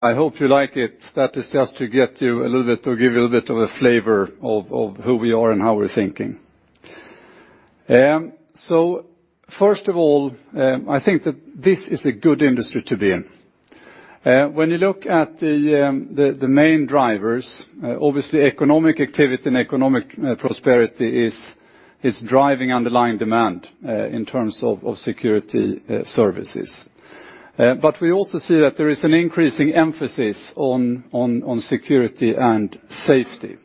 I hope you like it. That is just to give you a little bit of a flavor of who we are and how we're thinking. First of all, I think that this is a good industry to be in. When you look at the main drivers, obviously economic activity and economic prosperity is driving underlying demand in terms of security services. We also see that there is an increasing emphasis on security and safety.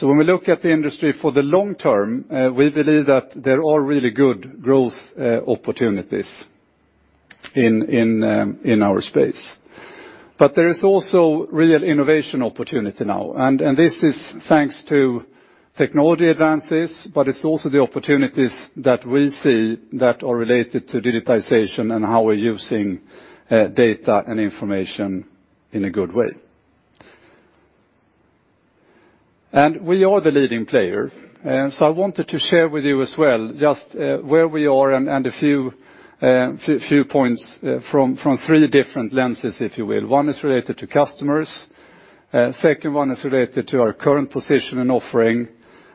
When we look at the industry for the long term, we believe that there are really good growth opportunities in our space. There is also real innovation opportunity now, and this is thanks to technology advances, but it's also the opportunities that we see that are related to digitization and how we're using data and information in a good way. We are the leading player. I wanted to share with you as well just where we are and a few points from three different lenses, if you will. One is related to customers, second one is related to our current position and offering,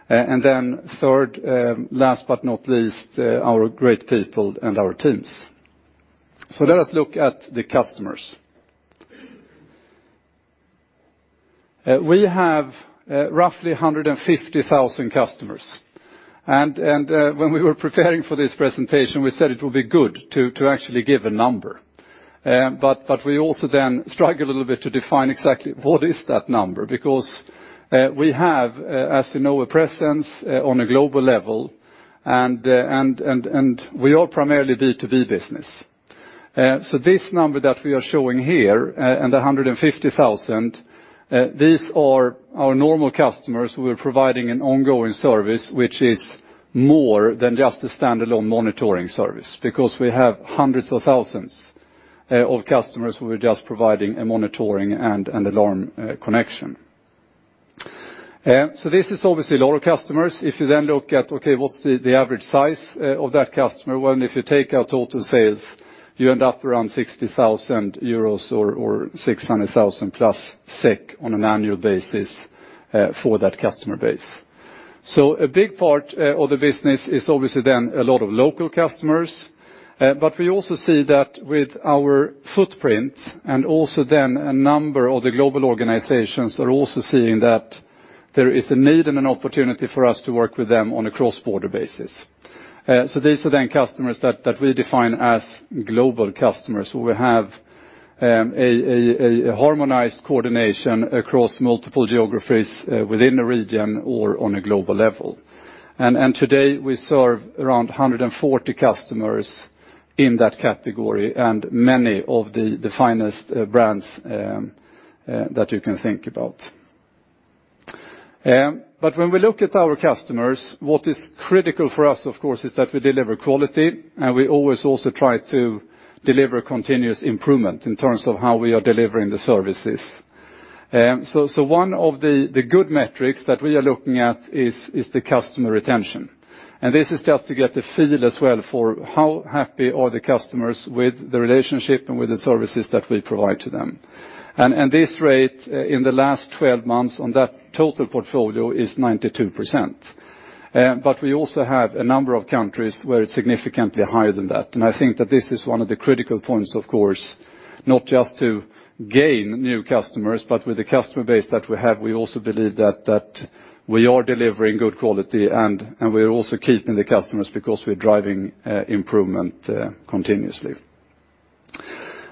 and then third, last but not least, our great people and our teams. Let us look at the customers. We have roughly 150,000 customers, and when we were preparing for this presentation, we said it will be good to actually give a number. We also then struggled a little bit to define exactly what is that number, because we have, as you know, a presence on a global level, and we are primarily B2B business. This number that we are showing here, and the 150,000, these are our normal customers who are providing an ongoing service which is more than just a standalone monitoring service, because we have hundreds of thousands of customers who are just providing a monitoring and an alarm connection. This is obviously a lot of customers. If you look at, okay, what's the average size of that customer? Well, if you take out total sales, you end up around 60,000 euros or 600,000 plus on an annual basis for that customer base. A big part of the business is obviously then a lot of local customers. We also see that with our footprint, and also then a number of the global organizations are also seeing that there is a need and an opportunity for us to work with them on a cross-border basis. These are then customers that we define as global customers. We have a harmonized coordination across multiple geographies within a region or on a global level. Today, we serve around 140 customers in that category and many of the finest brands that you can think about. When we look at our customers, what is critical for us, of course, is that we deliver quality, and we always also try to deliver continuous improvement in terms of how we are delivering the services. One of the good metrics that we are looking at is the customer retention. This is just to get a feel as well for how happy are the customers with the relationship and with the services that we provide to them. This rate in the last 12 months on that total portfolio is 92%. We also have a number of countries where it's significantly higher than that. I think that this is one of the critical points, of course, not just to gain new customers, but with the customer base that we have, we also believe that we are delivering good quality, and we are also keeping the customers because we're driving improvement continuously.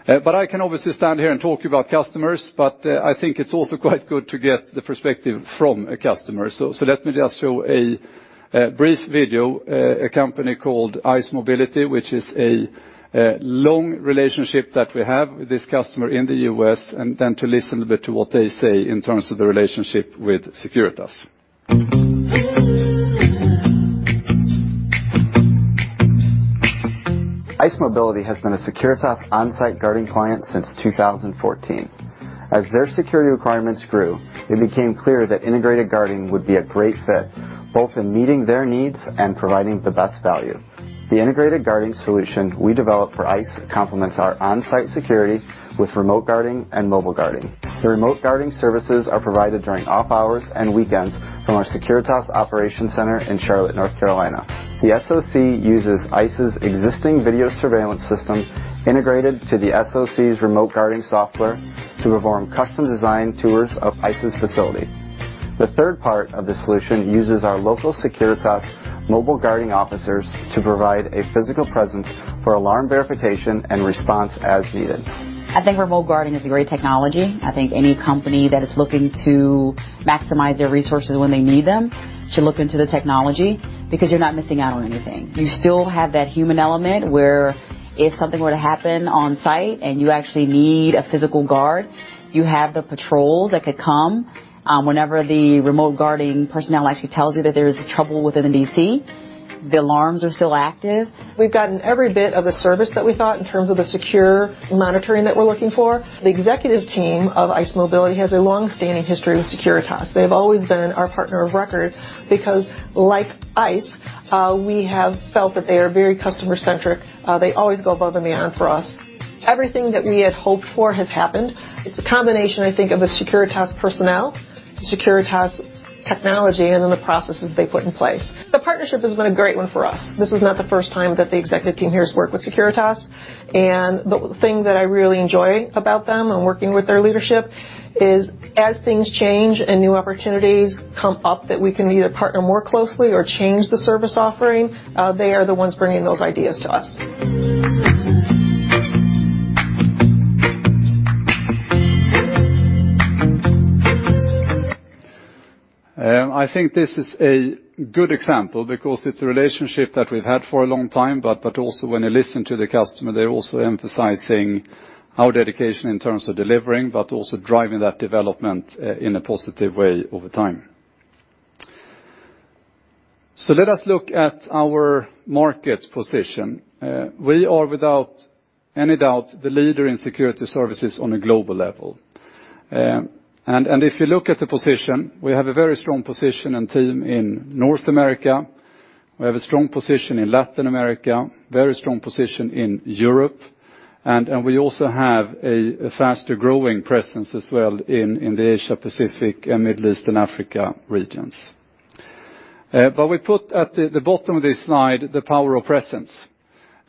I can obviously stand here and talk about customers, but I think it's also quite good to get the perspective from a customer. Let me just show a brief video, a company called ICE Mobility, which is a long relationship that we have with this customer in the U.S., and then to listen a bit to what they say in terms of the relationship with Securitas. ICE Mobility has been a Securitas onsite guarding client since 2014. As their security requirements grew, it became clear that integrated guarding would be a great fit, both in meeting their needs and providing the best value. The integrated guarding solution we developed for ICE complements our onsite security with remote guarding and mobile guarding. The remote guarding services are provided during off-hours and weekends from our Securitas Operations Center in Charlotte, North Carolina. The SOC uses ICE's existing video surveillance system integrated to the SOC's remote guarding software to perform custom design tours of ICE's facility. The third part of the solution uses our local Securitas mobile guarding officers to provide a physical presence for alarm verification and response as needed. I think remote guarding is a great technology. I think any company that is looking to maximize their resources when they need them should look into the technology because you're not missing out on anything. You still have that human element where if something were to happen on site and you actually need a physical guard, you have the patrols that could come whenever the remote guarding personnel actually tells you that there's trouble within a DC. The alarms are still active. We've gotten every bit of the service that we thought in terms of the secure monitoring that we're looking for. The executive team of ICE Mobility has a long-standing history with Securitas. They've always been our partner of record because like ICE, we have felt that they are very customer-centric. They always go above and beyond for us. Everything that we had hoped for has happened. It's a combination, I think, of the Securitas personnel Securitas technology and then the processes they put in place. The partnership has been a great one for us. This is not the first time that the executive team here has worked with Securitas, the thing that I really enjoy about them and working with their leadership is as things change and new opportunities come up that we can either partner more closely or change the service offering, they are the ones bringing those ideas to us. I think this is a good example because it's a relationship that we've had for a long time, when you listen to the customer, they're also emphasizing our dedication in terms of delivering, also driving that development in a positive way over time. Let us look at our market position. We are, without any doubt, the leader in security services on a global level. If you look at the position, we have a very strong position and team in North America. We have a strong position in Latin America, very strong position in Europe, we also have a faster-growing presence as well in the Asia Pacific and Middle East and Africa regions. We put at the bottom of this slide, the power of presence.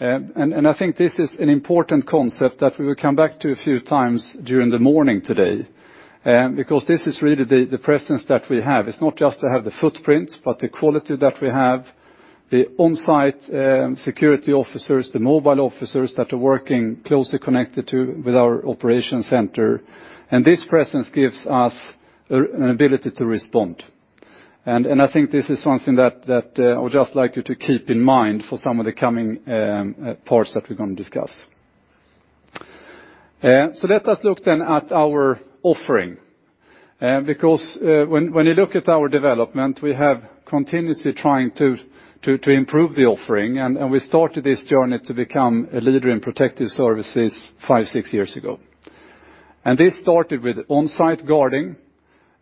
I think this is an important concept that we will come back to a few times during the morning today, because this is really the presence that we have. It's not just to have the footprint, but the quality that we have, the on-site security officers, the mobile officers that are working closely connected with our Securitas Operations Center. This presence gives us an ability to respond. I think this is something that I would just like you to keep in mind for some of the coming parts that we're going to discuss. Let us look then at our offering, because when you look at our development, we have continuously trying to improve the offering, we started this journey to become a leader in protective services five, six years ago. This started with on-site guarding,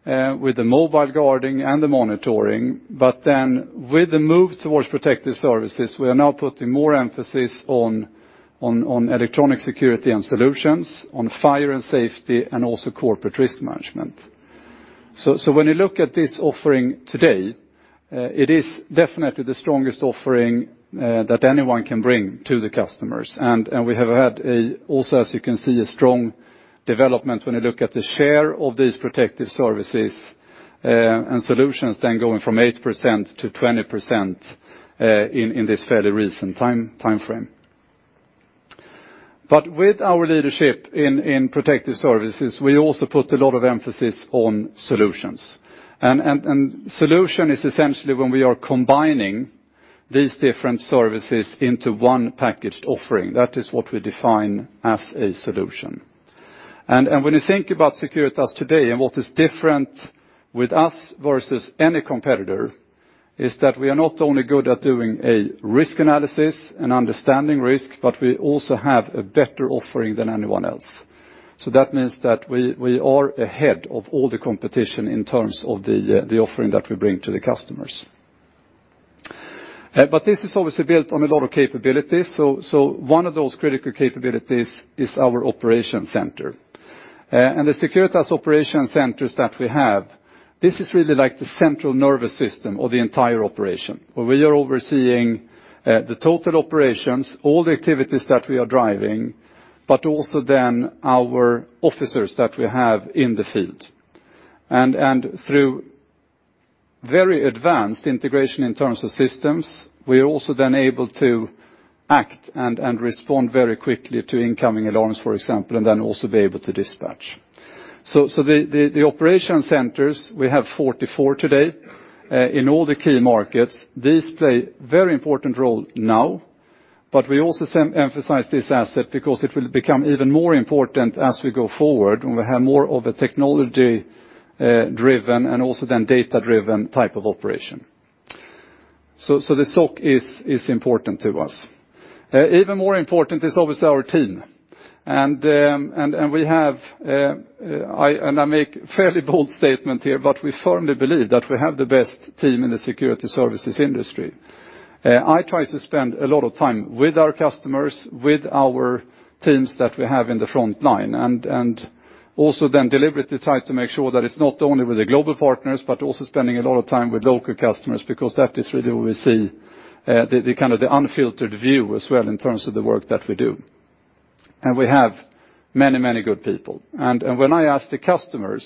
with the mobile guarding and the monitoring. With the move towards protective services, we are now putting more emphasis on electronic security and solutions, on fire and safety, also corporate risk management. When you look at this offering today, it is definitely the strongest offering that anyone can bring to the customers. We have had also, as you can see, a strong development when you look at the share of these protective services and solutions then going from 8%-20% in this fairly recent timeframe. With our leadership in protective services, we also put a lot of emphasis on solutions. Solution is essentially when we are combining these different services into one packaged offering. That is what we define as a solution. When you think about Securitas today and what is different with us versus any competitor, is that we are not only good at doing a risk analysis and understanding risk, but we also have a better offering than anyone else. That means that we are ahead of all the competition in terms of the offering that we bring to the customers. This is obviously built on a lot of capabilities. One of those critical capabilities is our Operations Center. The Securitas Operations Centers that we have, this is really like the central nervous system of the entire operation, where we are overseeing the total operations, all the activities that we are driving, but also our officers that we have in the field. Through very advanced integration in terms of systems, we are also able to act and respond very quickly to incoming alarms, for example, and also be able to dispatch. The Operations Centers, we have 44 today in all the key markets. These play a very important role now, but we also emphasize this asset because it will become even more important as we go forward when we have more of the technology-driven and also data-driven type of operation. The SOC is important to us. Even more important is obviously our team. I make a fairly bold statement here, but we firmly believe that we have the best team in the security services industry. I try to spend a lot of time with our customers, with our teams that we have in the front line, and also deliberately try to make sure that it's not only with the global partners, but also spending a lot of time with local customers, because that is really where we see the unfiltered view as well in terms of the work that we do. We have many good people. When I ask the customers,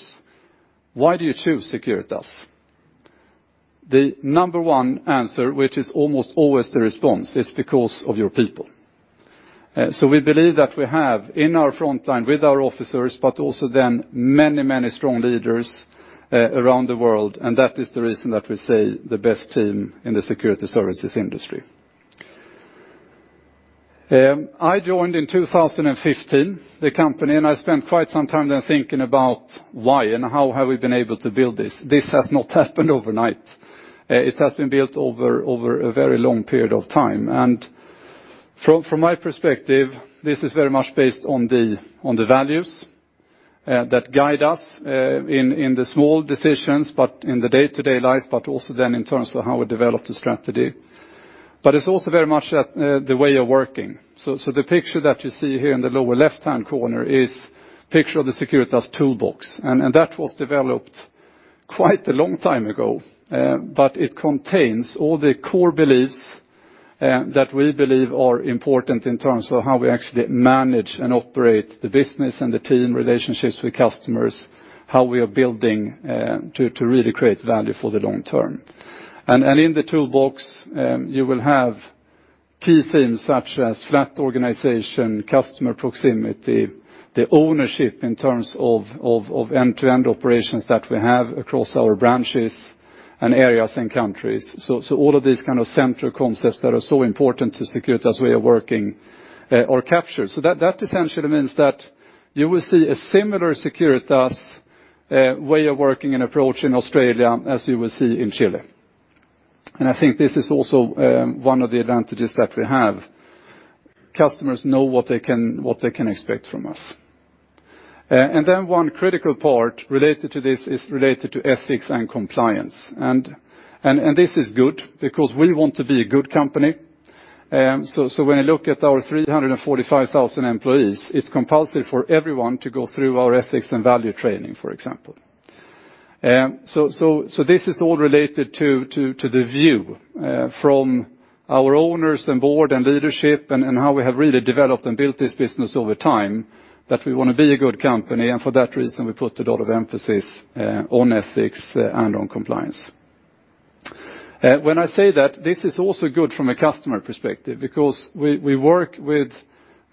"Why do you choose Securitas?" The number one answer, which is almost always the response, is because of your people. We believe that we have in our front line with our officers, but also many strong leaders around the world, and that is the reason that we say the best team in the security services industry. I joined in 2015, the company, and I spent quite some time thinking about why and how have we been able to build this. This has not happened overnight. It has been built over a very long period of time. From my perspective, this is very much based on the values that guide us in the small decisions, but in the day-to-day life, but also in terms of how we develop the strategy. It's also very much the way of working. The picture that you see here in the lower left-hand corner is picture of the Securitas Toolbox, and that was developed quite a long time ago. It contains all the core beliefs that we believe are important in terms of how we actually manage and operate the business and the team relationships with customers, how we are building to really create value for the long term. In the Securitas Toolbox you will have key themes such as flat organization, customer proximity, the ownership in terms of end-to-end operations that we have across our branches and areas and countries. All of these kind of central concepts that are so important to Securitas way of working are captured. That essentially means that you will see a similar Securitas way of working and approach in Australia as you will see in Chile. I think this is also one of the advantages that we have. Customers know what they can expect from us. One critical part related to this is related to ethics and compliance. This is good because we want to be a good company. When I look at our 345,000 employees, it's compulsive for everyone to go through our ethics and value training, for example. This is all related to the view from our owners and board and leadership and how we have really developed and built this business over time, that we want to be a good company, and for that reason, we put a lot of emphasis on ethics and on compliance. When I say that, this is also good from a customer perspective because we work with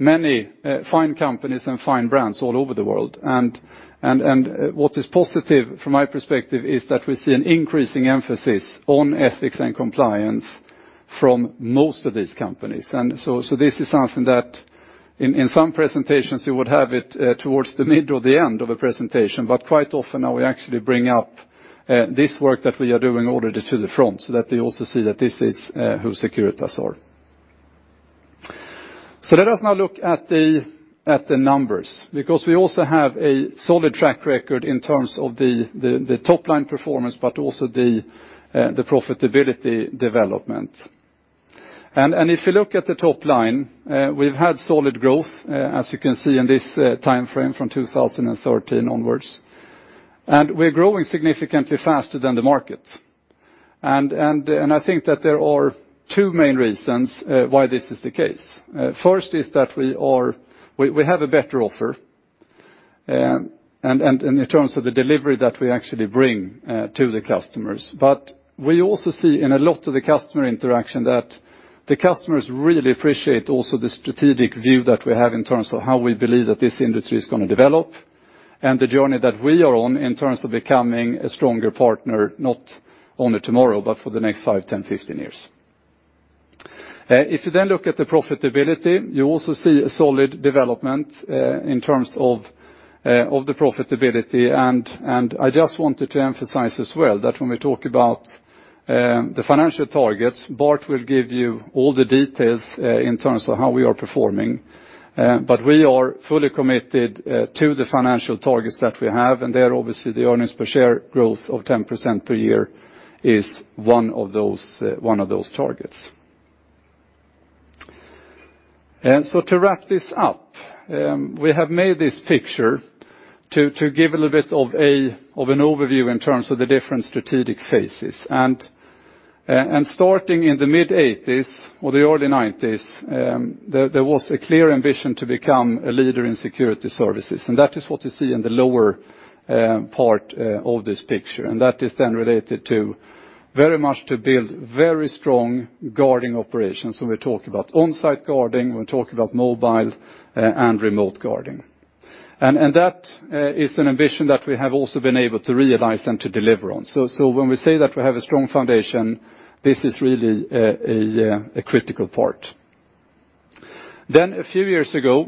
many fine companies and fine brands all over the world. What is positive from my perspective is that we see an increasing emphasis on ethics and compliance from most of these companies. This is something that in some presentations you would have it towards the middle or the end of a presentation. Quite often now we actually bring up this work that we are doing already to the front, so that they also see that this is who Securitas are. Let us now look at the numbers, because we also have a solid track record in terms of the top line performance, but also the profitability development. If you look at the top line, we've had solid growth, as you can see in this timeframe from 2013 onwards. We're growing significantly faster than the market. I think that there are two main reasons why this is the case. First is that we have a better offer in terms of the delivery that we actually bring to the customers. We also see in a lot of the customer interaction that the customers really appreciate also the strategic view that we have in terms of how we believe that this industry is going to develop and the journey that we are on in terms of becoming a stronger partner not only tomorrow, but for the next five, 10, 15 years. If you then look at the profitability, you also see a solid development in terms of the profitability. I just wanted to emphasize as well that when we talk about the financial targets, Bart will give you all the details in terms of how we are performing. We are fully committed to the financial targets that we have, and there obviously the earnings per share growth of 10% per year is one of those targets. To wrap this up, we have made this picture to give a little bit of an overview in terms of the different strategic phases. Starting in the mid 1980s or the early 1990s, there was a clear ambition to become a leader in security services. That is what you see in the lower part of this picture. That is then related very much to build very strong guarding operations. We're talking about on-site guarding, we're talking about mobile and Remote Video Solutions. That is an ambition that we have also been able to realize and to deliver on. When we say that we have a strong foundation, this is really a critical part. A few years ago,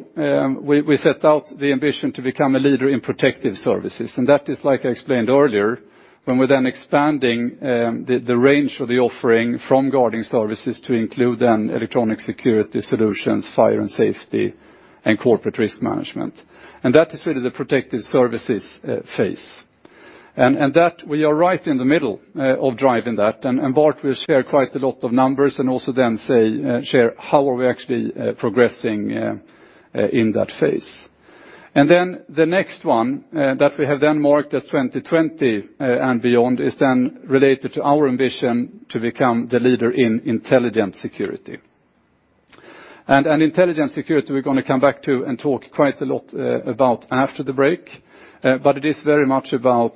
we set out the ambition to become a leader in protective services, and that is like I explained earlier, when we're then expanding the range of the offering from guarding services to include then electronic security solutions, fire and safety, and corporate risk management. That is really the protective services phase. That we are right in the middle of driving that, and Bart will share quite a lot of numbers and also then share how are we actually progressing in that phase. Then the next one that we have then marked as 2020 and beyond is then related to our ambition to become the leader in intelligent security. Intelligent security we're going to come back to and talk quite a lot about after the break. It is very much about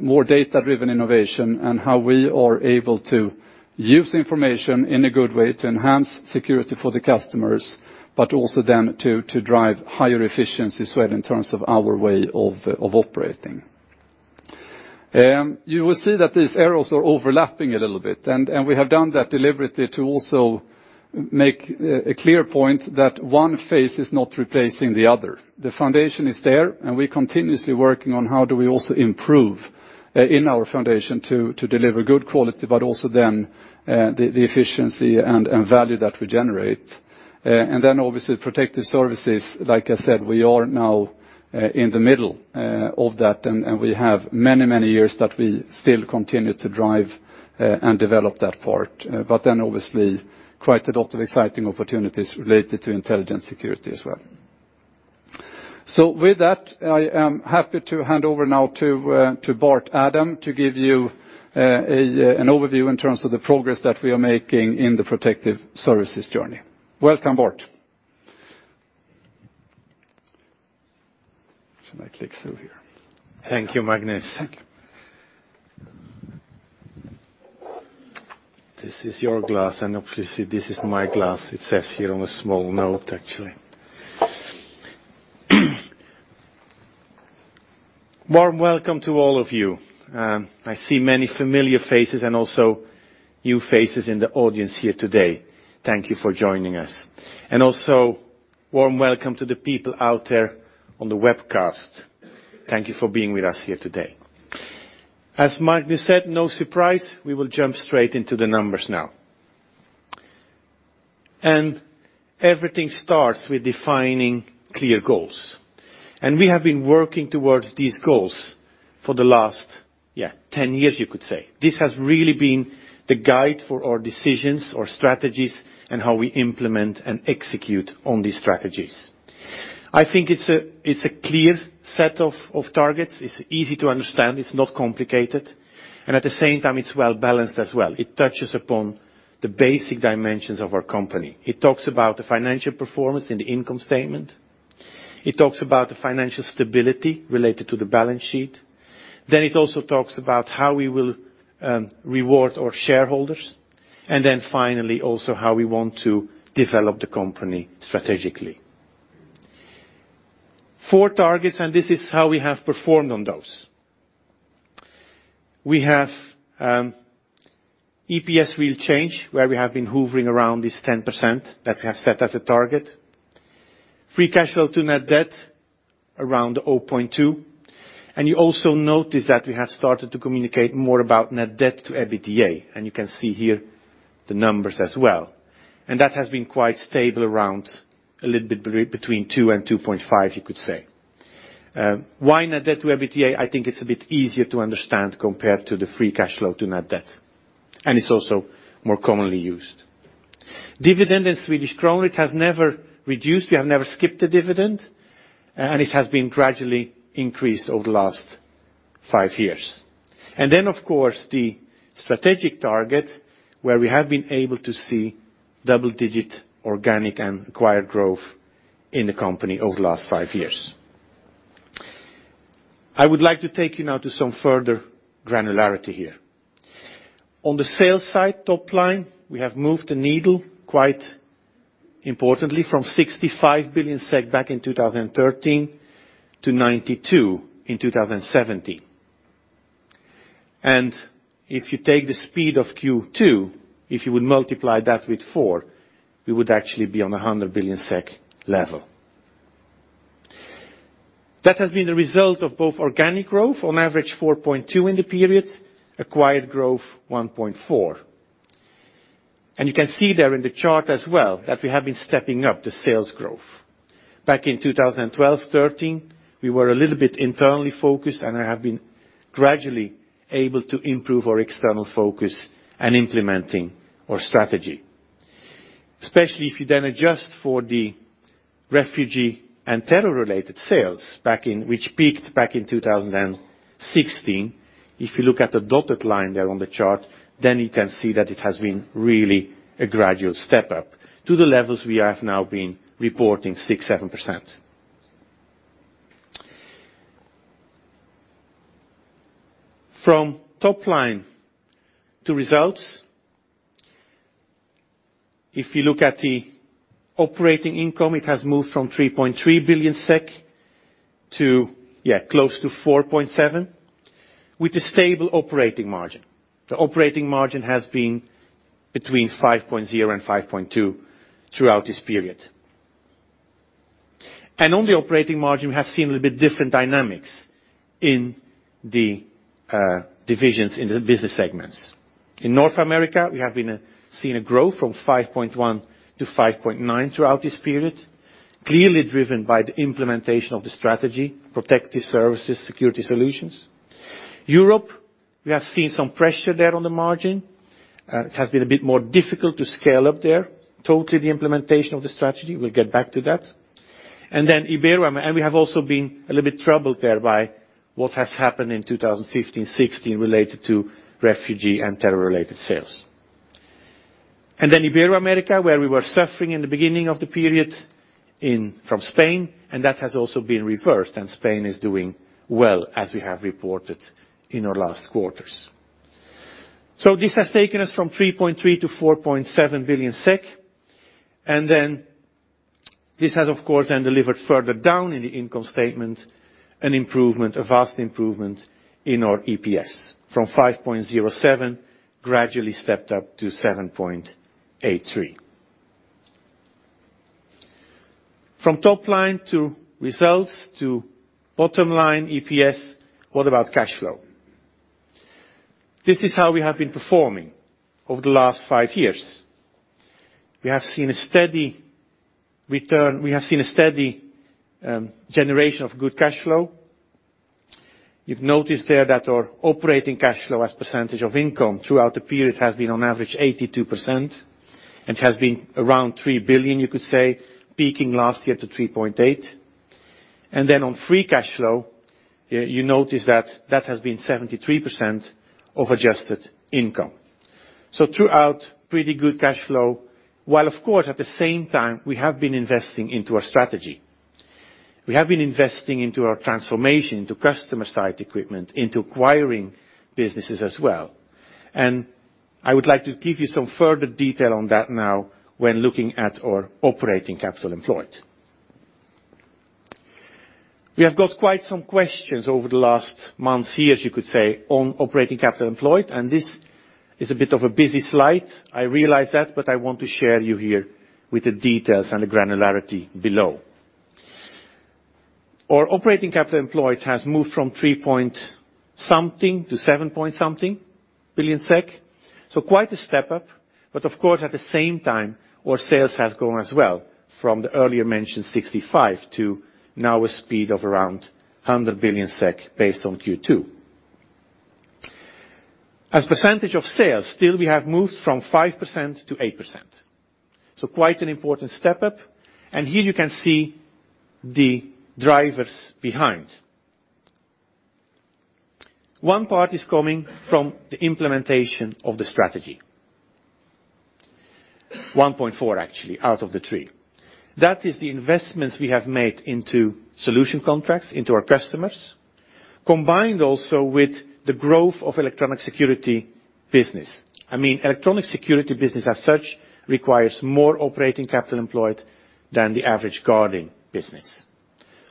more data-driven innovation and how we are able to use information in a good way to enhance security for the customers, but also then to drive higher efficiency as well in terms of our way of operating. You will see that these arrows are overlapping a little bit, and we have done that deliberately to also make a clear point that one phase is not replacing the other. The foundation is there, and we're continuously working on how do we also improve in our foundation to deliver good quality, but also then the efficiency and value that we generate. Then obviously Protective Services, like I said, we are now in the middle of that, and we have many years that we still continue to drive and develop that part. Then obviously quite a lot of exciting opportunities related to intelligent security as well. With that, I am happy to hand over now to Bart Adam to give you an overview in terms of the progress that we are making in the Protective Services journey. Welcome, Bart. Should I click through here? Thank you, Magnus. Thank you. This is your glass, obviously, this is my glass. It says here on a small note, actually. Warm welcome to all of you. I see many familiar faces and also new faces in the audience here today. Thank you for joining us. Also, warm welcome to the people out there on the webcast. Thank you for being with us here today. As Magnus said, no surprise, we will jump straight into the numbers now. Everything starts with defining clear goals. We have been working towards these goals for the last 10 years, you could say. This has really been the guide for our decisions, our strategies, and how we implement and execute on these strategies. I think it's a clear set of targets. It's easy to understand. It's not complicated, and at the same time, it's well-balanced as well. It touches upon the basic dimensions of our company. It talks about the financial performance and the income statement. It talks about the financial stability related to the balance sheet. It also talks about how we will reward our shareholders. Finally, also how we want to develop the company strategically. Four targets, and this is how we have performed on those. We have EPS real change, where we have been hovering around this 10% that we have set as a target. Free cash flow to net debt around 0.2. You also notice that we have started to communicate more about net debt to EBITDA, and you can see here the numbers as well. That has been quite stable, around a little bit between two and 2.5, you could say. Why net debt to EBITDA? I think it's a bit easier to understand compared to the free cash flow to net debt, and it's also more commonly used. Dividend in SEK, it has never reduced. We have never skipped a dividend, and it has been gradually increased over the last five years. Of course, the strategic target, where we have been able to see double-digit organic and acquired growth in the company over the last five years. I would like to take you now to some further granularity here. On the sales side, top line, we have moved the needle quite importantly from 65 billion SEK back in 2013 to 92 billion in 2017. If you take the speed of Q2, if you would multiply that with four, we would actually be on the 100 billion SEK level. That has been the result of both organic growth, on average 4.2% in the periods, acquired growth 1.4%. You can see there in the chart as well that we have been stepping up the sales growth. Back in 2012-13, we were a little bit internally focused, and have been gradually able to improve our external focus and implementing our strategy. Especially if you adjust for the refugee and terror-related sales, which peaked back in 2016. If you look at the dotted line there on the chart, you can see that it has been really a gradual step-up to the levels we have now been reporting 6%, 7%. From top line to results. If you look at the operating income, it has moved from 3.3 billion SEK to close to 4.7 billion with a stable operating margin. The operating margin has been between 5.0%-5.2% throughout this period. On the operating margin, we have seen a little bit different dynamics in the divisions in the business segments. In North America, we have seen a growth from 5.1%-5.9% throughout this period, clearly driven by the implementation of the strategy, Protective Services, Security Solutions. Europe, we have seen some pressure there on the margin. It has been a bit more difficult to scale up there. Totally the implementation of the strategy. We'll get back to that. We have also been a little bit troubled there by what has happened in 2015-16 related to refugee and terror-related sales. Ibero-America, where we were suffering in the beginning of the period from Spain, and that has also been reversed, and Spain is doing well, as we have reported in our last quarters. This has taken us from 3.3 billion to 4.7 billion, and then this has, of course, then delivered further down in the income statement an improvement, a vast improvement in our EPS from 5.07 gradually stepped up to 7.83. From top line to results to bottom line EPS. What about cash flow? This is how we have been performing over the last five years. We have seen a steady generation of good cash flow. You've noticed there that our operating cash flow as % of income throughout the period has been on average 82%, and it has been around 3 billion, you could say, peaking last year to 3.8 billion. On free cash flow, you notice that has been 73% of adjusted income. Throughout, pretty good cash flow, while of course, at the same time, we have been investing into our strategy. We have been investing into our transformation to customer site equipment, into acquiring businesses as well. I would like to give you some further detail on that now when looking at our operating capital employed. We have got quite some questions over the last months, years, you could say, on operating capital employed. This is a bit of a busy slide. I realize that. I want to share you here with the details and the granularity below. Our operating capital employed has moved from 3-point-something to 7-point-something billion SEK. Quite a step up. Of course, at the same time, our sales has grown as well from the earlier mentioned 65 to now a speed of around 100 billion SEK based on Q2. As percentage of sales, still we have moved from 5% to 8%. Quite an important step up. Here you can see the drivers behind. One part is coming from the implementation of the strategy. 1.4, actually, out of the three. That is the investments we have made into solution contracts into our customers, combined also with the growth of electronic security business. Electronic security business as such requires more operating capital employed than the average guarding business.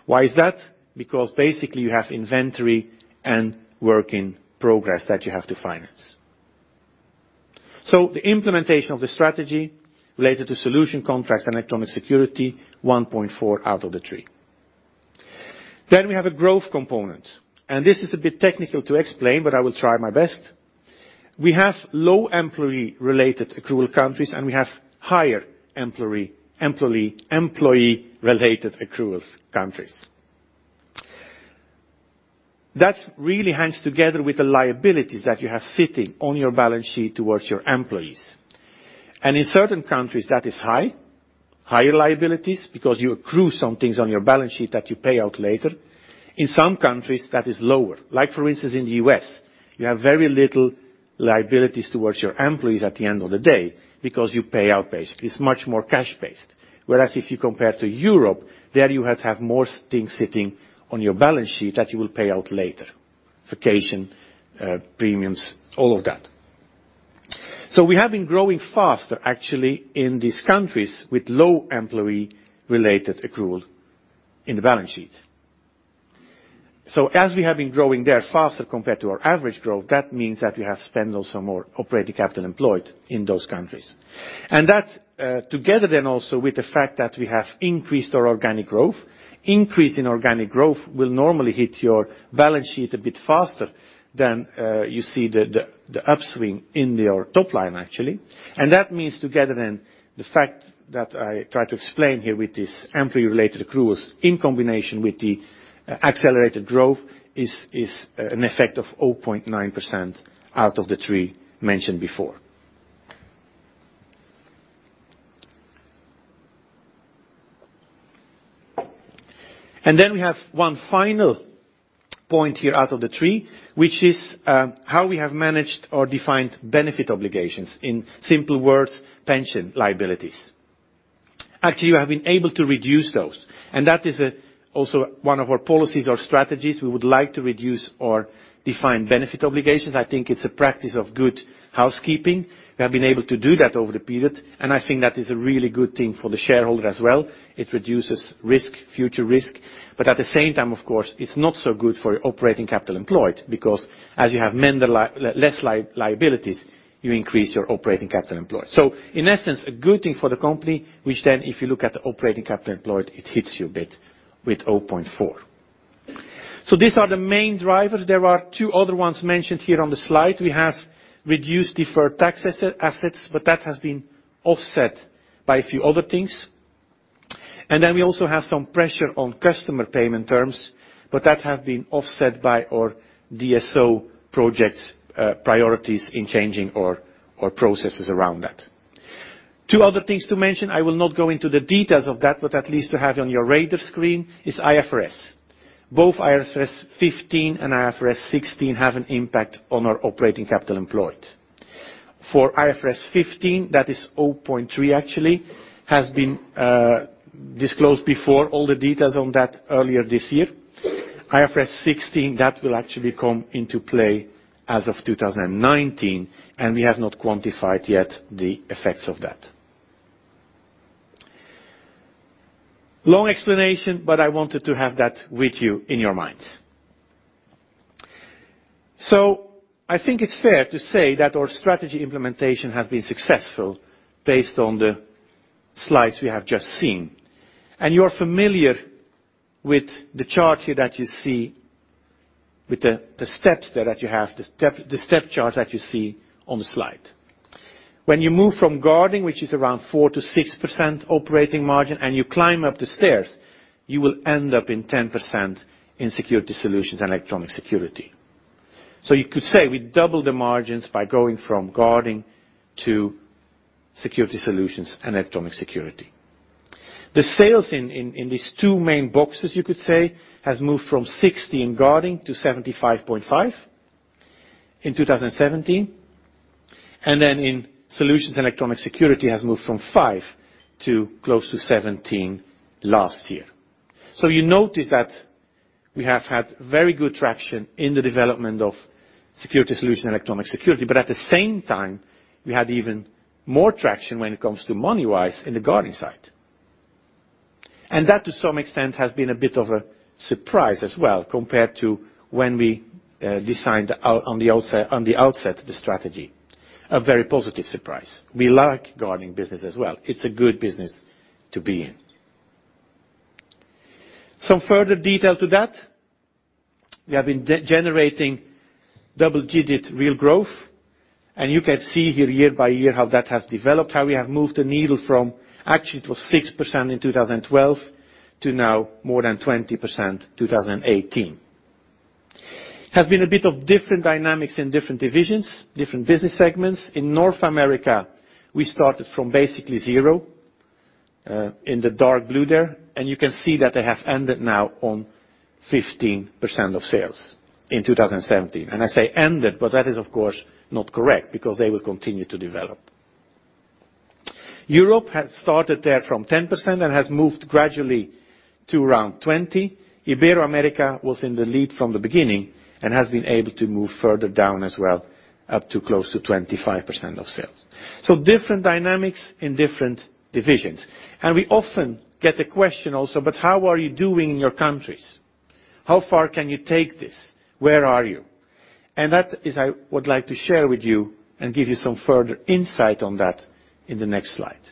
Why is that? Because basically, you have inventory and work in progress that you have to finance. The implementation of the strategy related to solution contracts and electronic security, 1.4 out of the three. We have a growth component. This is a bit technical to explain. I will try my best. We have low employee-related accrual countries. We have higher employee-related accruals countries. That really hangs together with the liabilities that you have sitting on your balance sheet towards your employees. In certain countries, that is high, higher liabilities because you accrue some things on your balance sheet that you pay out later. In some countries, that is lower. For instance, in the U.S., you have very little liabilities towards your employees at the end of the day because you pay out, basically. It's much more cash-based. Whereas if you compare to Europe, there you have more things sitting on your balance sheet that you will pay out later. Vacation, premiums, all of that. We have been growing faster, actually, in these countries with low employee-related accrual in the balance sheet. As we have been growing there faster compared to our average growth, that means that we have spent also more operating capital employed in those countries. That together then also with the fact that we have increased our organic growth. Increase in organic growth will normally hit your balance sheet a bit faster than you see the upswing in your top line, actually. That means together then, the fact that I try to explain here with this employee-related accruals in combination with the accelerated growth is an effect of 0.9% out of the three mentioned before. We have one final point here out of the three, which is how we have managed our defined benefit obligations. In simple words, pension liabilities. Actually, we have been able to reduce those. That is also one of our policies or strategies. We would like to reduce our defined benefit obligations. I think it's a practice of good housekeeping. We have been able to do that over the period. I think that is a really good thing for the shareholder as well. It reduces risk, future risk. At the same time, of course, it is not so good for operating capital employed, because as you have less liabilities, you increase your operating capital employed. In essence, a good thing for the company, which then if you look at the operating capital employed, it hits you a bit with 0.4. These are the main drivers. There are two other ones mentioned here on the slide. We have reduced deferred tax assets, but that has been offset by a few other things. We also have some pressure on customer payment terms, but that have been offset by our DSO projects priorities in changing our processes around that. Two other things to mention, I will not go into the details of that, but at least to have on your radar screen is IFRS. Both IFRS 15 and IFRS 16 have an impact on our operating capital employed. For IFRS 15, that is 0.3, actually, has been disclosed before all the details on that earlier this year. IFRS 16, that will actually come into play as of 2019. We have not quantified yet the effects of that. Long explanation, but I wanted to have that with you in your minds. I think it is fair to say that our strategy implementation has been successful based on the slides we have just seen. You are familiar with the chart here that you see with the steps there that you have, the step chart that you see on the slide. When you move from guarding, which is around 4%-6% operating margin, you climb up the stairs, you will end up in 10% in security solutions and electronic security. You could say we double the margins by going from guarding to security solutions and electronic security. The sales in these two main boxes, you could say, has moved from 60 in guarding to 75.5 in 2017, then in solutions and electronic security has moved from 5 to close to 17 last year. You notice that we have had very good traction in the development of security solution and electronic security. At the same time, we had even more traction when it comes to moneywise in the guarding side. That, to some extent, has been a bit of a surprise as well compared to when we designed on the outset, the strategy. A very positive surprise. We like guarding business as well. It is a good business to be in. Some further detail to that. We have been generating double-digit real growth. You can see here year-by-year how that has developed, how we have moved the needle from, actually it was 6% in 2012 to now more than 20% 2018. Has been a bit of different dynamics in different divisions, different business segments. In North America, we started from basically 0, in the dark blue there. You can see that they have ended now on 15% of sales in 2017. I say ended, but that is of course not correct because they will continue to develop. Europe had started there from 10% and has moved gradually to around 20%. Ibero-America was in the lead from the beginning and has been able to move further down as well, up to close to 25% of sales. Different dynamics in different divisions. We often get a question also, "But how are you doing in your countries? How far can you take this? Where are you?" That is I would like to share with you and give you some further insight on that in the next slide.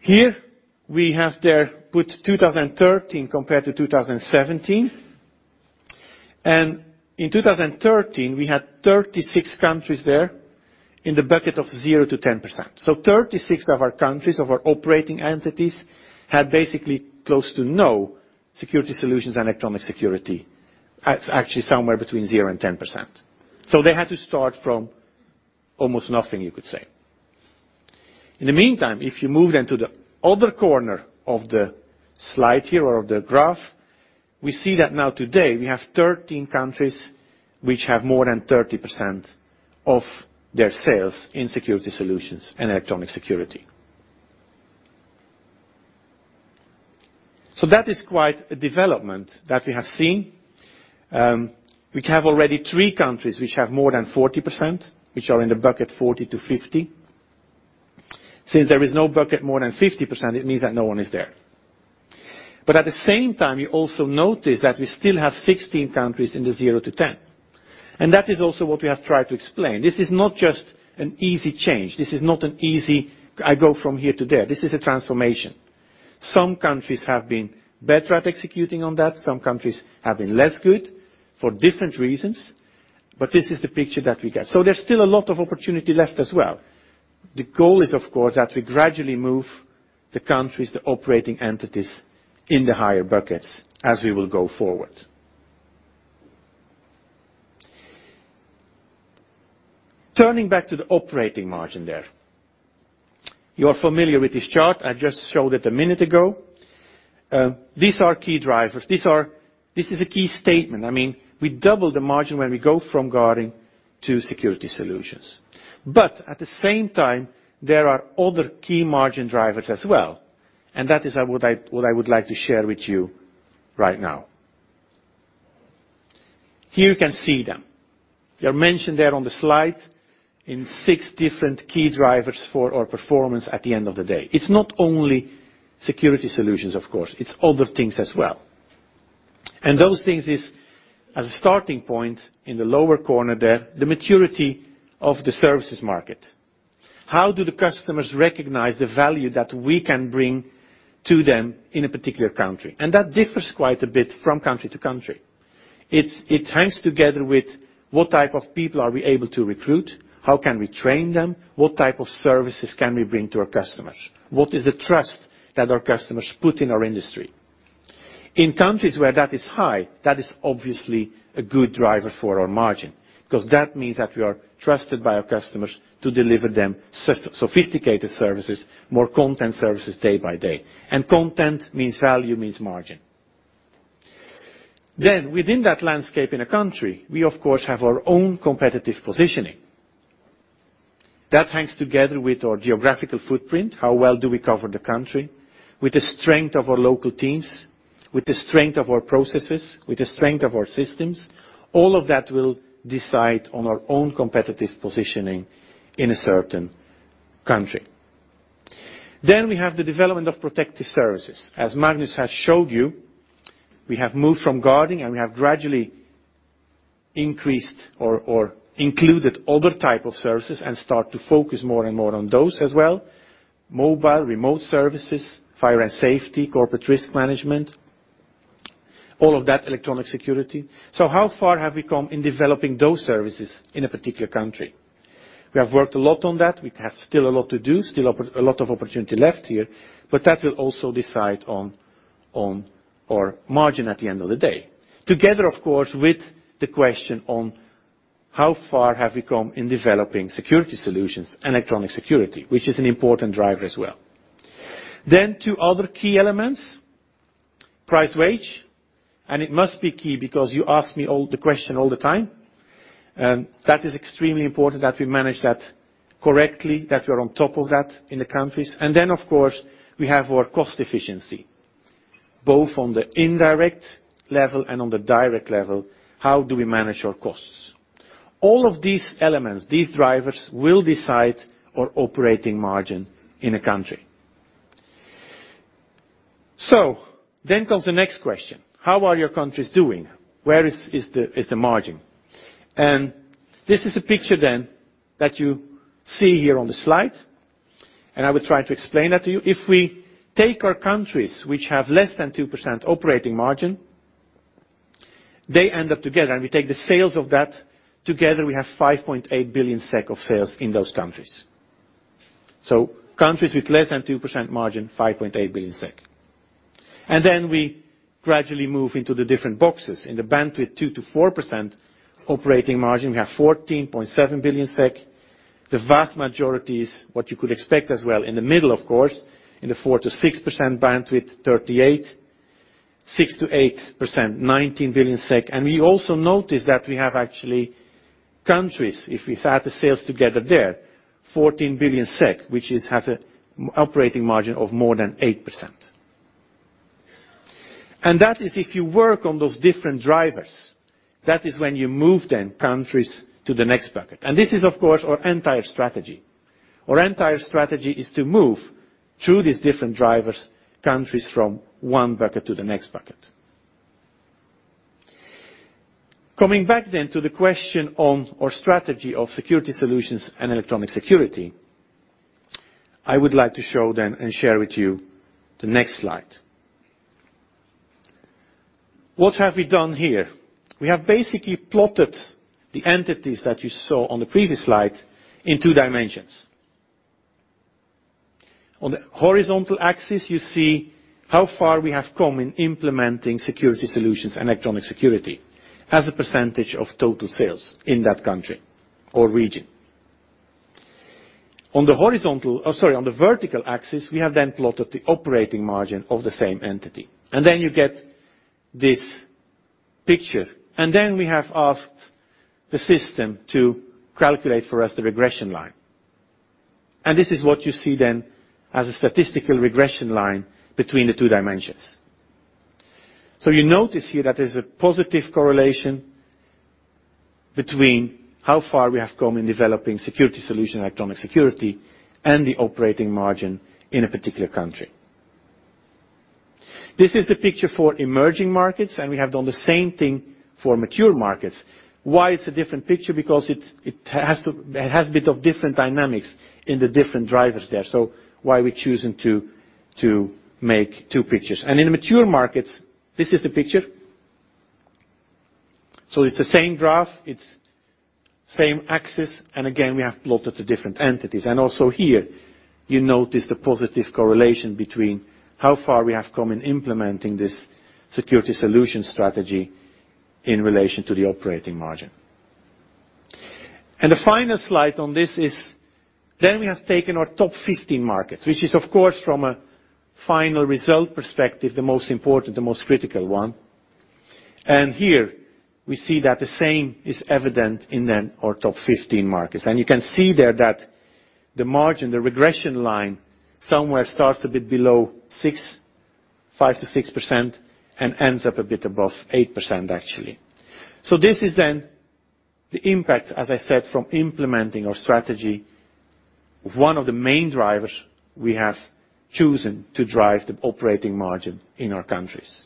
Here, we have put 2013 compared to 2017. In 2013, we had 36 countries in the bucket of 0%-10%. 36 of our countries, of our operating entities, had basically close to no security solutions and electronic security. Actually somewhere between 0% and 10%. They had to start from almost nothing, you could say. In the meantime, if you move to the other corner of the slide here or the graph, we see that now today we have 13 countries which have more than 30% of their sales in security solutions and electronic security. That is quite a development that we have seen. We have already three countries which have more than 40%, which are in the bucket 40%-50%. Since there is no bucket more than 50%, it means that no one is there. At the same time, you also notice that we still have 16 countries in the 0%-10%. That is also what we have tried to explain. This is not just an easy change. This is not an easy, I go from here to there. This is a transformation. Some countries have been better at executing on that. Some countries have been less good for different reasons, but this is the picture that we get. There's still a lot of opportunity left as well. The goal is, of course, that we gradually move the countries, the operating entities in the higher buckets as we will go forward. Turning back to the operating margin there. You are familiar with this chart. I just showed it a minute ago. These are key drivers. This is a key statement. We double the margin when we go from guarding to security solutions. At the same time, there are other key margin drivers as well, and that is what I would like to share with you right now. Here you can see them. They are mentioned there on the slide in six different key drivers for our performance at the end of the day. It's not only security solutions, of course. It's other things as well. Those things is, as a starting point in the lower corner there, the maturity of the services market. How do the customers recognize the value that we can bring to them in a particular country? That differs quite a bit from country to country. It hangs together with what type of people are we able to recruit? How can we train them? What type of services can we bring to our customers? What is the trust that our customers put in our industry? In countries where that is high, that is obviously a good driver for our margin because that means that we are trusted by our customers to deliver them sophisticated services, more content services day by day. Content means value, means margin. Within that landscape in a country, we of course have our own competitive positioning. That hangs together with our geographical footprint, how well do we cover the country, with the strength of our local teams, with the strength of our processes, with the strength of our systems. All of that will decide on our own competitive positioning in a certain country. We have the development of protective services. As Magnus has showed you, we have moved from guarding, and we have gradually increased or included other type of services and start to focus more and more on those as well. Mobile, remote services, fire and safety, corporate risk management, all of that electronic security. How far have we come in developing those services in a particular country? We have worked a lot on that. We have still a lot to do, still a lot of opportunity left here, but that will also decide on our margin at the end of the day. Together, of course, with the question on how far have we come in developing security solutions, electronic security, which is an important driver as well. Two other key elements, price, wage. It must be key because you ask me the question all the time. That is extremely important that we manage that correctly, that we're on top of that in the countries. Of course, we have our cost efficiency, both on the indirect level and on the direct level, how do we manage our costs? All of these elements, these drivers will decide our operating margin in a country. Comes the next question: how are your countries doing? Where is the margin? This is a picture then that you see here on the slide, and I will try to explain that to you. If we take our countries which have less than 2% operating margin, they end up together, and we take the sales of that, together, we have 5.8 billion SEK of sales in those countries. Countries with less than 2% margin, 5.8 billion SEK. We gradually move into the different boxes. In the bandwidth 2%-4% operating margin, we have 14.7 billion SEK. The vast majority is what you could expect as well, in the middle, of course, in the 4%-6% bandwidth, 38, 6%-8%, 19 billion SEK. We also notice that we have actually countries, if we add the sales together there, 14 billion SEK, which has operating margin of more than 8%. That is if you work on those different drivers, that is when you move then countries to the next bucket. This is, of course, our entire strategy. Our entire strategy is to move through these different drivers, countries from one bucket to the next bucket. Coming back then to the question on our strategy of security solutions and electronic security, I would like to show them and share with you the next slide. What have we done here? We have basically plotted the entities that you saw on the previous slide in two dimensions. On the horizontal axis, you see how far we have come in implementing security solutions and electronic security as a percentage of total sales in that country or region. On the vertical axis, we have then plotted the operating margin of the same entity. You get this picture. We have asked the system to calculate for us the regression line. This is what you see then as a statistical regression line between the two dimensions. You notice here that there's a positive correlation between how far we have come in developing security solution, electronic security, and the operating margin in a particular country. This is the picture for emerging markets, and we have done the same thing for mature markets. Why it's a different picture? Because it has a bit of different dynamics in the different drivers there. Why we're choosing to make two pictures. In the mature markets, this is the picture. It's the same graph, it's same axis, and again, we have plotted the different entities. Also here, you notice the positive correlation between how far we have come in implementing this security solution strategy in relation to the operating margin. The final slide on this is we have taken our top 15 markets, which is, of course, from a final result perspective, the most important, the most critical one. Here we see that the same is evident in our top 15 markets. You can see there that the margin, the regression line, somewhere starts a bit below 5%-6% and ends up a bit above 8%, actually. This is the impact, as I said, from implementing our strategy of one of the main drivers we have chosen to drive the operating margin in our countries.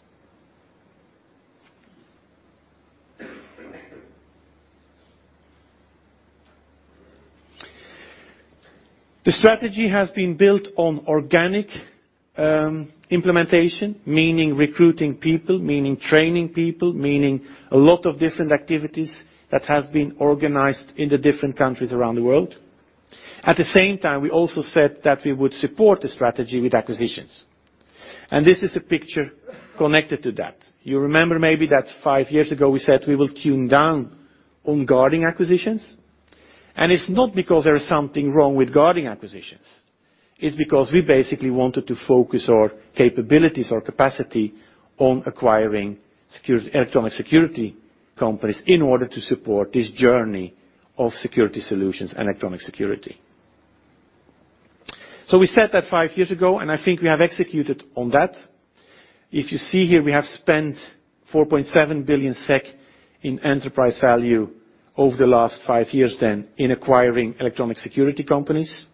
The strategy has been built on organic implementation, meaning recruiting people, meaning training people, meaning a lot of different activities that has been organized in the different countries around the world. At the same time, we also said that we would support the strategy with acquisitions. This is a picture connected to that. You remember maybe that 5 years ago we said we will tune down on guarding acquisitions. It's not because there is something wrong with guarding acquisitions. It's because we basically wanted to focus our capabilities, our capacity on acquiring electronic security companies in order to support this journey of security solutions, electronic security. We said that 5 years ago, and I think we have executed on that. If you see here, we have spent 4.7 billion SEK in enterprise value over the last 5 years then in acquiring electronic security companies.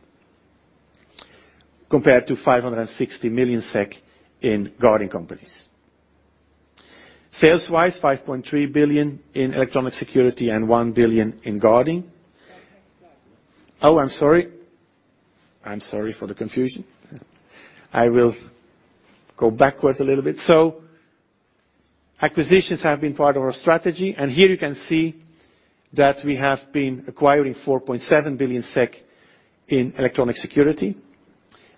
Compared to 560 million SEK in guarding companies. Sales-wise, 5.3 billion in electronic security and 1 billion in guarding. Oh, I'm sorry. I'm sorry for the confusion. I will go backwards a little bit. Acquisitions have been part of our strategy, here you can see that we have been acquiring 4.7 billion SEK in electronic security,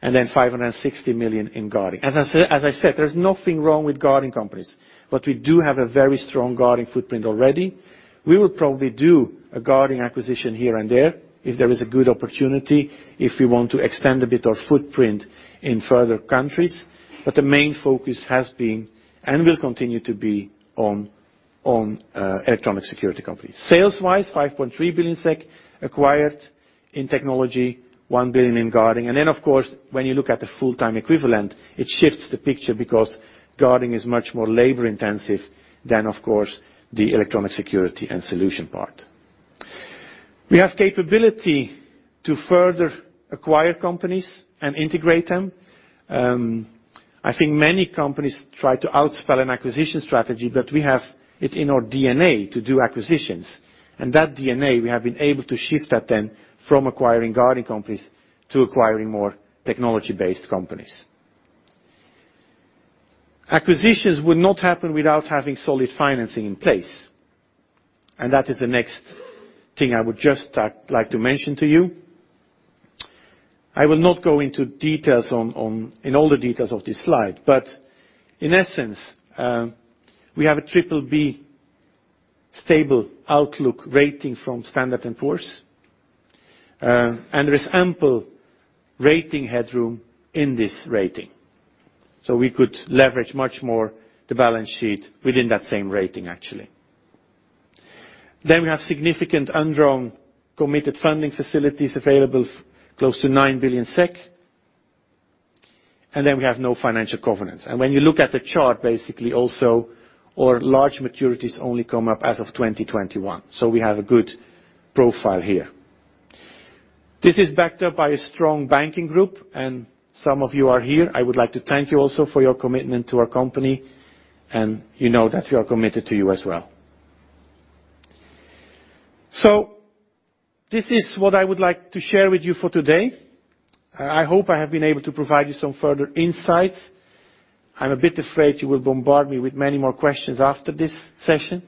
and 560 million in guarding. As I said, there's nothing wrong with guarding companies, but we do have a very strong guarding footprint already. We will probably do a guarding acquisition here and there if there is a good opportunity, if we want to extend a bit of footprint in further countries. But the main focus has been, and will continue to be, on electronic security companies. Sales-wise, 5.3 billion SEK acquired in technology, 1 billion in guarding. Then, of course, when you look at the full-time equivalent, it shifts the picture because guarding is much more labor-intensive than, of course, the electronic security and solution part. We have capability to further acquire companies and integrate them. Many companies try to outspell an acquisition strategy, we have it in our DNA to do acquisitions. That DNA, we have been able to shift that from acquiring guarding companies to acquiring more technology-based companies. Acquisitions would not happen without having solid financing in place, that is the next thing I would just like to mention to you. I will not go into details, in all the details of this slide. In essence, we have a BBB stable outlook rating from Standard & Poor's. There is ample rating headroom in this rating. We could leverage much more the balance sheet within that same rating actually. We have significant undrawn committed funding facilities available, close to 9 billion SEK. We have no financial covenants. When you look at the chart, basically also our large maturities only come up as of 2021, we have a good profile here. This is backed up by a strong banking group, some of you are here. I would like to thank you also for your commitment to our company, you know that we are committed to you as well. This is what I would like to share with you for today. I hope I have been able to provide you some further insights. I am a bit afraid you will bombard me with many more questions after this session.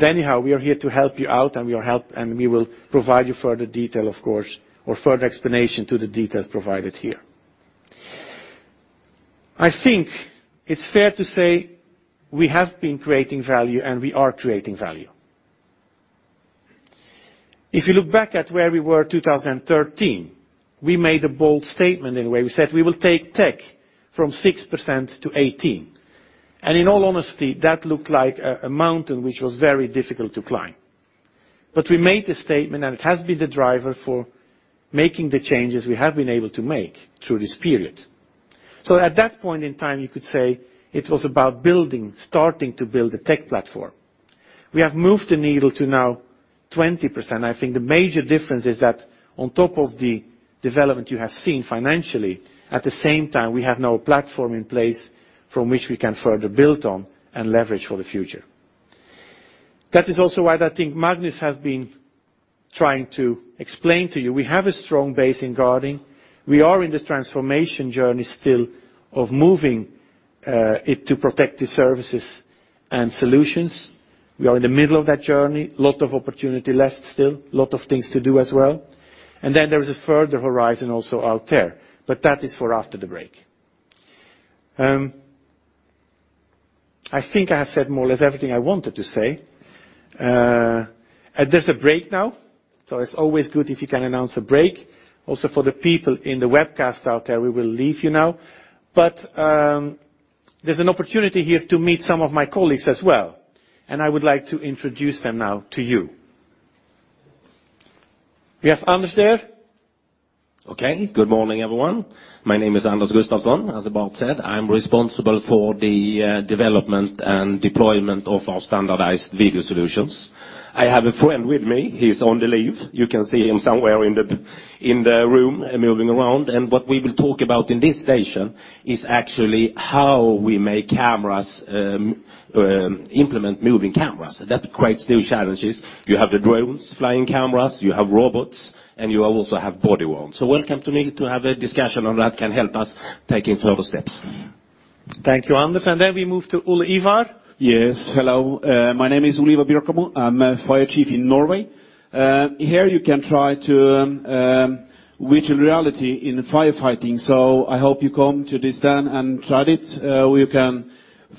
Anyhow, we are here to help you out, we will provide you further detail, of course, or further explanation to the details provided here. It is fair to say we have been creating value, we are creating value. If you look back at where we were 2013, we made a bold statement in a way. We said we will take tech from 6% to 18%. In all honesty, that looked like a mountain which was very difficult to climb. We made the statement, it has been the driver for making the changes we have been able to make through this period. At that point in time, you could say it was about starting to build a tech platform. We have moved the needle to now 20%. The major difference is that on top of the development you have seen financially, at the same time, we have now a platform in place from which we can further build on and leverage for the future. That is also why Magnus has been trying to explain to you, we have a strong base in guarding. We are in this transformation journey still of moving it to protective services and solutions. We are in the middle of that journey. Lot of opportunity left still, lot of things to do as well. There is a further horizon also out there, that is for after the break. I have said more or less everything I wanted to say. There is a break now, it is always good if you can announce a break. Also, for the people in the webcast out there, we will leave you now. There is an opportunity here to meet some of my colleagues as well, I would like to introduce them now to you. We have Anders there. Okay. Good morning, everyone. My name is Anders Gustafsson. As Bart said, I'm responsible for the development and deployment of our Standardized Video Solutions. I have a friend with me. He's on the leave. You can see him somewhere in the room, moving around. What we will talk about in this station is actually how we make cameras, implement moving cameras. That creates new challenges. You have the drones, flying cameras, you have robots, and you also have body-worn. Welcome to me to have a discussion on that can help us taking further steps. Thank you, Anders. Then we move to Ole-Ivar. Yes. Hello. My name is Ole-Ivar Bjerkemo. I'm a fire chief in Norway. Here you can try to virtual reality in firefighting. I hope you come to this stand and try it, where you can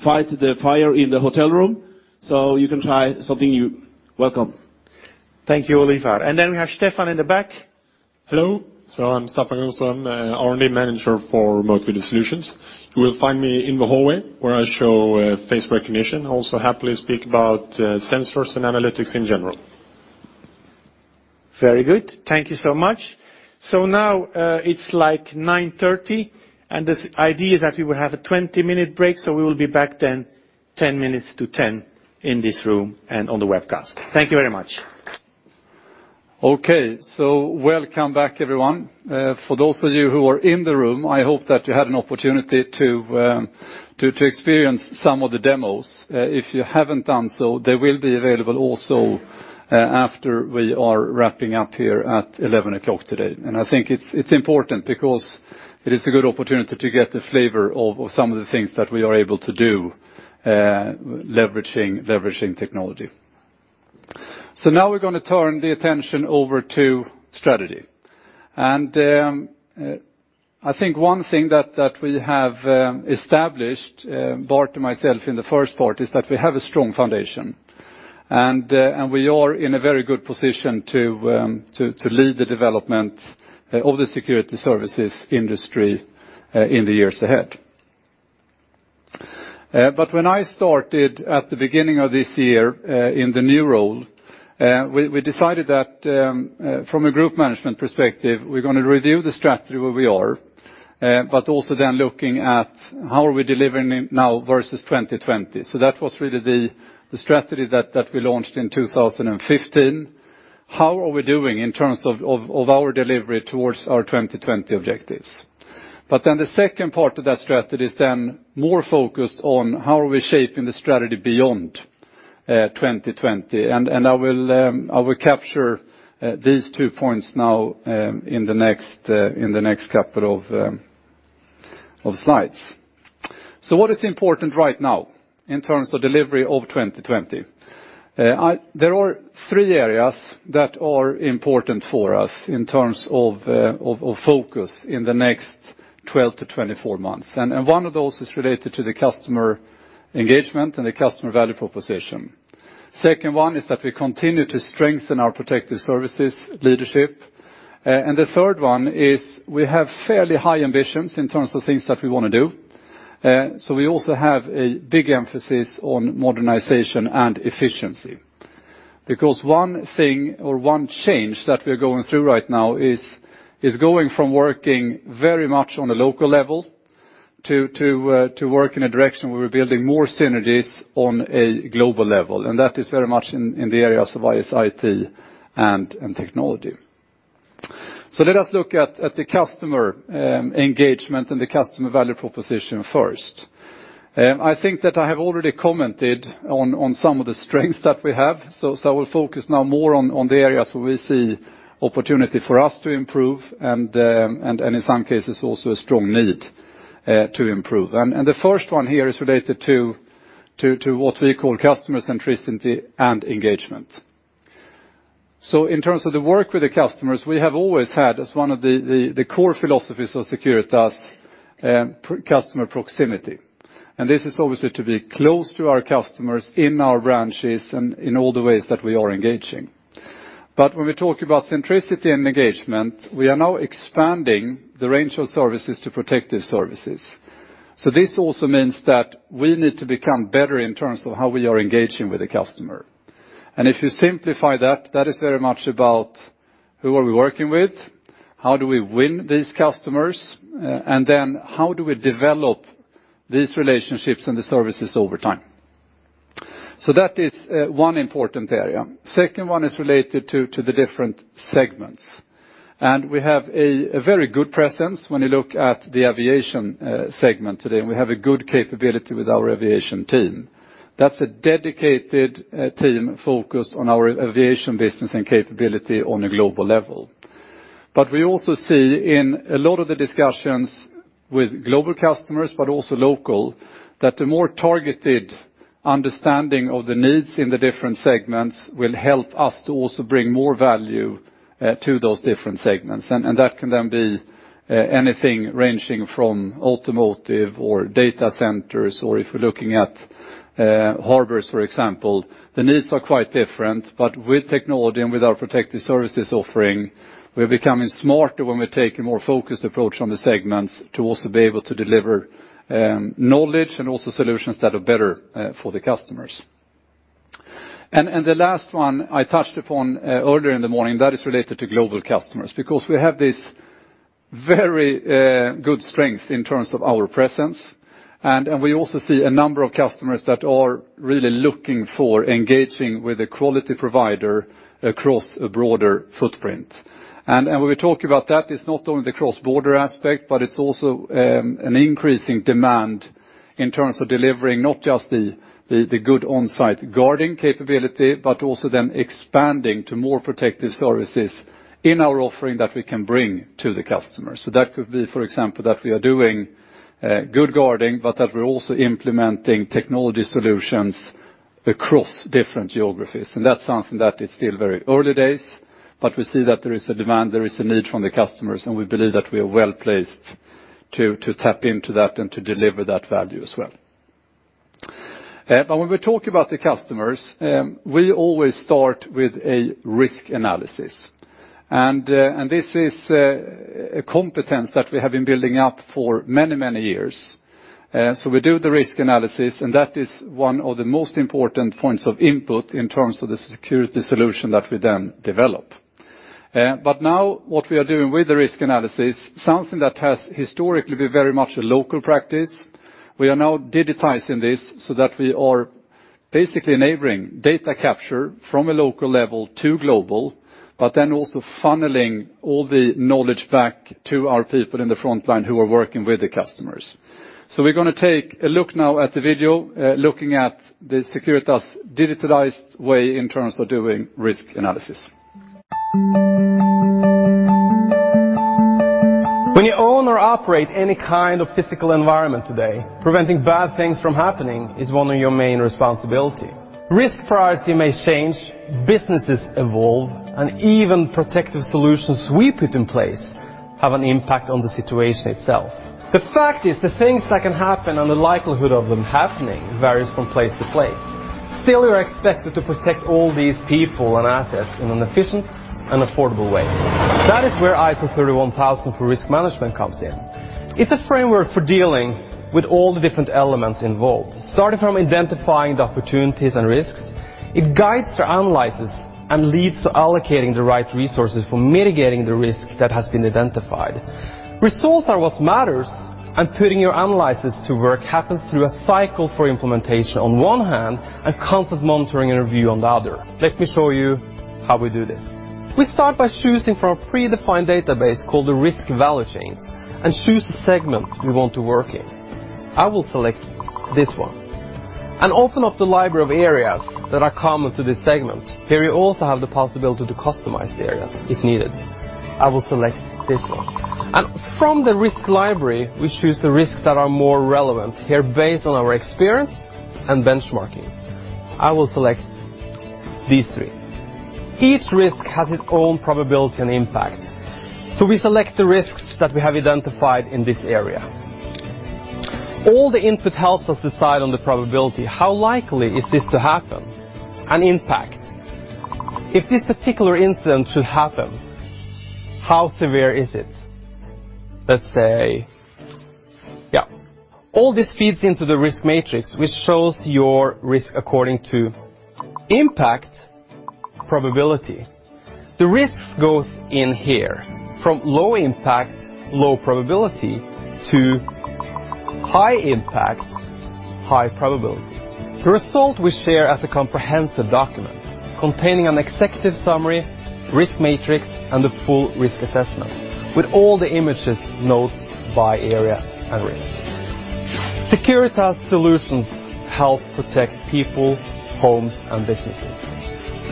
fight the fire in the hotel room. You can try something new. Welcome. Thank you, Ole-Ivar. Then we have Staffan in the back. Hello. I'm Staffan Gustafsson, R&D manager for Remote Video Solutions. You will find me in the hallway, where I show face recognition. Also happily speak about sensors and analytics in general. Very good. Thank you so much. Now it's like 9:30 A.M., and this idea that we will have a 20-minute break, we will be back 9:50 A.M. in this room and on the webcast. Thank you very much. Okay. Welcome back, everyone. For those of you who are in the room, I hope that you had an opportunity to experience some of the demos. If you haven't done so, they will be available also after we are wrapping up here at 11:00 A.M. today. I think it's important, because it is a good opportunity to get the flavor of some of the things that we are able to do leveraging technology. Now we're going to turn the attention over to strategy. I think one thing that we have established, Bart and myself in the first part, is that we have a strong foundation. We are in a very good position to lead the development of the security services industry in the years ahead. When I started at the beginning of this year in the new role, we decided that from a group management perspective, we're going to review the strategy where we are, but also then looking at how are we delivering it now versus 2020. That was really the strategy that we launched in 2015. How are we doing in terms of our delivery towards our 2020 objectives? The second part of that strategy is then more focused on how are we shaping the strategy beyond 2020, I will capture these two points now in the next couple of slides. What is important right now in terms of delivery of 2020? There are three areas that are important for us in terms of focus in the next 12-24 months, one of those is related to the customer engagement and the customer value proposition. Second one is that we continue to strengthen our protective services leadership. The third one is we have fairly high ambitions in terms of things that we want to do. We also have a big emphasis on modernization and efficiency. One thing or one change that we're going through right now is going from working very much on a local level to work in a direction where we're building more synergies on a global level, and that is very much in the areas of IS/IT and technology. Let us look at the customer engagement and the customer value proposition first. I think that I have already commented on some of the strengths that we have, I will focus now more on the areas where we see opportunity for us to improve and in some cases, also a strong need to improve. The first one here is related to what we call customer centricity and engagement. In terms of the work with the customers, we have always had as one of the core philosophies of Securitas customer proximity. This is obviously to be close to our customers in our branches and in all the ways that we are engaging. When we talk about centricity and engagement, we are now expanding the range of services to protective services. This also means that we need to become better in terms of how we are engaging with the customer. If you simplify that is very much about who are we working with, how do we win these customers, and then how do we develop these relationships and the services over time. That is one important area. Second one is related to the different segments. We have a very good presence when you look at the aviation segment today, and we have a good capability with our aviation team. That's a dedicated team focused on our aviation business and capability on a global level. We also see in a lot of the discussions with global customers, but also local, that the more targeted understanding of the needs in the different segments will help us to also bring more value to those different segments. That can then be anything ranging from automotive or data centers, or if we're looking at harbors, for example. The needs are quite different, but with technology and with our protective services offering, we're becoming smarter when we take a more focused approach on the segments to also be able to deliver knowledge and also solutions that are better for the customers. The last one I touched upon earlier in the morning, that is related to global customers, because we have this very good strength in terms of our presence. We also see a number of customers that are really looking for engaging with a quality provider across a broader footprint. When we talk about that, it's not only the cross-border aspect, but it's also an increasing demand in terms of delivering not just the good on-site guarding capability, but also then expanding to more protective services in our offering that we can bring to the customer. That could be, for example, that we are doing good guarding, but that we're also implementing technology solutions across different geographies. That's something that is still very early days, we see that there is a demand, there is a need from the customers, and we believe that we are well-placed to tap into that and to deliver that value as well. When we talk about the customers, we always start with a risk analysis. This is a competence that we have been building up for many, many years. We do the risk analysis, and that is one of the most important points of input in terms of the security solution that we then develop. Now what we are doing with the risk analysis, something that has historically been very much a local practice, we are now digitizing this so that we are basically enabling data capture from a local level to global, also funneling all the knowledge back to our people in the frontline who are working with the customers. We're going to take a look now at the video, looking at the Securitas digitalized way in terms of doing risk analysis. When you own or operate any kind of physical environment today, preventing bad things from happening is one of your main responsibility. Risk priority may change, businesses evolve, and even protective solutions we put in place have an impact on the situation itself. The fact is the things that can happen and the likelihood of them happening varies from place to place. Still, you're expected to protect all these people and assets in an efficient and affordable way. That is where ISO 31000 for risk management comes in. It's a framework for dealing with all the different elements involved, starting from identifying the opportunities and risks, it guides your analysis and leads to allocating the right resources for mitigating the risk that has been identified. Results are what matters, and putting your analysis to work happens through a cycle for implementation on one hand, and constant monitoring and review on the other. Let me show you how we do this. We start by choosing from a predefined database called the risk value chains, and choose a segment we want to work in. I will select this one, and open up the library of areas that are common to this segment. Here you also have the possibility to customize the areas if needed. I will select this one. From the risk library, we choose the risks that are more relevant. Here based on our experience and benchmarking. I will select these three. Each risk has its own probability and impact. We select the risks that we have identified in this area. All the input helps us decide on the probability. How likely is this to happen and impact? If this particular incident should happen, how severe is it? Let's say, yeah. All this feeds into the risk matrix, which shows your risk according to impact probability. The risk goes in here from low impact, low probability to high impact, high probability. The result we share as a comprehensive document containing an executive summary, risk matrix, and the full risk assessment with all the images, notes by area and risk. Securitas solutions help protect people, homes, and businesses.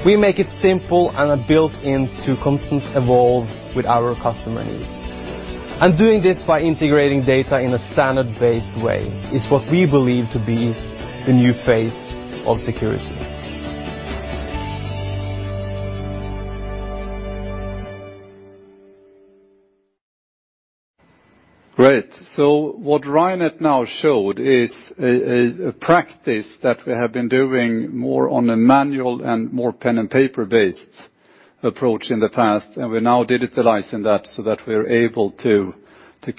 We make it simple and are built in to constantly evolve with our customer needs. Doing this by integrating data in a standard-based way is what we believe to be the new face of security. Great. What Reinert now showed is a practice that we have been doing more on a manual and more pen-and-paper-based approach in the past. We're now digitalizing that so that we're able to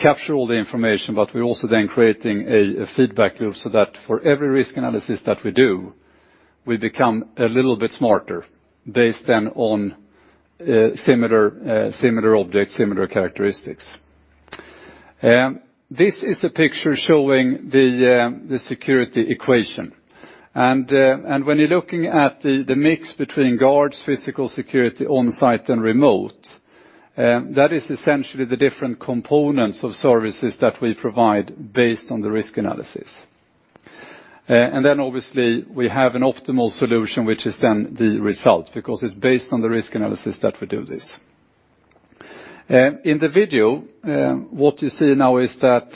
capture all the information. We're also then creating a feedback loop so that for every risk analysis that we do, we become a little bit smarter based then on similar objects, similar characteristics. This is a picture showing the security equation. When you're looking at the mix between guards, physical security on site and remote, that is essentially the different components of services that we provide based on the risk analysis. Obviously we have an optimal solution, which is then the result, because it's based on the risk analysis that we do this. In the video, what you see now is that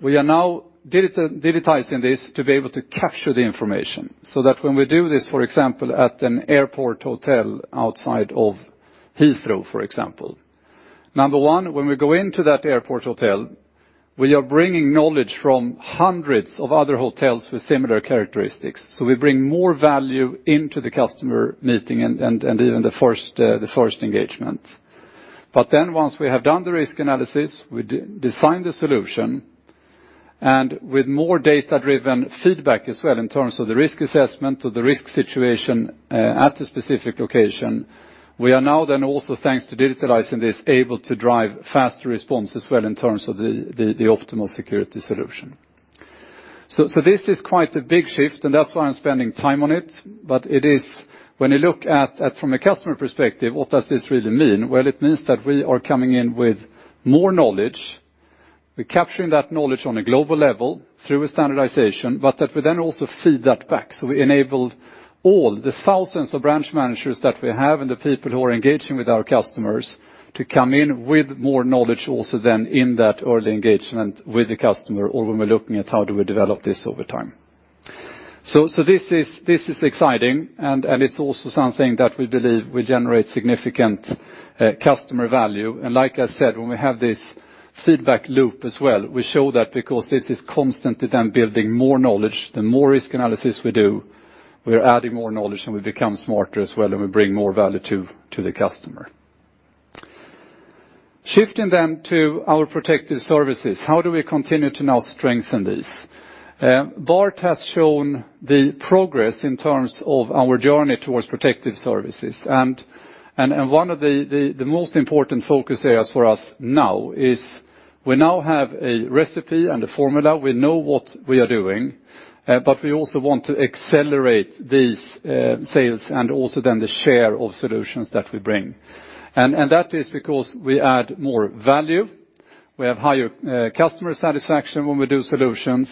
we are now digitizing this to be able to capture the information, so that when we do this, for example, at an airport hotel outside of Heathrow, for example. Number 1, when we go into that airport hotel, we are bringing knowledge from hundreds of other hotels with similar characteristics. We bring more value into the customer meeting and even the first engagement. Once we have done the risk analysis, we design the solution. With more data-driven feedback as well in terms of the risk assessment to the risk situation at a specific location, we are now then also, thanks to digitalizing this, able to drive faster response as well in terms of the optimal security solution. This is quite a big shift and that's why I'm spending time on it. When you look at from a customer perspective, what does this really mean? Well, it means that we are coming in with more knowledge. We're capturing that knowledge on a global level through a standardization, that we then also feed that back. We enabled all the thousands of branch managers that we have and the people who are engaging with our customers to come in with more knowledge also then in that early engagement with the customer or when we're looking at how do we develop this over time. This is exciting and it's also something that we believe will generate significant customer value. Like I said, when we have this feedback loop as well, we show that because this is constantly then building more knowledge, the more risk analysis we do, we're adding more knowledge and we become smarter as well and we bring more value to the customer. Shifting to our protective services, how do we continue to now strengthen these? Bart has shown the progress in terms of our journey towards protective services. One of the most important focus areas for us now is we now have a recipe and a formula. We know what we are doing, but we also want to accelerate these sales and also then the share of solutions that we bring. That is because we add more value. We have higher customer satisfaction when we do solutions,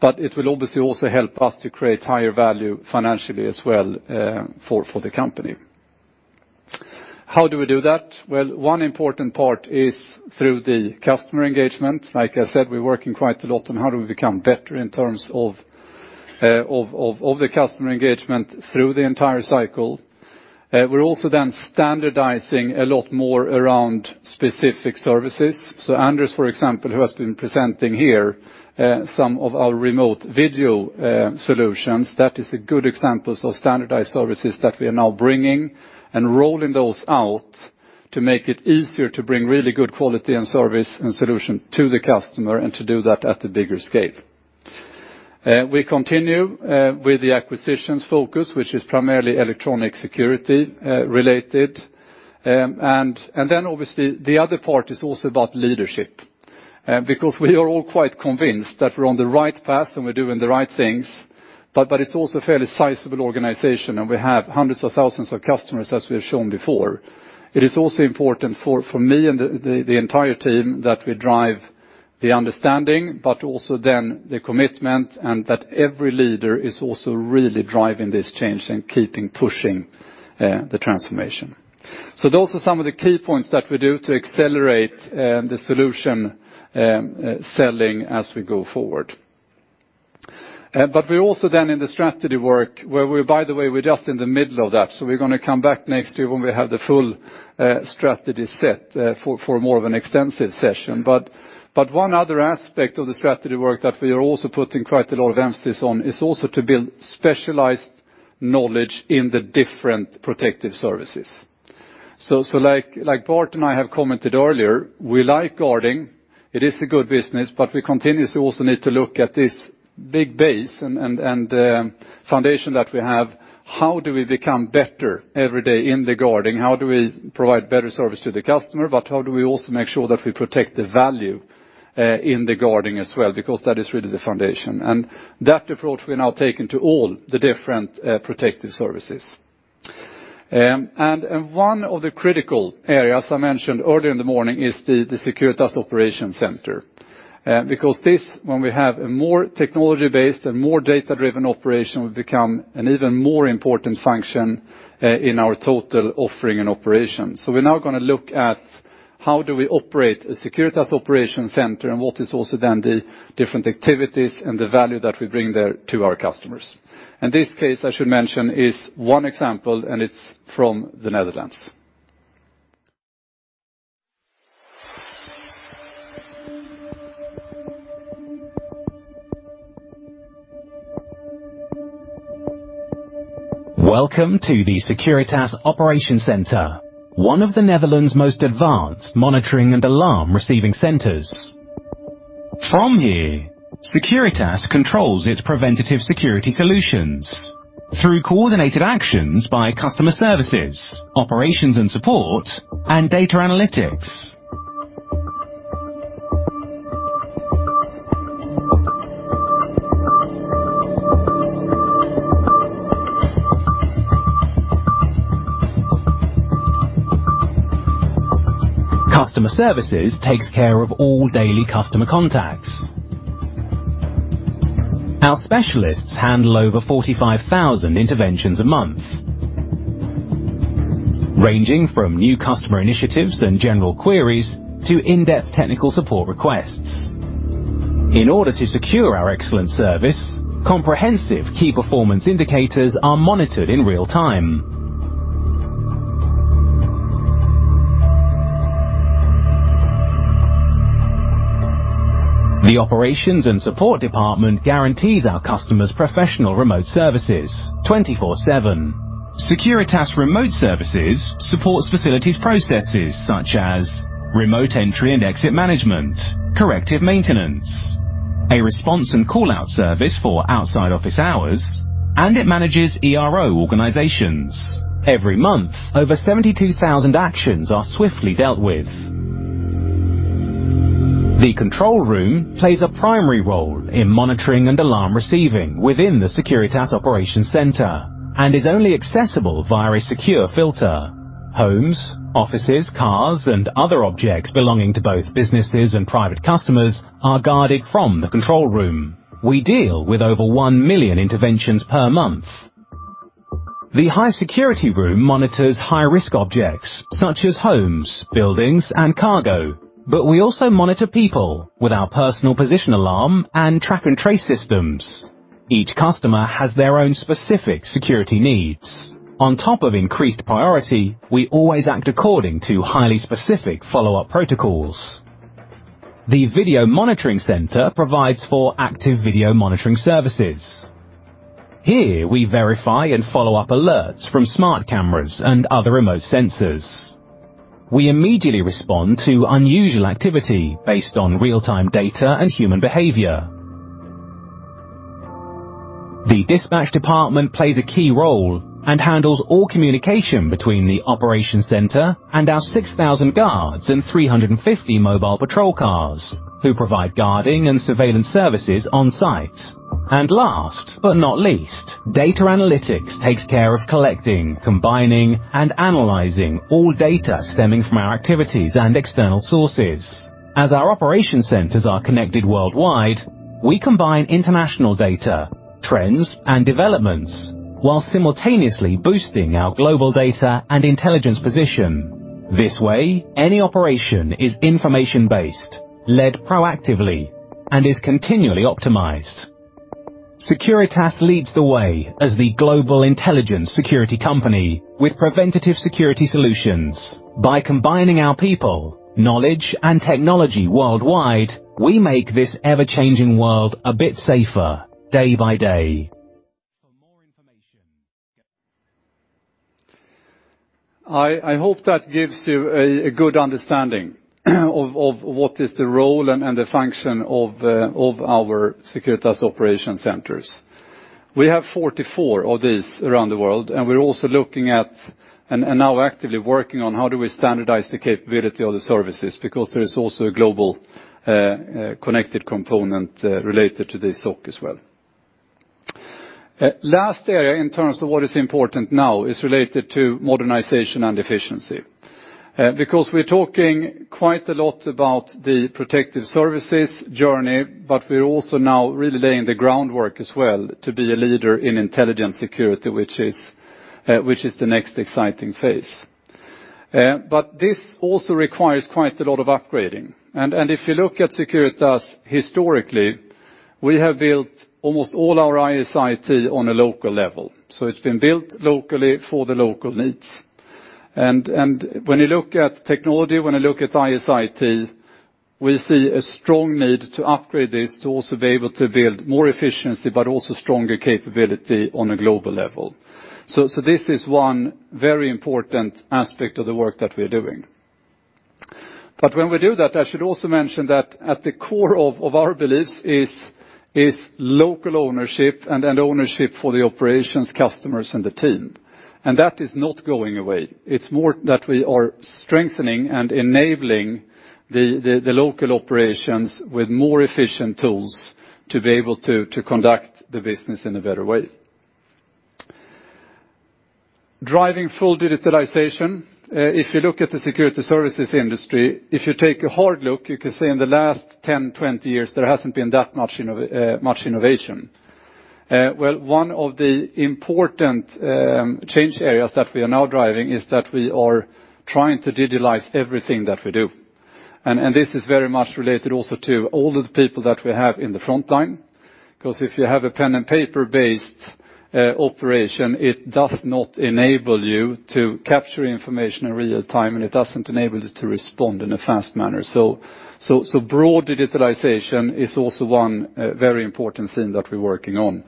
but it will obviously also help us to create higher value financially as well for the company. How do we do that? One important part is through the customer engagement. Like I said, we are working quite a lot on how do we become better in terms of the customer engagement through the entire cycle. We're also then standardizing a lot more around specific services. Anders, for example, who has been presenting here some of our Remote Video Solutions, that is a good example of standardized services that we are now bringing and rolling those out to make it easier to bring really good quality and service and solution to the customer, and to do that at a bigger scale. We continue with the acquisitions focus, which is primarily electronic security related. Obviously the other part is also about leadership. We are all quite convinced that we're on the right path and we're doing the right things, but it's also a fairly sizable organization, and we have hundreds of thousands of customers, as we have shown before. It is also important for me and the entire team that we drive the understanding, but also then the commitment, and that every leader is also really driving this change and keeping pushing the transformation. Those are some of the key points that we do to accelerate the solution selling as we go forward. We're also then in the strategy work where, by the way, we're just in the middle of that. We're going to come back next year when we have the full strategy set for more of an extensive session. One other aspect of the strategy work that we are also putting quite a lot of emphasis on is also to build specialized knowledge in the different protective services. Like Bart and I have commented earlier, we like guarding. It is a good business. We continuously also need to look at this big base and foundation that we have. How do we become better every day in the guarding? How do we provide better service to the customer? How do we also make sure that we protect the value in the guarding as well? That is really the foundation, and that approach we're now taking to all the different protective services. One of the critical areas I mentioned earlier in the morning is the Securitas Operations Center, because this, when we have a more technology-based and more data-driven operation, will become an even more important function in our total offering and operation. We're now going to look at how do we operate a Securitas Operations Center and what is also then the different activities and the value that we bring there to our customers. This case, I should mention, is one example, and it's from the Netherlands. Welcome to the Securitas Operations Center, one of the Netherlands' most advanced monitoring and alarm receiving centers. From here, Securitas controls its preventative security solutions through coordinated actions by customer services, operations and support, and data analytics. Customer services takes care of all daily customer contacts. Our specialists handle over 45,000 interventions a month, ranging from new customer initiatives and general queries to in-depth technical support requests. In order to secure our excellent service, comprehensive key performance indicators are monitored in real time. The operations and support department guarantees our customers professional remote services 24/7. Securitas remote services supports facilities processes such as remote entry and exit management, corrective maintenance, a response and call-out service for outside office hours, and it manages ERO organizations. Every month, over 72,000 actions are swiftly dealt with. The control room plays a primary role in monitoring and alarm receiving within the Securitas Operations Center and is only accessible via a secure filter. Homes, offices, cars, and other objects belonging to both businesses and private customers are guarded from the control room. We deal with over 1 million interventions per month. The high security room monitors high-risk objects such as homes, buildings, and cargo. We also monitor people with our personal position alarm and track and trace systems. Each customer has their own specific security needs. On top of increased priority, we always act according to highly specific follow-up protocols. The video monitoring center provides for active video monitoring services. Here we verify and follow up alerts from smart cameras and other remote sensors. We immediately respond to unusual activity based on real-time data and human behavior. The dispatch department plays a key role and handles all communication between the operation center and our 6,000 guards and 350 mobile patrol cars, who provide guarding and surveillance services on site. Last but not least, data analytics takes care of collecting, combining, and analyzing all data stemming from our activities and external sources. As our operation centers are connected worldwide, we combine international data, trends, and developments, while simultaneously boosting our global data and intelligence position. This way, any operation is information-based, led proactively, and is continually optimized. Securitas leads the way as the global intelligence security company with preventative security solutions. By combining our people, knowledge, and technology worldwide, we make this ever-changing world a bit safer day by day. For more information- I hope that gives you a good understanding of what is the role and the function of our Securitas Operations Centers. We have 44 of these around the world, and we're also looking at, and now actively working on, how do we standardize the capability of the services, because there is also a global connected component related to this SOC as well. The last area in terms of what is important now is related to modernization and efficiency. We're talking quite a lot about the protective services journey, we're also now really laying the groundwork as well to be a leader in intelligence security, which is the next exciting phase. This also requires quite a lot of upgrading, and if you look at Securitas historically, we have built almost all our IS/IT on a local level. It's been built locally for the local needs. When you look at technology, when you look at IS/IT, we see a strong need to upgrade this to also be able to build more efficiency, but also stronger capability on a global level. This is one very important aspect of the work that we're doing. When we do that, I should also mention that at the core of our beliefs is local ownership and ownership for the operations customers and the team. That is not going away. It's more that we are strengthening and enabling the local operations with more efficient tools to be able to conduct the business in a better way. Driving full digitalization. If you look at the security services industry, if you take a hard look, you can say in the last 10, 20 years, there hasn't been that much innovation. One of the important change areas that we are now driving is that we are trying to digitalize everything that we do. This is very much related also to all of the people that we have in the front line, because if you have a pen-and-paper-based operation, it does not enable you to capture information in real time, and it doesn't enable you to respond in a fast manner. Broad digitalization is also one very important thing that we're working on.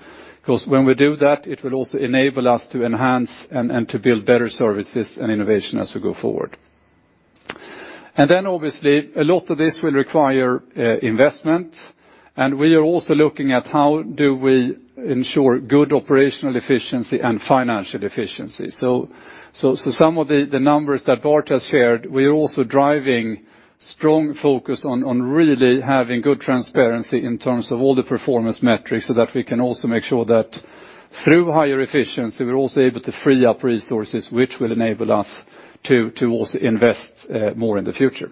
When we do that, it will also enable us to enhance and to build better services and innovation as we go forward. Obviously, a lot of this will require investment, and we are also looking at how do we ensure good operational efficiency and financial efficiency. Some of the numbers that Bart has shared, we are also driving strong focus on really having good transparency in terms of all the performance metrics so that we can also make sure that through higher efficiency, we're also able to free up resources, which will enable us to also invest more in the future.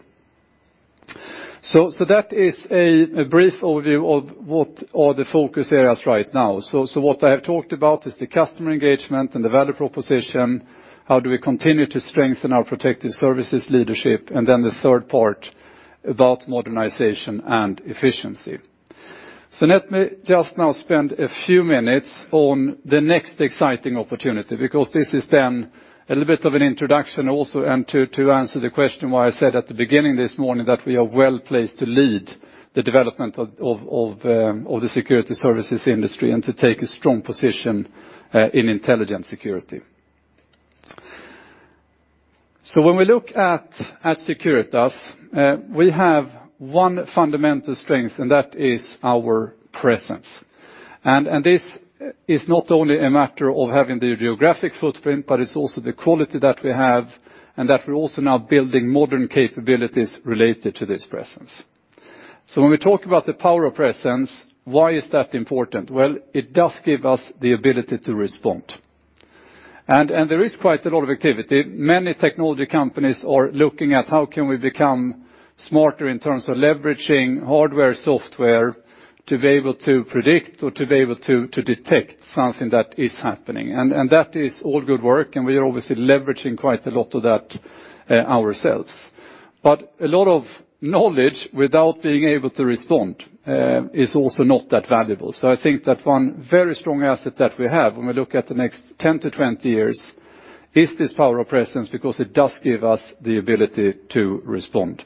That is a brief overview of what are the focus areas right now. What I have talked about is the customer engagement and the value proposition, how do we continue to strengthen our protective services leadership, and then the third part about modernization and efficiency. Let me just now spend a few minutes on the next exciting opportunity, because this is then a little bit of an introduction also, and to answer the question why I said at the beginning this morning that we are well-placed to lead the development of the security services industry, and to take a strong position in intelligence security. When we look at Securitas, we have one fundamental strength, and that is our presence. This is not only a matter of having the geographic footprint, but it's also the quality that we have and that we're also now building modern capabilities related to this presence. When we talk about the power of presence, why is that important? Well, it does give us the ability to respond. There is quite a lot of activity. Many technology companies are looking at how can we become smarter in terms of leveraging hardware, software to be able to predict or to be able to detect something that is happening. That is all good work, and we are obviously leveraging quite a lot of that ourselves. A lot of knowledge without being able to respond is also not that valuable. I think that one very strong asset that we have when we look at the next 10 to 20 years is this power of presence because it does give us the ability to respond.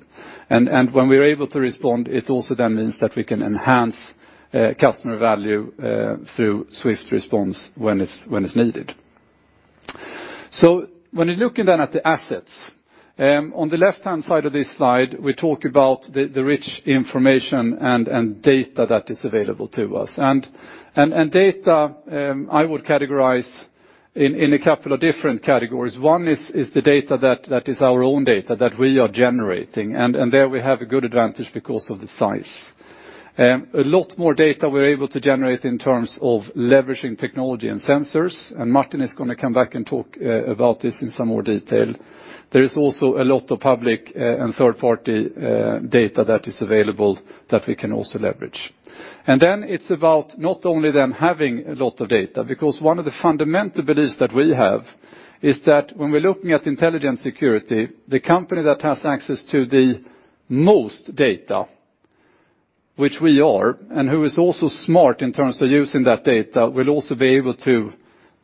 When we are able to respond, it also then means that we can enhance customer value through swift response when it's needed. When you're looking then at the assets, on the left-hand side of this slide, we talk about the rich information and data that is available to us. Data, I would categorize in a couple of different categories. One is the data that is our own data, that we are generating. There we have a good advantage because of the size. A lot more data we're able to generate in terms of leveraging technology and sensors, and Martin is going to come back and talk about this in some more detail. There is also a lot of public and third-party data that is available that we can also leverage. It's about not only then having a lot of data, because one of the fundamental beliefs that we have is that when we're looking at intelligent security, the company that has access to the most data, which we are, and who is also smart in terms of using that data, will also be able to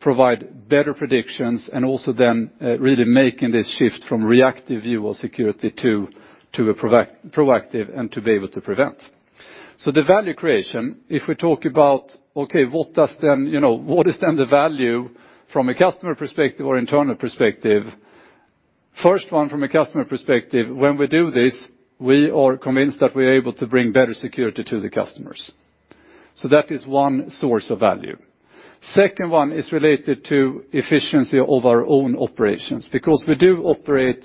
provide better predictions and also then really making this shift from reactive view of security to a proactive and to be able to prevent. The value creation, if we talk about, okay, what is then the value from a customer perspective or internal perspective? First one, from a customer perspective, when we do this, we are convinced that we are able to bring better security to the customers. That is one source of value. Second one is related to efficiency of our own operations, because we do operate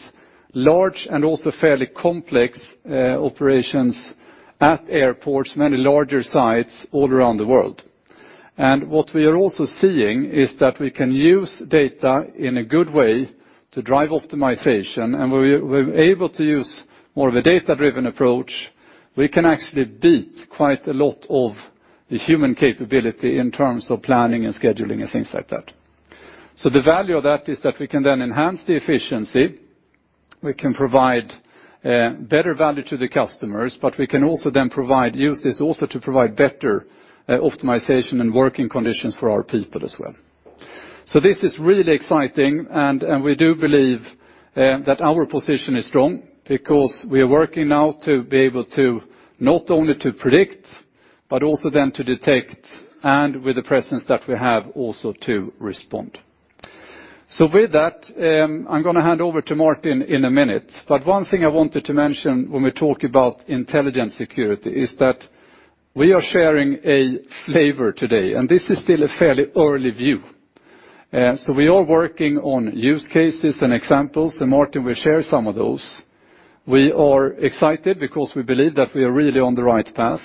large and also fairly complex operations at airports, many larger sites all around the world. What we are also seeing is that we can use data in a good way to drive optimization, and we're able to use more of a data-driven approach. We can actually beat quite a lot of the human capability in terms of planning and scheduling and things like that. The value of that is that we can then enhance the efficiency, we can provide better value to the customers, but we can also then use this also to provide better optimization and working conditions for our people as well. This is really exciting, and we do believe that our position is strong because we are working now to be able to not only to predict, but also then to detect, and with the presence that we have, also to respond. With that, I'm going to hand over to Martin in a minute. One thing I wanted to mention when we talk about intelligent security is that we are sharing a flavor today, and this is still a fairly early view. We are working on use cases and examples, and Martin will share some of those. We are excited because we believe that we are really on the right path,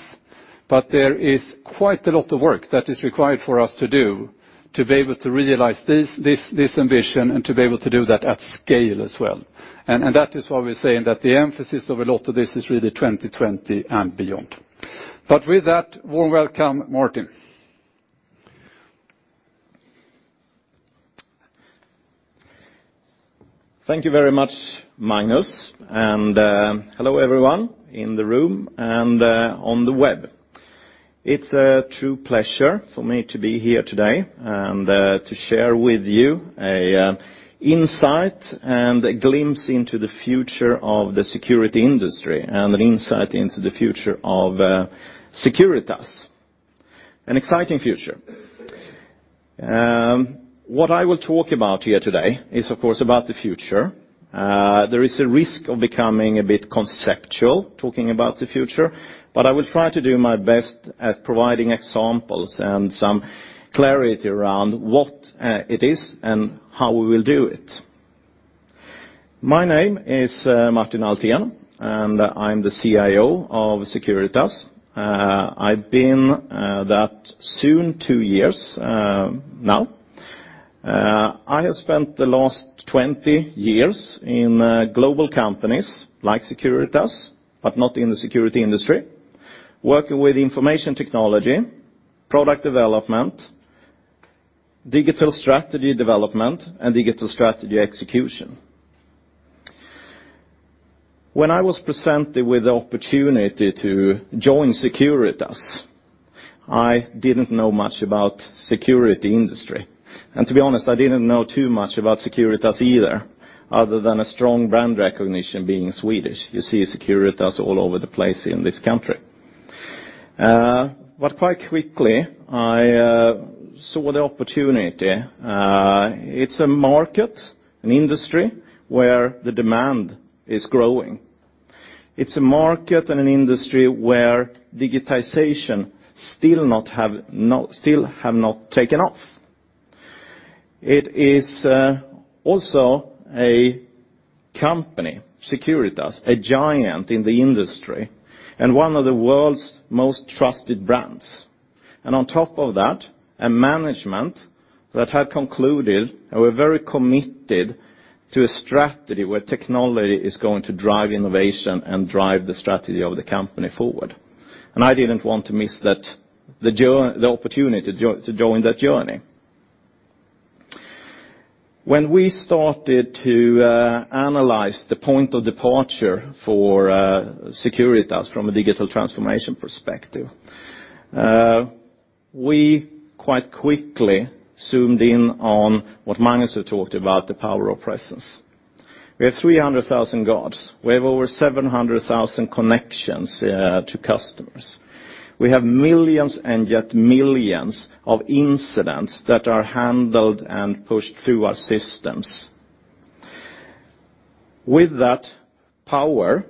but there is quite a lot of work that is required for us to do to be able to realize this ambition and to be able to do that at scale as well. That is why we're saying that the emphasis of a lot of this is really 2020 and beyond. With that, warm welcome, Martin. Thank you very much, Magnus. Hello, everyone in the room and on the web. It's a true pleasure for me to be here today and to share with you a insight and a glimpse into the future of the security industry and an insight into the future of Securitas. An exciting future. What I will talk about here today is, of course, about the future. There is a risk of becoming a bit conceptual talking about the future, but I will try to do my best at providing examples and some clarity around what it is and how we will do it. My name is Martin Althén, and I'm the CIO of Securitas. I've been that soon two years now. I have spent the last 20 years in global companies like Securitas, but not in the security industry, working with information technology, product development, digital strategy development, and digital strategy execution. When I was presented with the opportunity to join Securitas, I didn't know much about security industry, and to be honest, I didn't know too much about Securitas either other than a strong brand recognition being Swedish. You see Securitas all over the place in this country. Quite quickly I saw the opportunity. It's a market, an industry where the demand is growing. It's a market and an industry where digitization still have not taken off. It is also a company, Securitas, a giant in the industry and one of the world's most trusted brands. On top of that, a management that had concluded and were very committed to a strategy where technology is going to drive innovation and drive the strategy of the company forward. I didn't want to miss the opportunity to join that journey. When we started to analyze the point of departure for Securitas from a digital transformation perspective We quite quickly zoomed in on what Magnus talked about, the power of presence. We have 300,000 guards. We have over 700,000 connections to customers. We have millions and yet millions of incidents that are handled and pushed through our systems. With that power,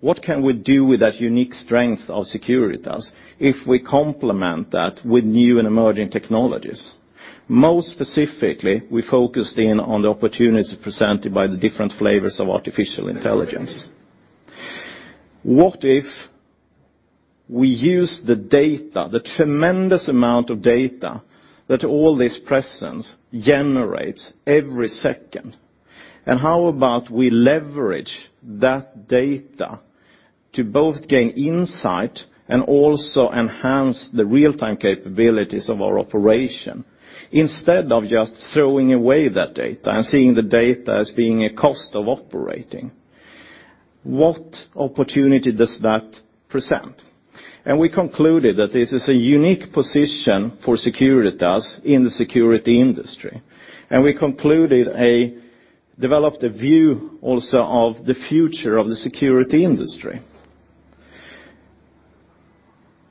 what can we do with that unique strength of Securitas if we complement that with new and emerging technologies? Most specifically, we focused in on the opportunities presented by the different flavors of artificial intelligence. What if we use the data, the tremendous amount of data, that all this presence generates every second? How about we leverage that data to both gain insight and also enhance the real-time capabilities of our operation, instead of just throwing away that data and seeing the data as being a cost of operating? What opportunity does that present? We concluded that this is a unique position for Securitas in the security industry. We developed a view also of the future of the security industry.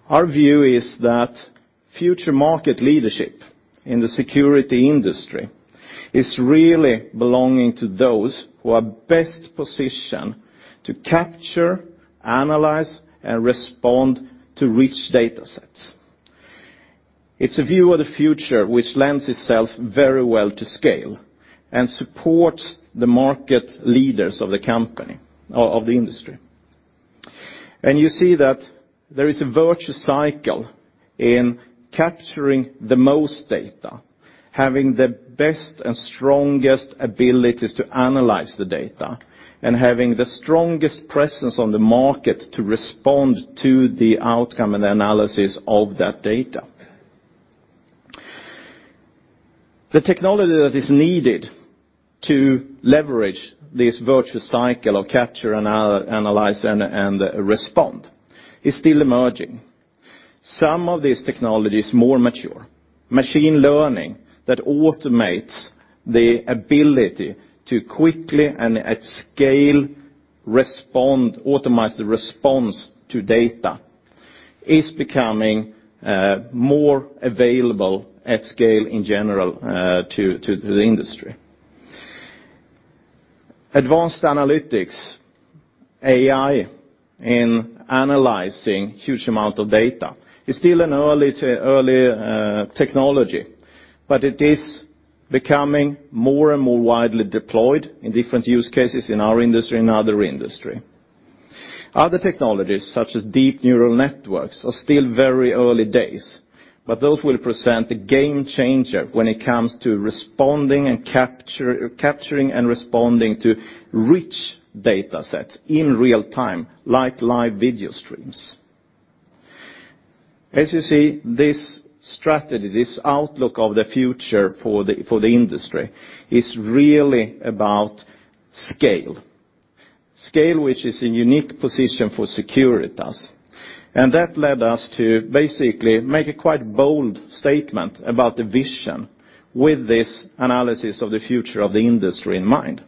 Our view is that future market leadership in the security industry is really belonging to those who are best positioned to capture, analyze, and respond to rich data sets. It's a view of the future which lends itself very well to scale and supports the market leaders of the industry. You see that there is a virtual cycle in capturing the most data, having the best and strongest abilities to analyze the data, and having the strongest presence on the market to respond to the outcome and the analysis of that data. The technology that is needed to leverage this virtual cycle of capture and analyze and respond is still emerging. Some of this technology is more mature. Machine learning that automates the ability to quickly and at scale respond, automize the response to data, is becoming more available at scale in general to the industry. Advanced analytics, AI in analyzing huge amount of data, is still an early technology, but it is becoming more and more widely deployed in different use cases in our industry and other industry. Other technologies, such as deep neural networks, are still very early days, but those will present a game changer when it comes to capturing and responding to rich data sets in real time, like live video streams. As you see, this strategy, this outlook of the future for the industry, is really about scale. Scale which is a unique position for Securitas. That led us to basically make a quite bold statement about the vision with this analysis of the future of the industry in mind.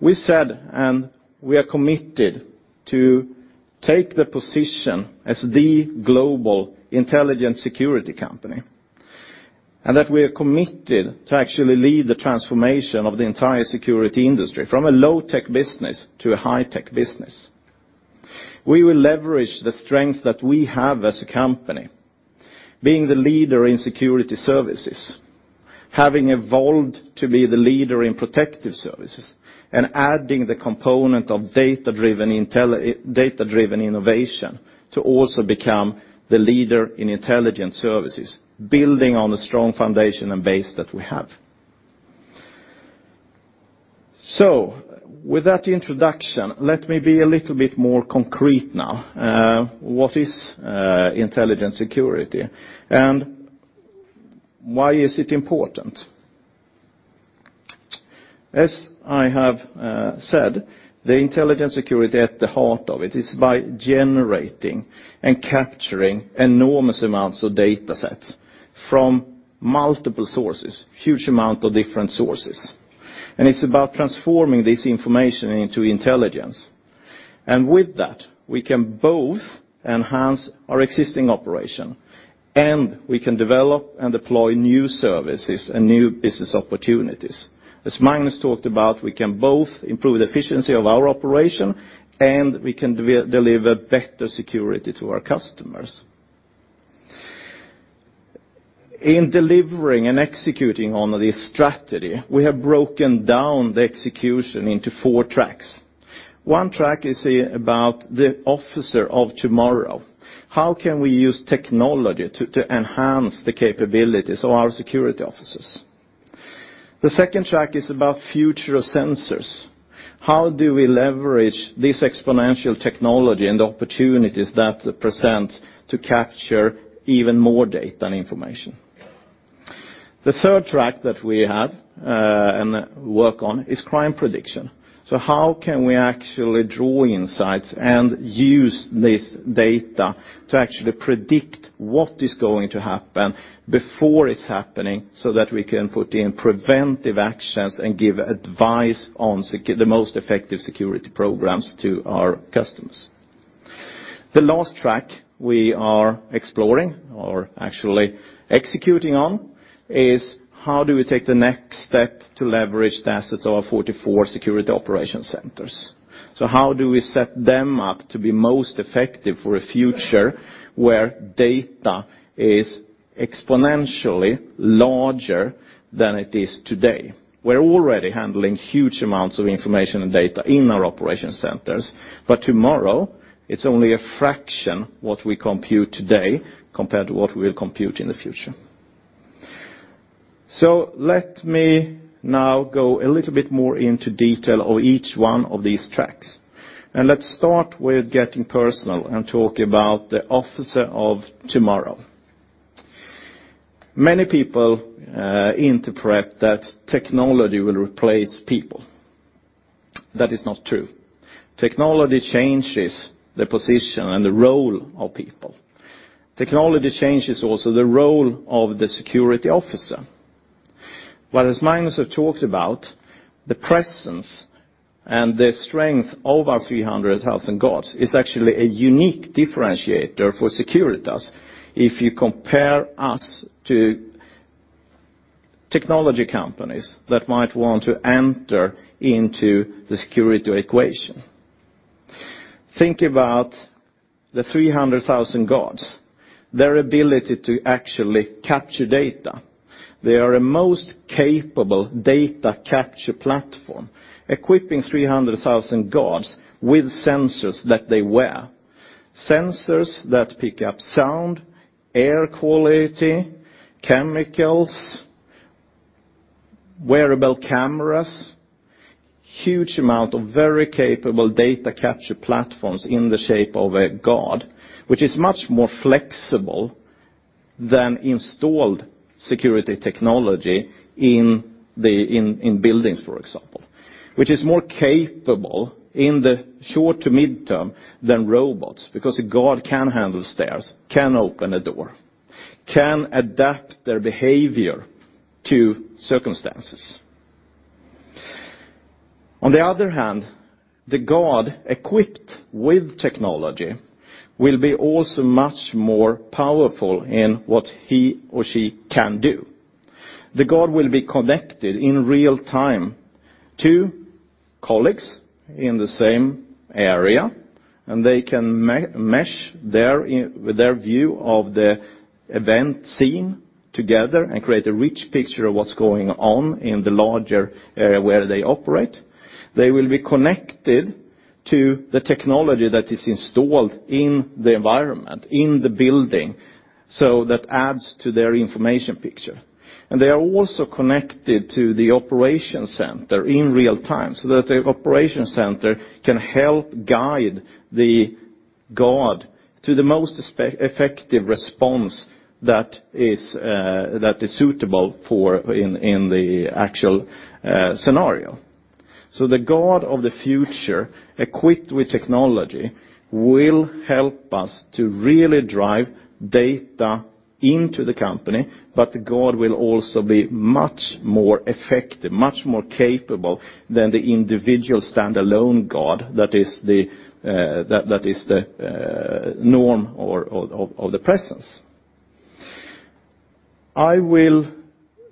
We said, we are committed to take the position as the global intelligent security company, and that we are committed to actually lead the transformation of the entire security industry from a low-tech business to a high-tech business. We will leverage the strength that we have as a company, being the leader in security services, having evolved to be the leader in protective services, and adding the component of data-driven innovation to also become the leader in intelligent services, building on the strong foundation and base that we have. With that introduction, let me be a little bit more concrete now. What is intelligent security and why is it important? As I have said, the intelligent security at the heart of it is by generating and capturing enormous amounts of data sets from multiple sources, huge amount of different sources. It's about transforming this information into intelligence. With that, we can both enhance our existing operation, and we can develop and deploy new services and new business opportunities. As Magnus talked about, we can both improve the efficiency of our operation, and we can deliver better security to our customers. In delivering and executing on this strategy, we have broken down the execution into four tracks. One track is about the officer of tomorrow. How can we use technology to enhance the capabilities of our security officers? The second track is about future sensors. How do we leverage this exponential technology and the opportunities that present to capture even more data and information? The third track that we have and work on is crime prediction. How can we actually draw insights and use this data to actually predict what is going to happen before it's happening so that we can put in preventive actions and give advice on the most effective security programs to our customers? The last track we are exploring, or actually executing on, is how do we take the next step to leverage the assets of our 44 Securitas Operations Centers? How do we set them up to be most effective for a future where data is exponentially larger than it is today? We're already handling huge amounts of information and data in our operation centers, but tomorrow it's only a fraction what we compute today compared to what we'll compute in the future. Let me now go a little bit more into detail of each one of these tracks. Let's start with getting personal and talk about the officer of tomorrow. Many people interpret that technology will replace people. That is not true. Technology changes the position and the role of people. Technology changes also the role of the security officer. Magnus has talked about the presence and the strength of our 300,000 guards is actually a unique differentiator for Securitas if you compare us to technology companies that might want to enter into the security equation. Think about the 300,000 guards, their ability to actually capture data. They are a most capable data capture platform, equipping 300,000 guards with sensors that they wear. Sensors that pick up sound, air quality, chemicals, wearable cameras, huge amount of very capable data capture platforms in the shape of a guard, which is much more flexible than installed security technology in buildings, for example. Which is more capable in the short to midterm than robots, because a guard can handle stairs, can open a door, can adapt their behavior to circumstances. On the other hand, the guard equipped with technology will be also much more powerful in what he or she can do. The guard will be connected in real-time to colleagues in the same area, and they can mesh with their view of the event scene together and create a rich picture of what's going on in the larger area where they operate. They will be connected to the technology that is installed in the environment, in the building, that adds to their information picture. They are also connected to the Operation Center in real-time that the Operation Center can help guide the guard to the most effective response that is suitable in the actual scenario. The guard of the future equipped with technology will help us to really drive data into the company, but the guard will also be much more effective, much more capable than the individual standalone guard that is the norm or of the presence. I will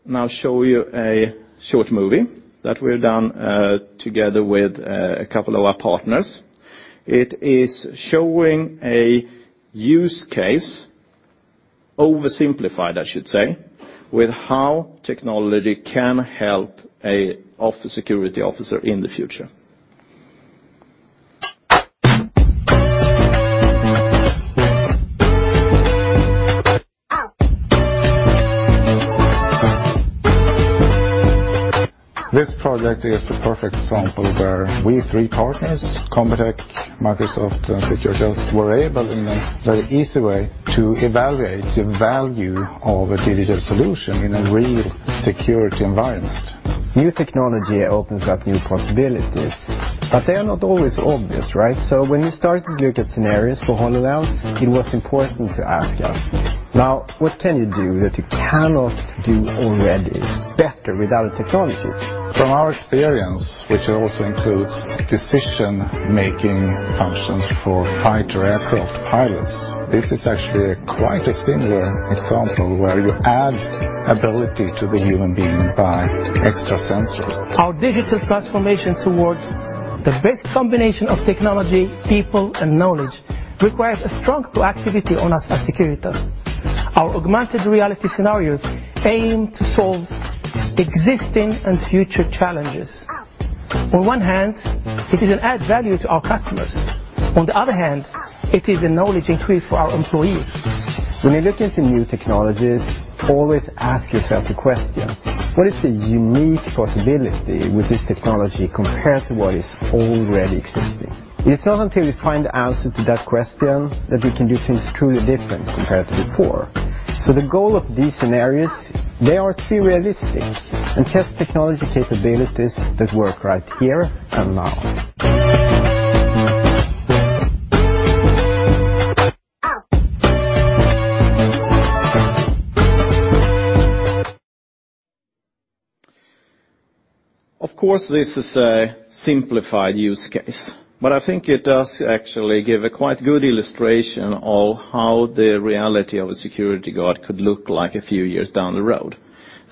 now show you a short movie that we've done together with a couple of our partners. It is showing a use case, oversimplified I should say, with how technology can help a security officer in the future. This project is a perfect example where we three partners, Combitech, Microsoft, and Securitas, were able, in a very easy way, to evaluate the value of a digital solution in a real security environment. New technology opens up new possibilities, but they are not always obvious, right? When we started to look at scenarios for HoloLens, it was important to ask us, now, what can you do that you cannot do already better without a technology? From our experience, which also includes decision-making functions for fighter aircraft pilots, this is actually quite a similar example where you add ability to the human being by extra sensors. Our digital transformation towards the best combination of technology, people, and knowledge requires a strong proactivity on us at Securitas. Our augmented reality scenarios aim to solve existing and future challenges. On one hand, it is an add value to our customers. On the other hand, it is a knowledge increase for our employees. When you look into new technologies, always ask yourself the question What is the unique possibility with this technology compared to what is already existing? It's not until we find the answer to that question that we can do things truly different compared to before. The goal of these scenarios, they are realistic and test technology capabilities that work right here and now. Of course, this is a simplified use case, but I think it does actually give a quite good illustration of how the reality of a security guard could look like a few years down the road.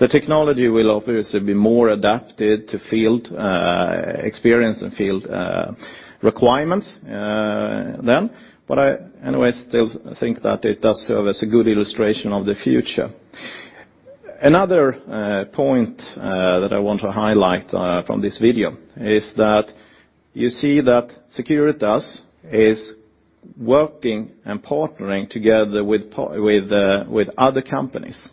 The technology will obviously be more adapted to field experience and field requirements then. I, anyway, still think that it does serve as a good illustration of the future. Another point that I want to highlight from this video is that you see that Securitas is working and partnering together with other companies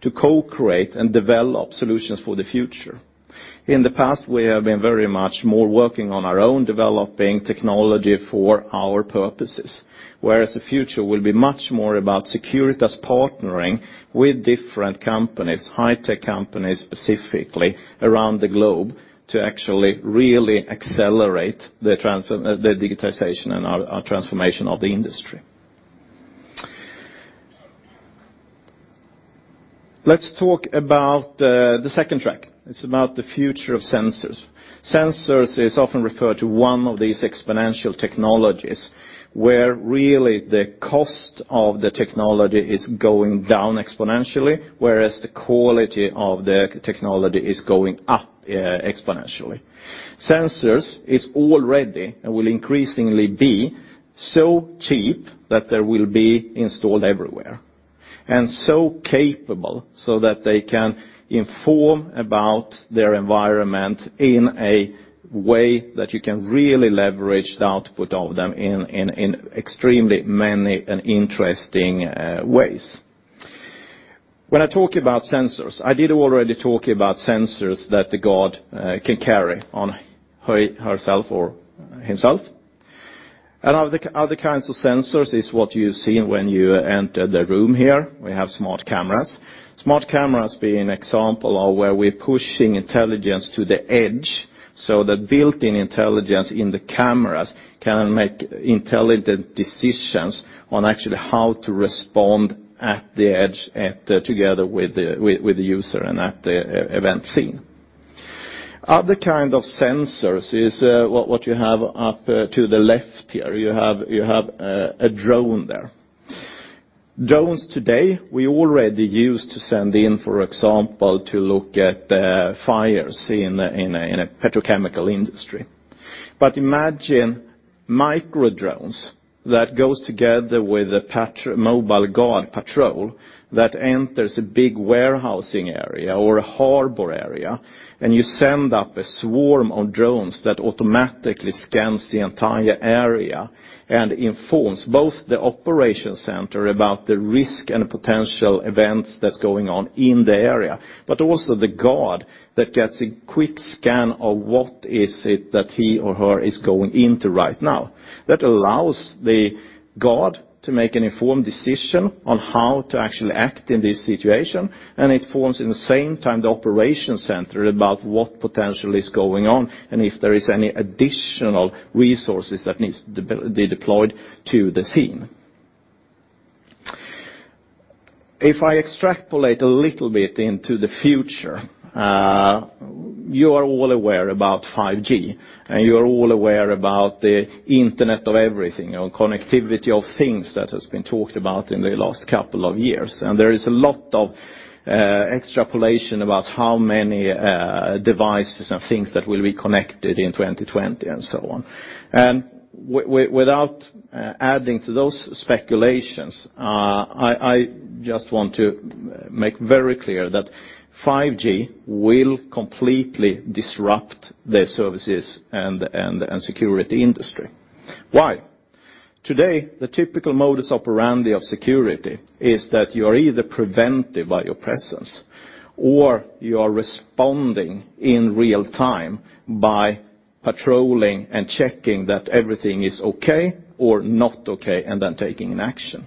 to co-create and develop solutions for the future. In the past, we have been very much more working on our own, developing technology for our purposes, whereas the future will be much more about Securitas partnering with different companies, high-tech companies specifically, around the globe to actually really accelerate the digitization and our transformation of the industry. Let's talk about the second track. It's about the future of sensors. Sensors is often referred to one of these exponential technologies, where really the cost of the technology is going down exponentially, whereas the quality of the technology is going up exponentially. Sensors is already, and will increasingly be, so cheap that they will be installed everywhere, and so capable so that they can inform about their environment in a way that you can really leverage the output of them in extremely many and interesting ways. When I talk about sensors, I did already talk about sensors that the guard can carry on herself or himself. Other kinds of sensors is what you see when you enter the room here. We have smart cameras. Smart cameras being an example of where we're pushing intelligence to the edge so that built-in intelligence in the cameras can make intelligent decisions on actually how to respond at the edge together with the user and at the event scene. Other kind of sensors is what you have up to the left here. You have a drone there. Drones today, we already use to send in, for example, to look at fires in a petrochemical industry. Imagine micro drones that goes together with a mobile guard patrol that enters a big warehousing area or a harbor area, and you send up a swarm of drones that automatically scans the entire area and informs both the operation center about the risk and potential events that's going on in the area, but also the guard that gets a quick scan of what is it that he or her is going into right now. That allows the guard to make an informed decision on how to actually act in this situation, and informs in the same time the operation center about what potential is going on and if there is any additional resources that needs to be deployed to the scene. If I extrapolate a little bit into the future, you are all aware about 5G, you are all aware about the internet of everything or connectivity of things that has been talked about in the last couple of years. There is a lot of extrapolation about how many devices and things that will be connected in 2020 and so on. Without adding to those speculations, I just want to make very clear that 5G will completely disrupt the services and security industry. Why? Today, the typical modus operandi of security is that you are either preventive by your presence, or you are responding in real time by patrolling and checking that everything is okay or not okay, and then taking an action.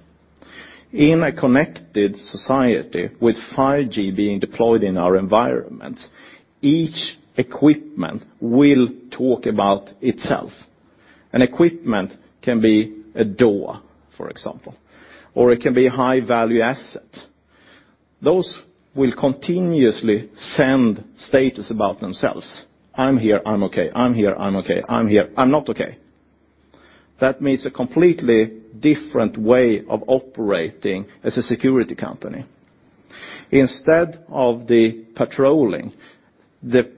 In a connected society with 5G being deployed in our environments, each equipment will talk about itself. An equipment can be a door, for example, or it can be a high-value asset. Those will continuously send status about themselves. I'm here, I'm okay. I'm here, I'm okay. I'm here, I'm not okay. That means a completely different way of operating as a security company. Instead of the patrolling, the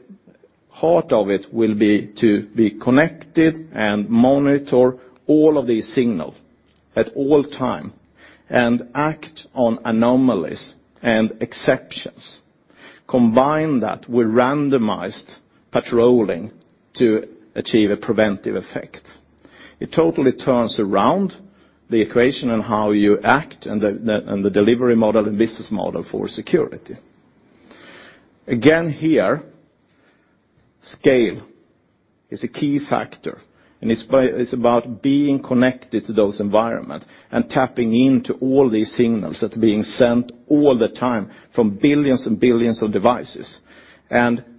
heart of it will be to be connected and monitor all of these signal at all time and act on anomalies and exceptions. Combine that with randomized patrolling to achieve a preventive effect. It totally turns around the equation and how you act, and the delivery model and business model for security. Again here, scale is a key factor, and it's about being connected to those environment and tapping into all these signals that are being sent all the time from billions and billions of devices.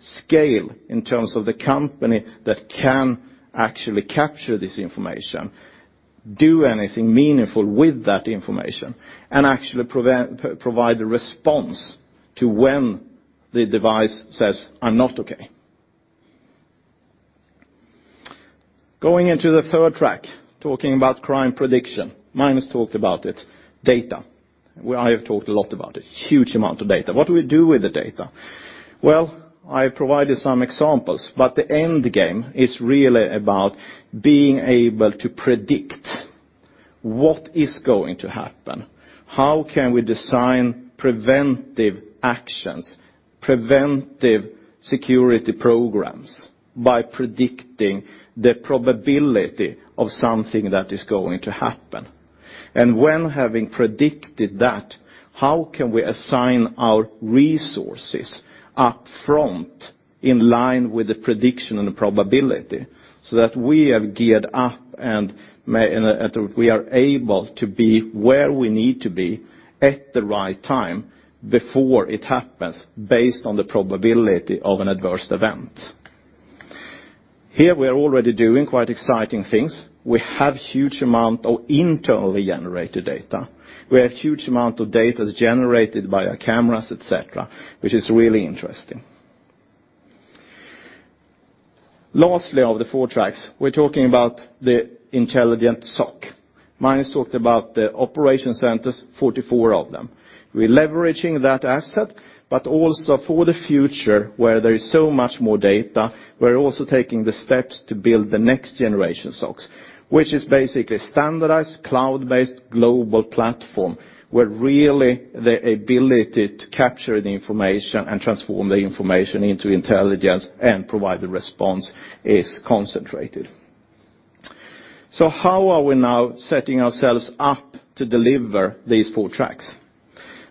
Scale in terms of the company that can actually capture this information, do anything meaningful with that information, and actually provide a response to when the device says, "I'm not okay." Going into the third track, talking about crime prediction. Magnus talked about it. Data, where I have talked a lot about it. Huge amount of data. What do we do with the data? Well, I provided some examples, but the end game is really about being able to predict what is going to happen. How can we design preventive actions, preventive security programs, by predicting the probability of something that is going to happen? When having predicted that, how can we assign our resources up front in line with the prediction and the probability so that we are geared up, and we are able to be where we need to be at the right time before it happens, based on the probability of an adverse event? Here we are already doing quite exciting things. We have huge amount of internally generated data. We have huge amount of data generated by our cameras, et cetera, which is really interesting. Lastly of the four tracks, we're talking about the intelligent SOC. Magnus talked about the operation centers, 44 of them. We're leveraging that asset, but also for the future where there is so much more data, we're also taking the steps to build the next generation SOCs, which is basically standardized, cloud-based global platform, where really the ability to capture the information and transform the information into intelligence and provide the response is concentrated. How are we now setting ourselves up to deliver these four tracks?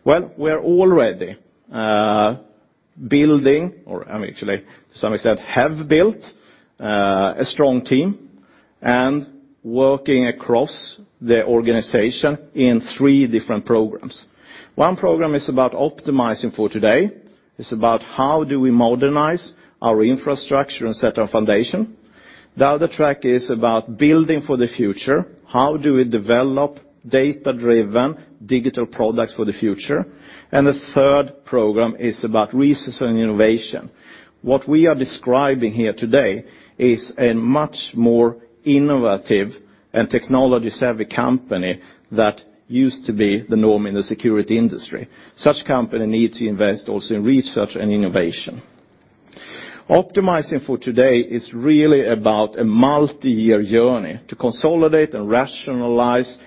Well, we're already building or actually to some extent have built a strong team, and working across the organization in three different programs. One program is about Optimize for today. It's about how do we modernize our infrastructure and set our foundation. The other track is about building for the future. How do we develop data-driven digital products for the future? The third program is about research and innovation. What we are describing here today is a much more innovative and technology-savvy company that used to be the norm in the security industry. Such company need to invest also in research and innovation. Optimize for today is really about a multi-year journey to consolidate and rationalize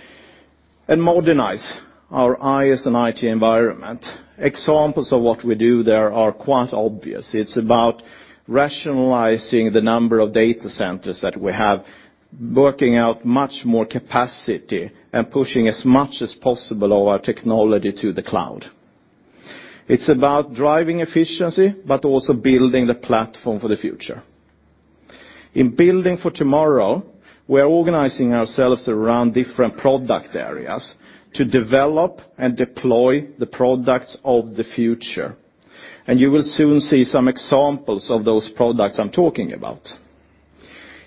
and modernize our IS/IT environment. Examples of what we do there are quite obvious. It's about rationalizing the number of data centers that we have, working out much more capacity, and pushing as much as possible of our technology to the cloud. It's about driving efficiency, but also building the platform for the future. In building for tomorrow, we are organizing ourselves around different product areas to develop and deploy the products of the future, and you will soon see some examples of those products I'm talking about.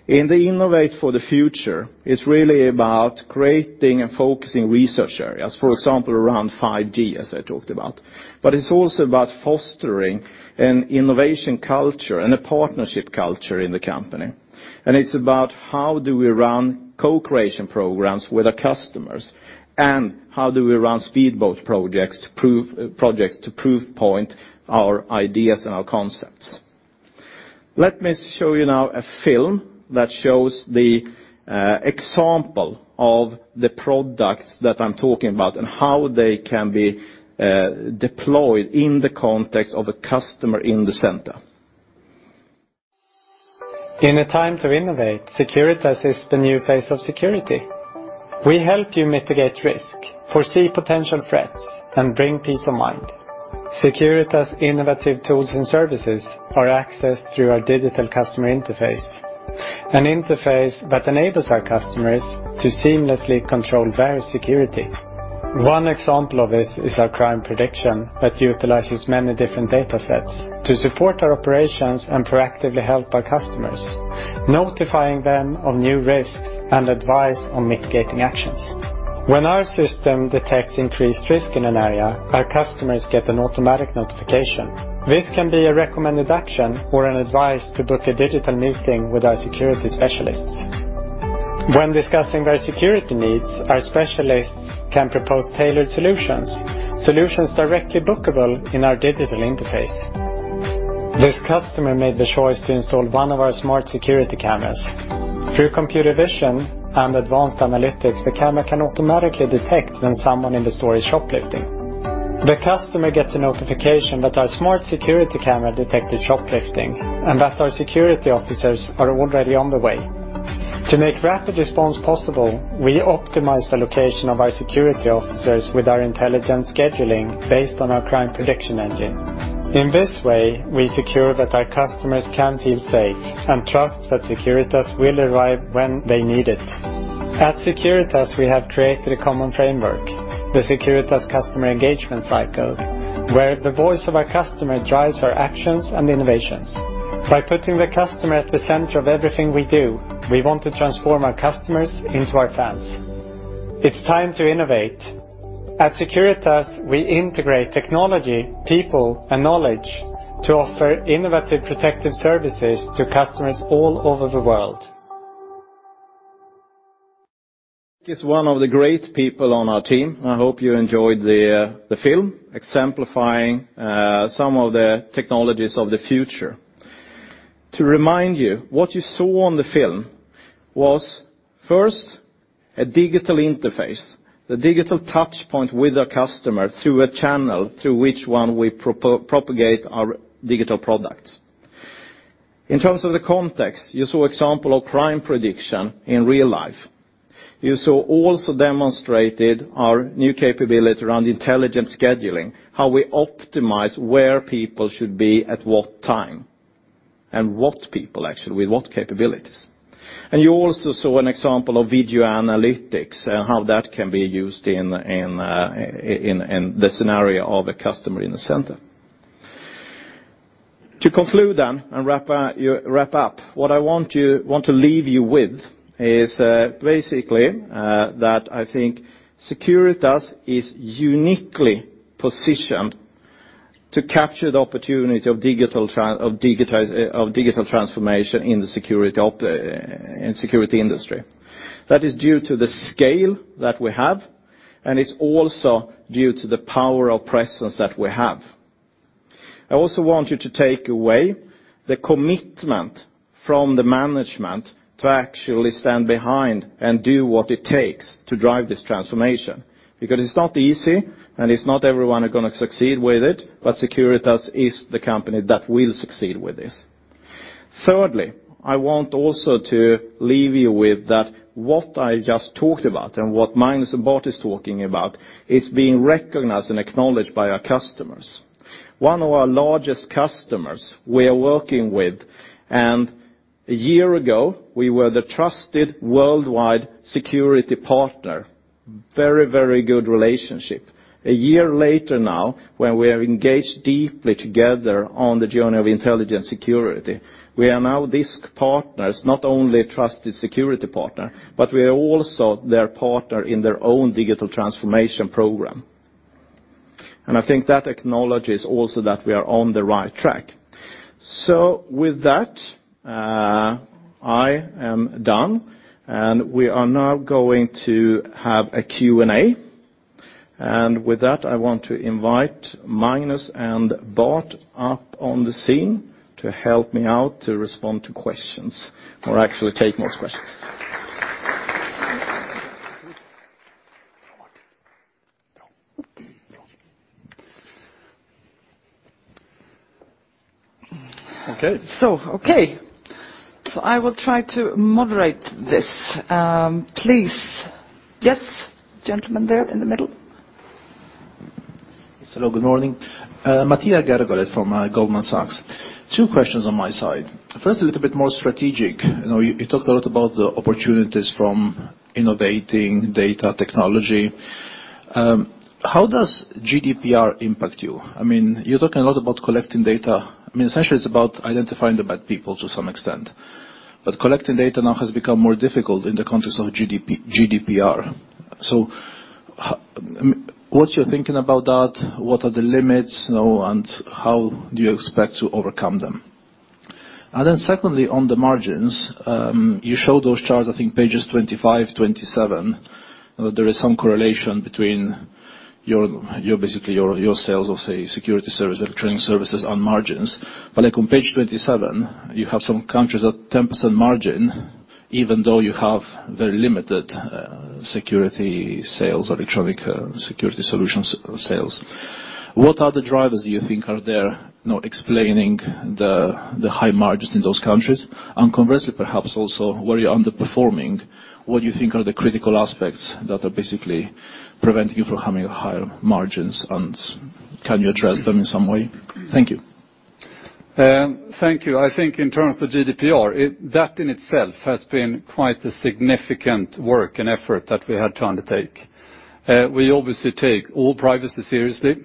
In the Innovate for the Future, it's really about creating and focusing research areas, for example, around 5G, as I talked about. It's also about fostering an innovation culture and a partnership culture in the company. It's about how do we run co-creation programs with our customers, and how do we run speedboat projects to proof point our ideas and our concepts. Let me show you now a film that shows the example of the products that I'm talking about and how they can be deployed in the context of a customer in the center. In a time to innovate, Securitas is the new face of security. We help you mitigate risk, foresee potential threats, and bring peace of mind. Securitas innovative tools and services are accessed through our digital customer interface, an interface that enables our customers to seamlessly control their security. One example of this is our crime prediction that utilizes many different data sets to support our operations and proactively help our customers, notifying them of new risks and advice on mitigating actions. When our system detects increased risk in an area, our customers get an automatic notification. This can be a recommended action or an advice to book a digital meeting with our security specialists. When discussing their security needs, our specialists can propose tailored solutions directly bookable in our digital interface. This customer made the choice to install one of our smart security cameras. Through computer vision and advanced analytics, the camera can automatically detect when someone in the store is shoplifting. The customer gets a notification that our smart security camera detected shoplifting and that our security officers are already on the way. To make rapid response possible, we optimize the location of our security officers with our intelligent scheduling based on our crime prediction engine. In this way, we secure that our customers can feel safe and trust that Securitas will arrive when they need it. At Securitas, we have created a common framework, the Securitas customer engagement cycle, where the voice of our customer drives our actions and innovations. By putting the customer at the center of everything we do, we want to transform our customers into our fans. It's time to innovate. At Securitas, we integrate technology, people, and knowledge to offer innovative protective services to customers all over the world. Is one of the great people on our team. I hope you enjoyed the film exemplifying some of the technologies of the future. To remind you, what you saw in the film was first a digital interface, the digital touchpoint with a customer through a channel through which one we propagate our digital products. In terms of the context, you saw example of crime prediction in real life. You saw also demonstrated our new capability around intelligence scheduling, how we optimize where people should be at what time, and what people, actually, with what capabilities. You also saw an example of video analytics and how that can be used in the scenario of a customer in the center. To conclude and wrap up, what I want to leave you with is basically that I think Securitas is uniquely positioned to capture the opportunity of digital transformation in the security industry. That is due to the scale that we have, and it's also due to the power of presence that we have. I also want you to take away the commitment from the management to actually stand behind and do what it takes to drive this transformation, because it's not easy and it's not everyone who is going to succeed with it, but Securitas is the company that will succeed with this. Thirdly, I want also to leave you with that what I just talked about and what Magnus and Bart is talking about is being recognized and acknowledged by our customers. One of our largest customers we are working with, a year ago, we were the trusted worldwide security partner. Very good relationship. A year later now, when we are engaged deeply together on the journey of intelligent security, we are now digital partners, not only a trusted security partner, but we are also their partner in their own digital transformation program. I think that acknowledges also that we are on the right track. With that, I am done, we are now going to have a Q&A. With that, I want to invite Magnus and Bård up on the scene to help me out to respond to questions or actually take those questions. Okay. Okay. I will try to moderate this. Please. Yes, gentleman there in the middle. Hello, good morning. Matija Gergolet from Goldman Sachs. Two questions on my side. First, a little bit more strategic. You talked a lot about the opportunities from innovating data technology. How does GDPR impact you? You're talking a lot about collecting data. Essentially, it's about identifying the bad people to some extent. Collecting data now has become more difficult in the context of GDPR. What's your thinking about that? What are the limits, and how do you expect to overcome them? Secondly, on the margins, you showed those charts, I think pages 25, 27, there is some correlation between basically your sales of, say, security service, electronic services on margins. Like on page 27, you have some countries at 10% margin, even though you have very limited security sales or electronic security solutions sales. What are the drivers you think are there now explaining the high margins in those countries? Conversely, perhaps also, where you're underperforming, what you think are the critical aspects that are basically preventing you from having higher margins, and can you address them in some way? Thank you. Thank you. I think in terms of GDPR, that in itself has been quite a significant work and effort that we had to undertake. We obviously take all privacy seriously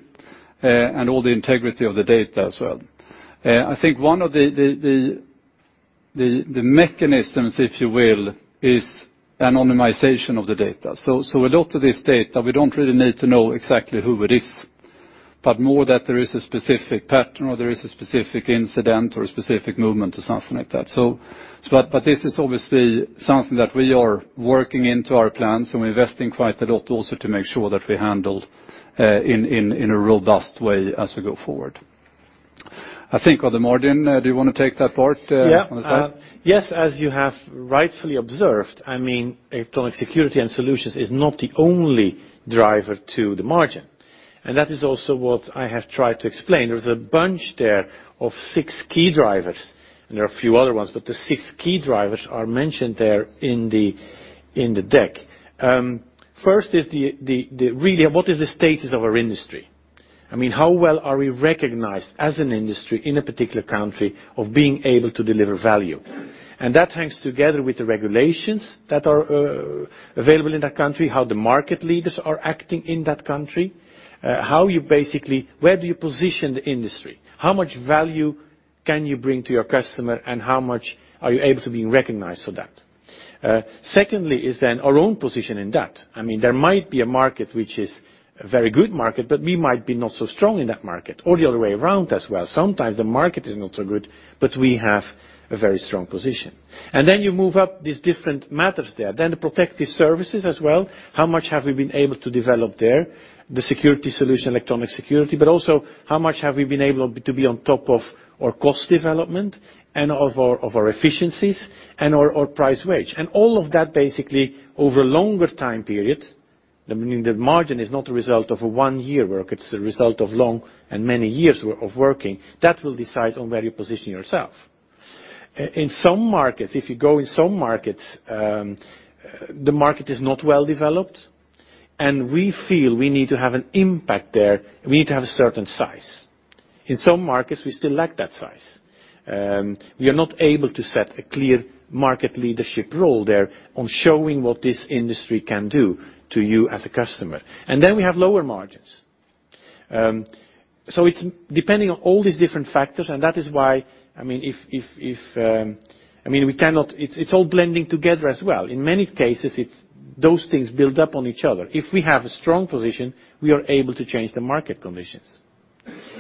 and all the integrity of the data as well. I think one of the mechanisms, if you will, is anonymization of the data. A lot of this data, we don't really need to know exactly who it is, but more that there is a specific pattern or there is a specific incident or a specific movement or something like that. This is obviously something that we are working into our plans and we're investing quite a lot also to make sure that we handle in a robust way as we go forward. I think of the margin. Do you want to take that part- Yeah on this side? Yes, as you have rightfully observed, electronic security and solutions is not the only driver to the margin. That is also what I have tried to explain. There is a bunch there of 6 key drivers, and there are a few other ones, but the 6 key drivers are mentioned there in the deck. First is really, what is the status of our industry? I mean, how well are we recognized as an industry in a particular country of being able to deliver value? That hangs together with the regulations that are available in that country, how the market leaders are acting in that country, where do you position the industry? How much value can you bring to your customer, and how much are you able to be recognized for that? Secondly is our own position in that. There might be a market which is a very good market, but we might be not so strong in that market, or the other way around as well. Sometimes the market is not so good, but we have a very strong position. You move up these different matters there. The protective services as well. How much have we been able to develop there? The security solution, electronic security, but also how much have we been able to be on top of our cost development and of our efficiencies and our price wage. All of that basically over a longer time period, the margin is not a result of a 1-year work, it is a result of long and many years of working. That will decide on where you position yourself. In some markets, if you go in some markets, the market is not well developed, and we feel we need to have an impact there, we need to have a certain size. In some markets, we still lack that size. We are not able to set a clear market leadership role there on showing what this industry can do to you as a customer. We have lower margins. It is depending on all these different factors, and that is why it is all blending together as well. In many cases, those things build up on each other. If we have a strong position, we are able to change the market conditions.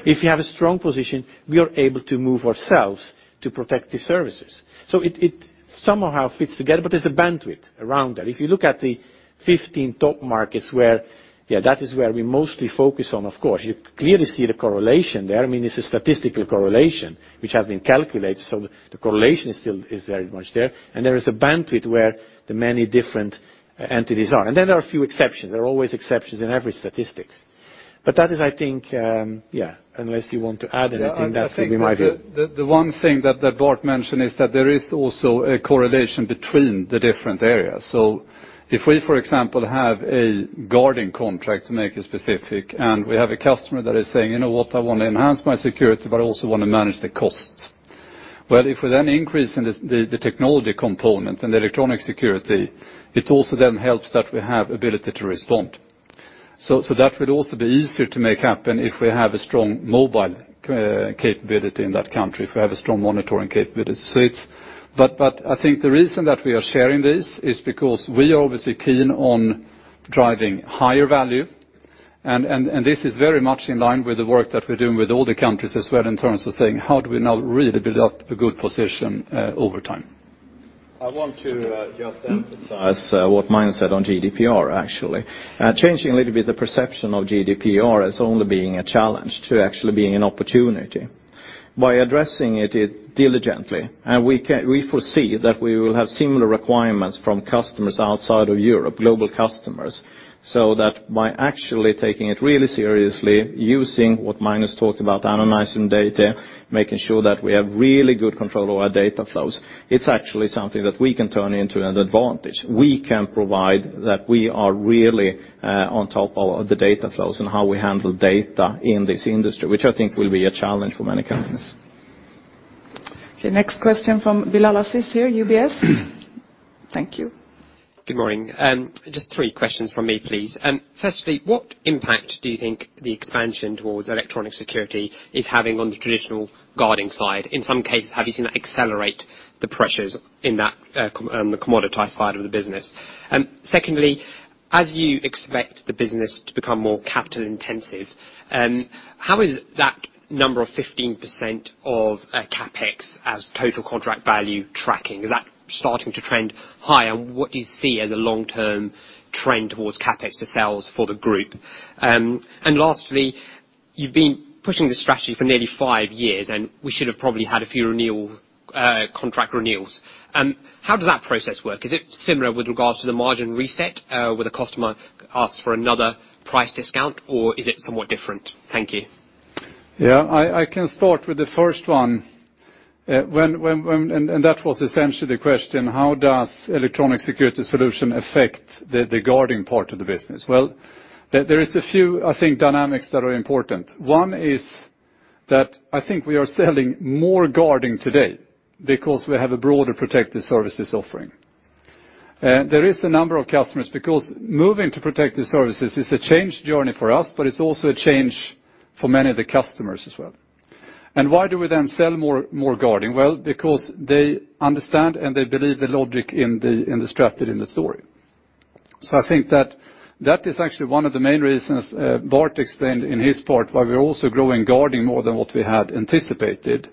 If you have a strong position, we are able to move ourselves to protect the services. It somehow fits together, but there is a bandwidth around that. If you look at the 15 top markets where, that is where we mostly focus on, of course, you clearly see the correlation there. This is statistical correlation, which has been calculated, so the correlation is very much there. There is a bandwidth where the many different entities are. Then there are a few exceptions. There are always exceptions in every statistics. That is, I think, unless you want to add anything. No that would be my view. I think the one thing that Bart mentioned is that there is also a correlation between the different areas. If we, for example, have a guarding contract, to make it specific, and we have a customer that is saying, "You know what? I want to enhance my security, but I also want to manage the cost." If we then increase the technology component and the electronic security, it also then helps that we have ability to respond. That would also be easier to make happen if we have a strong mobile capability in that country, if we have a strong monitoring capability. I think the reason that we are sharing this is because we are obviously keen on driving higher value, and this is very much in line with the work that we're doing with all the countries as well in terms of saying, how do we now really build up a good position over time? I want to just emphasize what Martin said on GDPR, actually. Changing a little bit the perception of GDPR as only being a challenge to actually being an opportunity. By addressing it diligently, and we foresee that we will have similar requirements from customers outside of Europe, global customers. That by actually taking it really seriously, using what Martin has talked about, analyzing data, making sure that we have really good control of our data flows, it's actually something that we can turn into an advantage. We can provide that we are really on top of the data flows and how we handle data in this industry, which I think will be a challenge for many companies. Next question from Bilal Aziz, UBS. Thank you. Good morning. Just three questions from me, please. Firstly, what impact do you think the expansion towards electronic security is having on the traditional guarding side? In some cases, have you seen that accelerate the pressures in the commoditized side of the business? Secondly, as you expect the business to become more capital intensive, how is that number of 15% of CapEx as total contract value tracking? Is that starting to trend higher? What do you see as a long-term trend towards CapEx to sales for the group? Lastly, you've been pushing this strategy for nearly five years, and we should have probably had a few contract renewals. How does that process work? Is it similar with regards to the margin reset, where the customer asks for another price discount, or is it somewhat different? Thank you. I can start with the first one. That was essentially the question, how does electronic security solution affect the guarding part of the business? Well, there is a few, I think, dynamics that are important. One is that I think we are selling more guarding today because we have a broader protective services offering. There is a number of customers, because moving to protective services is a change journey for us, but it's also a change for many of the customers as well. Why do we then sell more guarding? Well, because they understand and they believe the logic in the strategy in the story. I think that is actually one of the main reasons Bart explained in his part why we're also growing guarding more than what we had anticipated.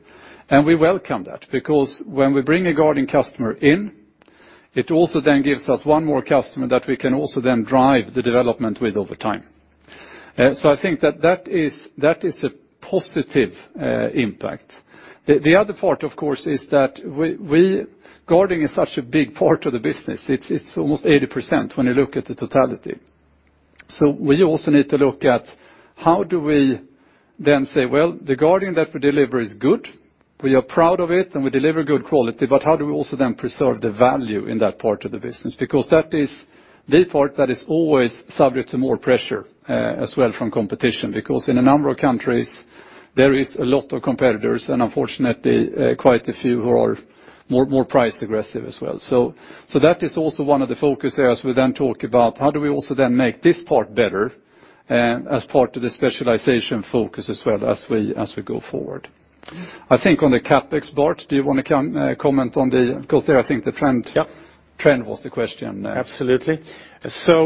We welcome that, because when we bring a guarding customer in. It also then gives us one more customer that we can also then drive the development with over time. I think that is a positive impact. The other part, of course, is that guarding is such a big part of the business. It is almost 80% when you look at the totality. We also need to look at how do we then say, well, the guarding that we deliver is good. We are proud of it, and we deliver good quality, but how do we also then preserve the value in that part of the business? Because that is the part that is always subject to more pressure as well from competition, because in a number of countries, there is a lot of competitors, and unfortunately, quite a few who are more price aggressive as well. That is also one of the focus areas we then talk about. How do we also then make this part better as part of the specialization focus as well as we go forward. I think on the CapEx part, do you want to comment on the? Yeah. Trend was the question. Absolutely.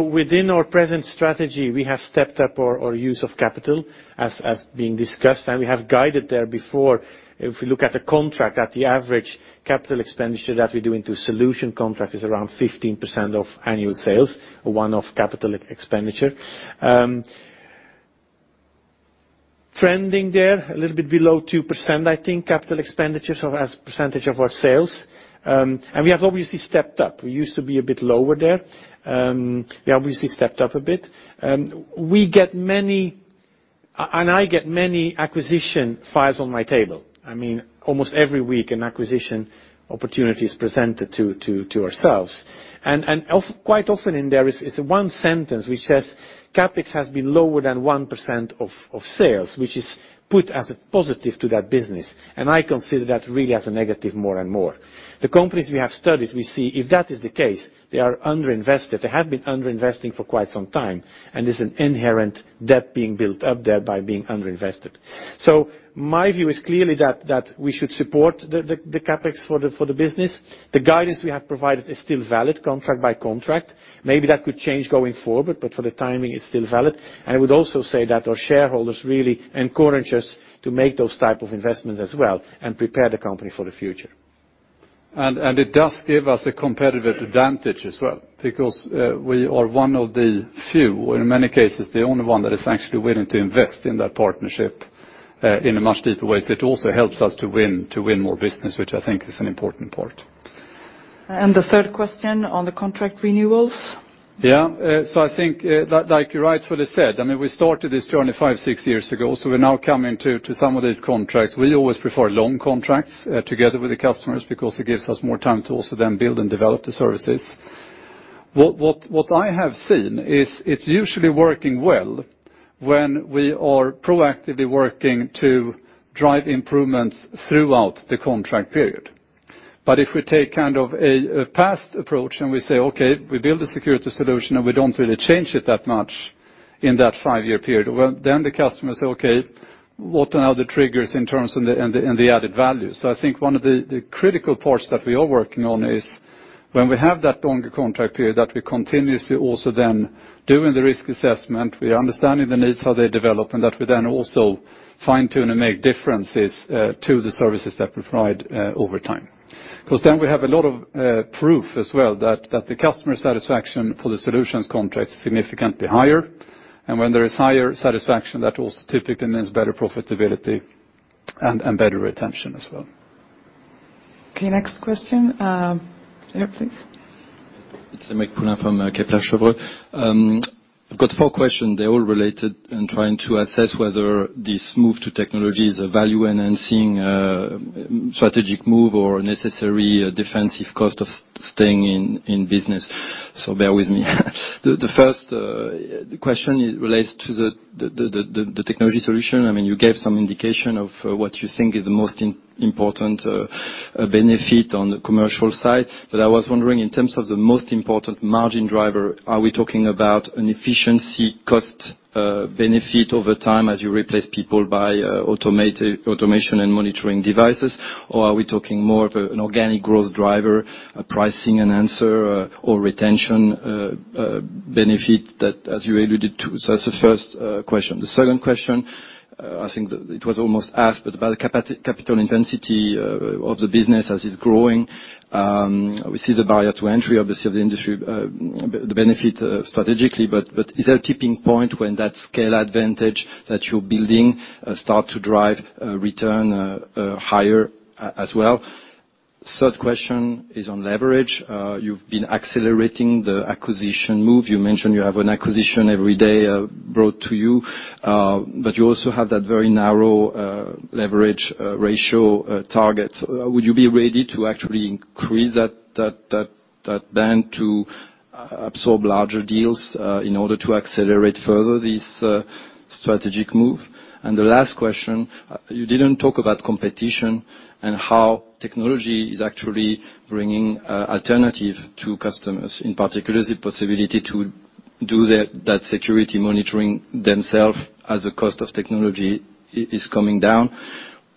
Within our present strategy, we have stepped up our use of capital as being discussed, and we have guided there before, if we look at the contract at the average capital expenditure that we do into solution contract is around 15% of annual sales, one-off capital expenditure. Trending there a little bit below 2%, I think, capital expenditures as a percentage of our sales. We have obviously stepped up. We used to be a bit lower there. We obviously stepped up a bit. We get many, and I get many acquisition files on my table. Almost every week an acquisition opportunity is presented to ourselves. Quite often in there is one sentence which says CapEx has been lower than 1% of sales, which is put as a positive to that business, and I consider that really as a negative more and more. The companies we have studied, we see if that is the case, they are underinvested. They have been underinvesting for quite some time, and there's an inherent debt being built up there by being underinvested. My view is clearly that we should support the CapEx for the business. The guidance we have provided is still valid contract by contract. Maybe that could change going forward, but for the timing, it's still valid. I would also say that our shareholders really encourage us to make those type of investments as well and prepare the company for the future. It does give us a competitive advantage as well because we are one of the few, in many cases, the only one that is actually willing to invest in that partnership in a much deeper way. It also helps us to win more business, which I think is an important part. The third question on the contract renewals? Yeah. I think, like you rightfully said, we started this journey five, six years ago. We're now coming to some of these contracts. We always prefer long contracts together with the customers because it gives us more time to also then build and develop the services. What I have seen is it's usually working well when we are proactively working to drive improvements throughout the contract period. If we take kind of a past approach and we say, okay, we build a security solution and we don't really change it that much in that five-year period, well, then the customer say, okay, what are now the triggers in terms of the added value? I think one of the critical parts that we are working on is when we have that longer contract period, that we continuously also doing the risk assessment, we are understanding the needs, how they develop, and that we also fine-tune and make differences to the services that we provide over time. We have a lot of proof as well that the customer satisfaction for the solutions contract significantly higher. When there is higher satisfaction, that also typically means better profitability and better retention as well. Okay, next question. Yeah, please. It's from Kepler Cheuvreux. I've got four questions. They're all related in trying to assess whether this move to technology is a value-enhancing strategic move or a necessary defensive cost of staying in business. Bear with me. The first question relates to the technology solution. You gave some indication of what you think is the most important benefit on the commercial side. I was wondering in terms of the most important margin driver, are we talking about an efficiency cost benefit over time as you replace people by automation and monitoring devices, or are we talking more of an organic growth driver, a pricing enhancer or retention benefit that as you alluded to? That's the first question. The second question, I think it was almost asked, but about capital intensity of the business as it's growing. We see the barrier to entry, obviously of the industry, the benefit strategically, is there a tipping point when that scale advantage that you're building start to drive return higher as well? Third question is on leverage. You've been accelerating the acquisition move. You mentioned you have an acquisition every day brought to you. You also have that very narrow leverage ratio target. Would you be ready to actually increase that band to absorb larger deals in order to accelerate further this strategic move? The last question, you didn't talk about competition and how technology is actually bringing alternative to customers. In particular, is it possibility to do that security monitoring themselves as the cost of technology is coming down,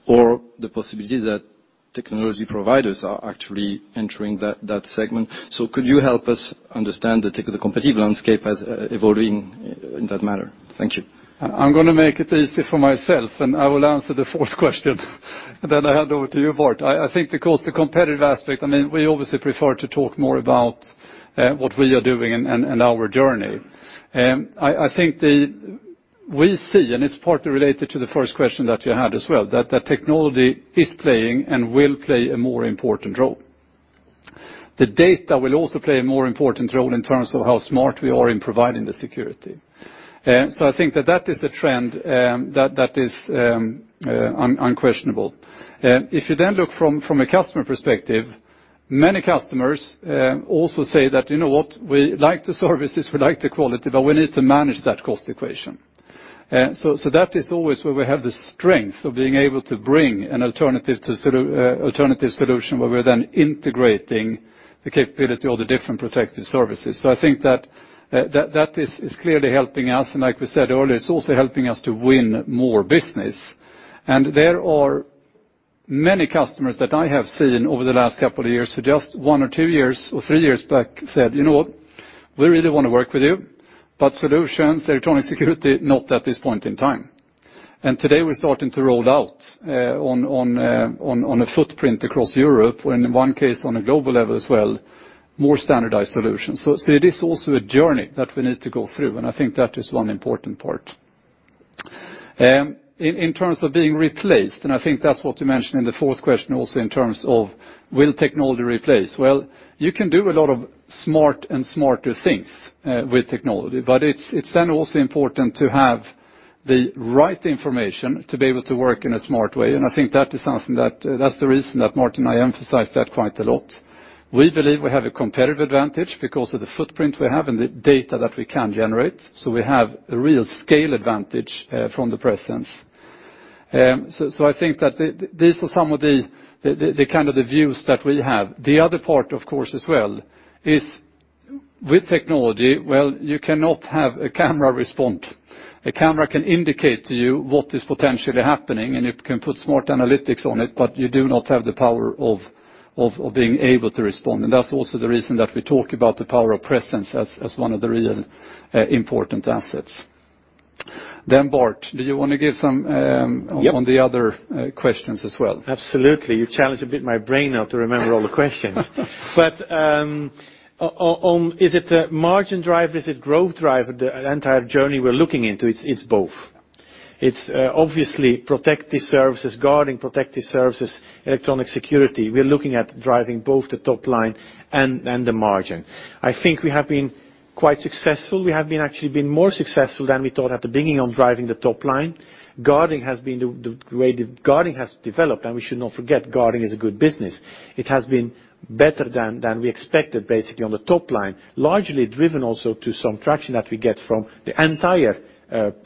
or the possibility that technology providers are actually entering that segment. Could you help us understand the competitive landscape as evolving in that manner? Thank you. I'm going to make it easy for myself, I will answer the fourth question then I hand over to you, Bart. I think because the competitive aspect, we obviously prefer to talk more about what we are doing and our journey. I think we see, and it's partly related to the first question that you had as well, that the technology is playing and will play a more important role. The data will also play a more important role in terms of how smart we are in providing the security. I think that is a trend that is unquestionable. If you look from a customer perspective, many customers also say that, you know what? We like the services, we like the quality, but we need to manage that cost equation. That is always where we have the strength of being able to bring an alternative solution, where we're then integrating the capability of the different protective services. I think that is clearly helping us, and like we said earlier, it's also helping us to win more business. There are many customers that I have seen over the last couple of years who just one or two years or three years back said, "You know what? We really want to work with you. But solutions, electronic security, not at this point in time." Today we're starting to roll out on a footprint across Europe, or in one case, on a global level as well, more standardized solutions. It is also a journey that we need to go through, and I think that is one important part. In terms of being replaced, I think that's what you mentioned in the fourth question also in terms of will technology replace? Well, you can do a lot of smart and smarter things with technology, but it's then also important to have the right information to be able to work in a smart way. I think that's the reason that Martin and I emphasize that quite a lot. We believe we have a competitive advantage because of the footprint we have and the data that we can generate. We have a real scale advantage from the presence. I think that these are some of the kind of the views that we have. The other part, of course, as well, is with technology, well, you cannot have a camera respond. A camera can indicate to you what is potentially happening, you can put smart analytics on it, but you do not have the power of being able to respond. That's also the reason that we talk about the power of presence as one of the real important assets. Bart, do you want to give some- Yep on the other questions as well? Absolutely. You challenge a bit my brain now to remember all the questions. Is it a margin drive? Is it growth drive? The entire journey we're looking into, it's both. It's obviously protective services, guarding protective services, electronic security. We're looking at driving both the top line and the margin. I think we have been quite successful. We have actually been more successful than we thought at the beginning on driving the top line. Guarding has developed, and we should not forget, guarding is a good business. It has been better than we expected, basically, on the top line, largely driven also to some traction that we get from the entire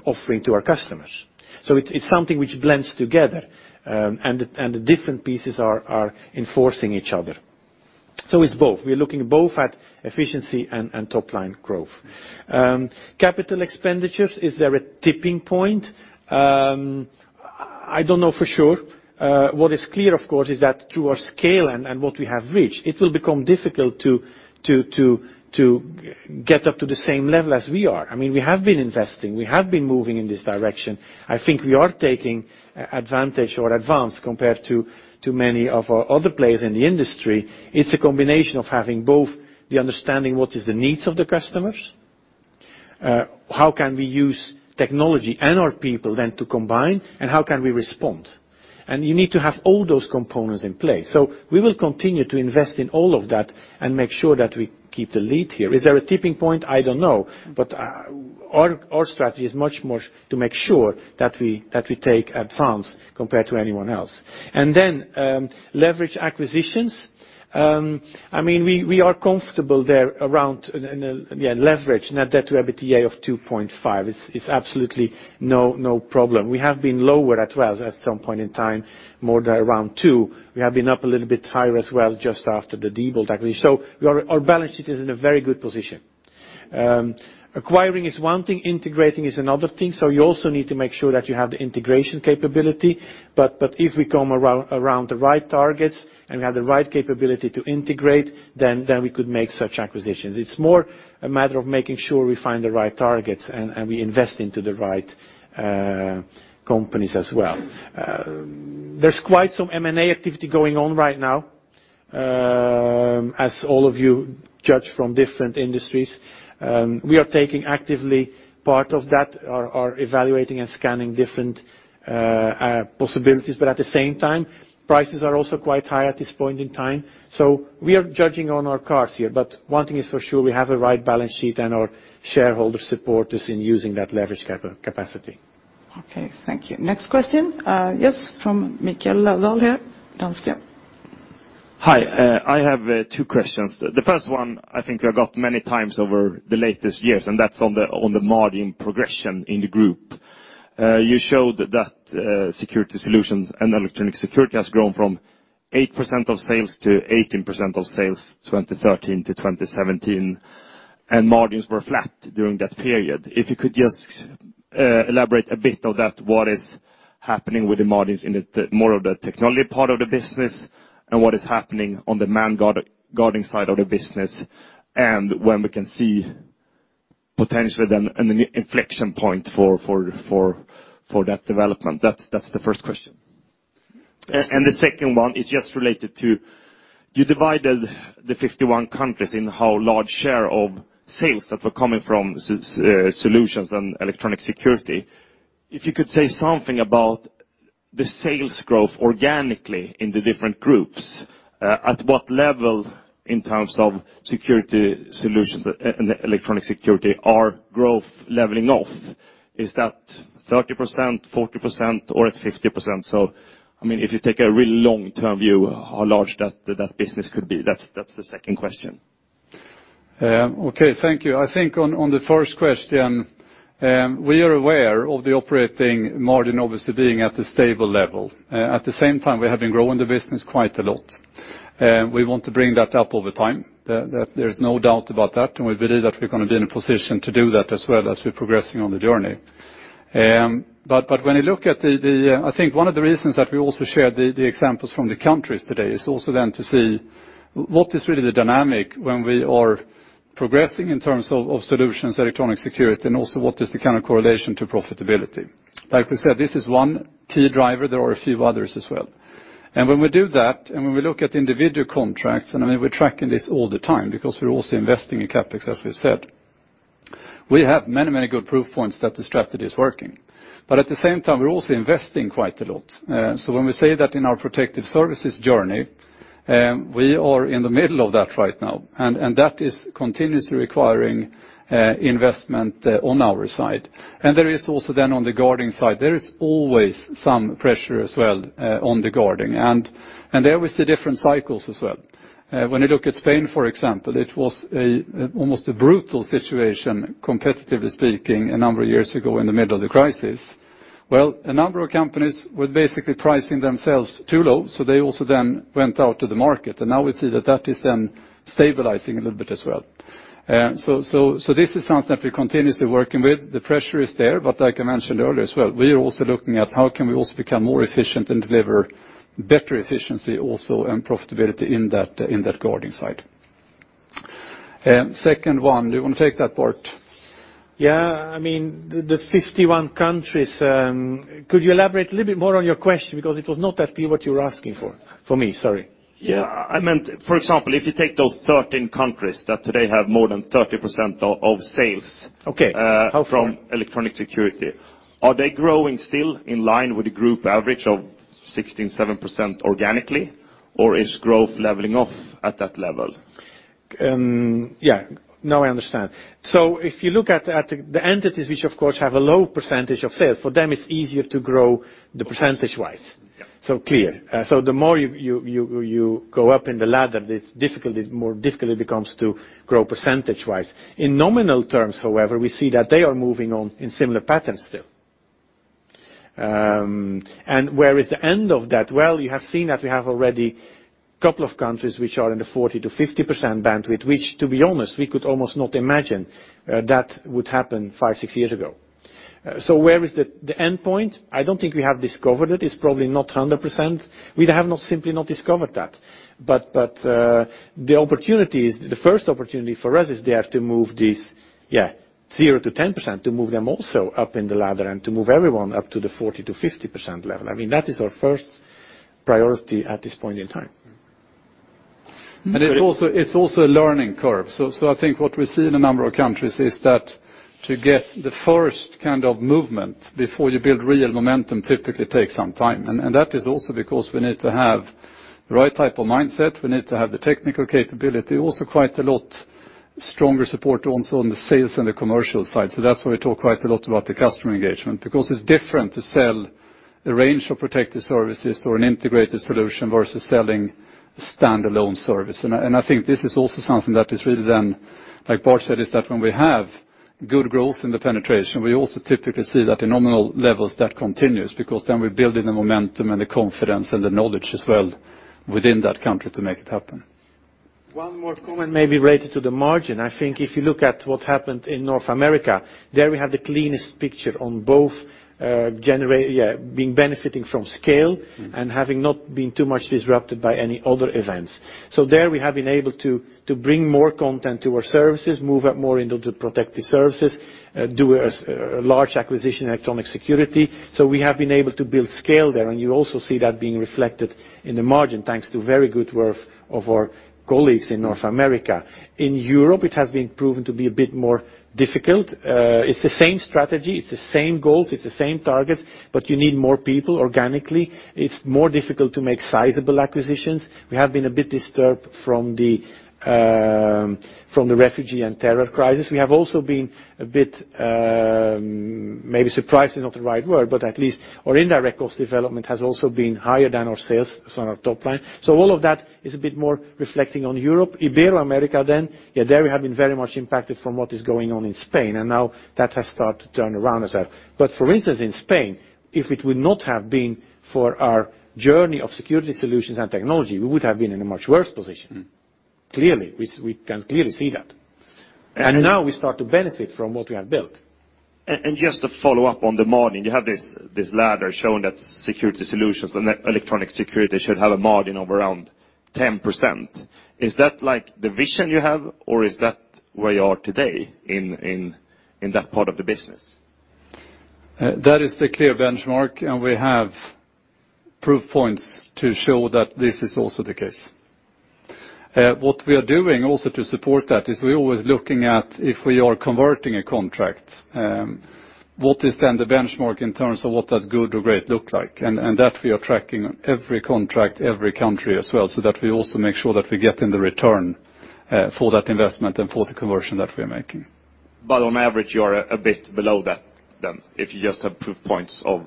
offering to our customers. It's something which blends together, and the different pieces are enforcing each other. It's both. We're looking both at efficiency and top-line growth. Capital expenditures, is there a tipping point? I don't know for sure. What is clear, of course, is that through our scale and what we have reached, it will become difficult to get up to the same level as we are. We have been investing. We have been moving in this direction. I think we are taking advantage or advance compared to many of our other players in the industry. It's a combination of having both the understanding what is the needs of the customers, how can we use technology and our people then to combine, and how can we respond? You need to have all those components in place. We will continue to invest in all of that and make sure that we keep the lead here. Is there a tipping point? I don't know. Our strategy is much more to make sure that we take advance compared to anyone else. Then leverage acquisitions. We are comfortable there around leverage. Net debt to EBITDA of 2.5 is absolutely no problem. We have been lower as well at some point in time, more around two. We have been up a little bit higher as well just after the Diebold acquisition. Our balance sheet is in a very good position. Acquiring is one thing, integrating is another thing. You also need to make sure that you have the integration capability. If we come around the right targets and we have the right capability to integrate, then we could make such acquisitions. It's more a matter of making sure we find the right targets and we invest into the right companies as well. There's quite some M&A activity going on right now, as all of you judge from different industries. We are taking actively part of that, are evaluating and scanning different possibilities. At the same time, prices are also quite high at this point in time. We are judging on our course here. One thing is for sure, we have a right balance sheet, and our shareholders support us in using that leverage capacity. Okay, thank you. Next question. From Mikael Holm, Danske. Hi. I have two questions. The first one, I think we have got many times over the latest years, and that's on the margin progression in the group. You showed that security solutions and electronic security has grown from 8% of sales to 18% of sales 2013 to 2017, and margins were flat during that period. If you could just elaborate a bit of that, what is happening with the margins in more of the technology part of the business, and what is happening on the man guarding side of the business, and when we can see potentially then an inflection point for that development. That's the first question. The second one is just related to, you divided the 51 countries in how large share of sales that were coming from solutions and electronic security. If you could say something about the sales growth organically in the different groups, at what level in terms of security solutions and electronic security are growth leveling off? Is that 30%, 40%, or at 50%? If you take a really long-term view, how large that business could be. That's the second question. Okay. Thank you. I think on the first question, we are aware of the operating margin obviously being at the stable level. We have been growing the business quite a lot. We want to bring that up over time. There's no doubt about that. We believe that we're going to be in a position to do that as well, as we're progressing on the journey. I think one of the reasons that we also shared the examples from the countries today is also to see what is really the dynamic when we are progressing in terms of solutions, electronic security, and also what is the kind of correlation to profitability. Like we said, this is one key driver. There are a few others as well. When we do that, when we look at individual contracts, we're tracking this all the time because we're also investing in CapEx, as we've said. We have many good proof points that the strategy is working. At the same time, we're also investing quite a lot. When we say that in our protective services journey, we are in the middle of that right now, that is continuously requiring investment on our side. There is also on the guarding side, there is always some pressure as well on the guarding. There we see different cycles as well. When you look at Spain, for example, it was almost a brutal situation, competitively speaking, a number of years ago in the middle of the crisis. A number of companies were basically pricing themselves too low, they also went out to the market, now we see that that is stabilizing a little bit as well. This is something that we're continuously working with. The pressure is there, like I mentioned earlier as well, we are also looking at how can we also become more efficient and deliver better efficiency also and profitability in that guarding side. Second one, do you want to take that part? The 51 countries, could you elaborate a little bit more on your question? It was not that clear what you were asking for me. Sorry. Yeah. I meant, for example, if you take those 13 countries that today have more than 30% of sales- Okay from electronic security. Are they growing still in line with the group average of 67% organically, or is growth leveling off at that level? Yeah. Now I understand. If you look at the entities which of course have a low percentage of sales, for them it's easier to grow the percentage-wise. Yeah. Clear. The more you go up in the ladder, the more difficult it becomes to grow percentage-wise. In nominal terms, however, we see that they are moving on in similar patterns still. Where is the end of that? Well, you have seen that we have already couple of countries which are in the 40%-50% bandwidth, which to be honest, we could almost not imagine that would happen five, six years ago. Where is the endpoint? I don't think we have discovered it. It's probably not 100%. We have simply not discovered that. The first opportunity for us is they have to move this 0%-10%, to move them also up in the ladder and to move everyone up to the 40%-50% level. That is our first priority at this point in time. It's also a learning curve. I think what we see in a number of countries is that to get the first kind of movement before you build real momentum typically takes some time. That is also because we need to have the right type of mindset. We need to have the technical capability, also quite a lot stronger support also on the sales and the commercial side. That's why we talk quite a lot about the customer engagement, because it's different to sell a range of protective services or an integrated solution versus selling a standalone service. I think this is also something that is really, like Bart said, is that when we have good growth in the penetration, we also typically see that the nominal levels, that continues, because we're building the momentum and the confidence and the knowledge as well within that country to make it happen. One more comment may be related to the margin. I think if you look at what happened in North America, there we have the cleanest picture on both being benefiting from scale and having not been too much disrupted by any other events. There we have been able to bring more content to our services, move up more into the protective services, do a large acquisition in electronic security. We have been able to build scale there, and you also see that being reflected in the margin, thanks to very good work of our colleagues in North America. In Europe, it has been proven to be a bit more difficult. It's the same strategy, it's the same goals, it's the same targets, but you need more people organically. It's more difficult to make sizable acquisitions. We have been a bit disturbed from the refugee and terror crisis. We have also been a bit, maybe surprised is not the right word, but at least our indirect cost development has also been higher than our sales on our top line. All of that is a bit more reflecting on Europe. Ibero-America, there we have been very much impacted from what is going on in Spain, and now that has started to turn around as well. For instance, in Spain, if it would not have been for our journey of security solutions and technology, we would have been in a much worse position. Clearly. We can clearly see that. Now we start to benefit from what we have built. Just to follow up on the margin, you have this ladder showing that security solutions and electronic security should have a margin of around 10%. Is that the vision you have, or is that where you are today in that part of the business? That is the clear benchmark, and we have proof points to show that this is also the case. What we are doing also to support that is we're always looking at if we are converting a contract, what is then the benchmark in terms of what does good or great look like? That we are tracking every contract, every country as well, so that we also make sure that we're getting the return for that investment and for the conversion that we're making. On average, you are a bit below that then, if you just have proof points of.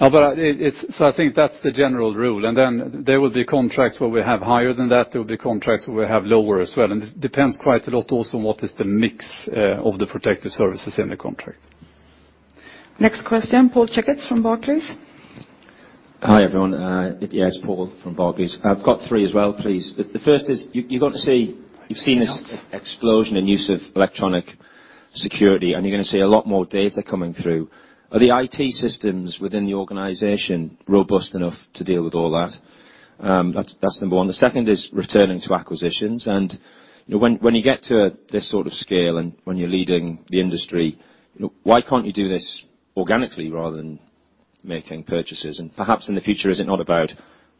I think that's the general rule, then there will be contracts where we have higher than that. There will be contracts where we have lower as well. It depends quite a lot also on what is the mix of the protective services in the contract. Next question, Paul Checketts from Barclays. Hi, everyone. Yeah, it's Paul from Barclays. I've got three as well, please. The first is you've seen this explosion in use of electronic security, you're going to see a lot more data coming through. Are the IT systems within the organization robust enough to deal with all that? That's number 1. The second is returning to acquisitions, when you get to this sort of scale and when you're leading the industry, why can't you do this organically rather than making purchases? Perhaps in the future, is it not about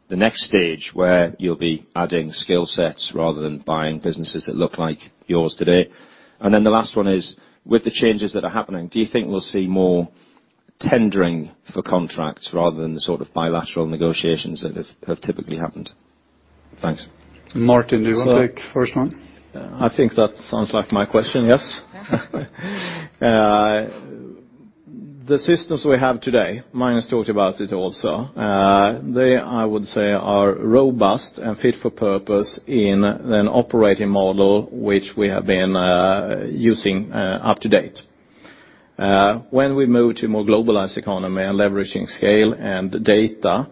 the next stage, where you'll be adding skill sets rather than buying businesses that look like yours today? The last 1 is, with the changes that are happening, do you think we'll see more tendering for contracts rather than the sort of bilateral negotiations that have typically happened? Thanks. Martin, do you want to take the first 1? I think that sounds like my question, yes. The systems we have today, Magnus talked about it also. They, I would say, are robust and fit for purpose in an operating model which we have been using up to date. When we move to more globalized economy and leveraging scale and data,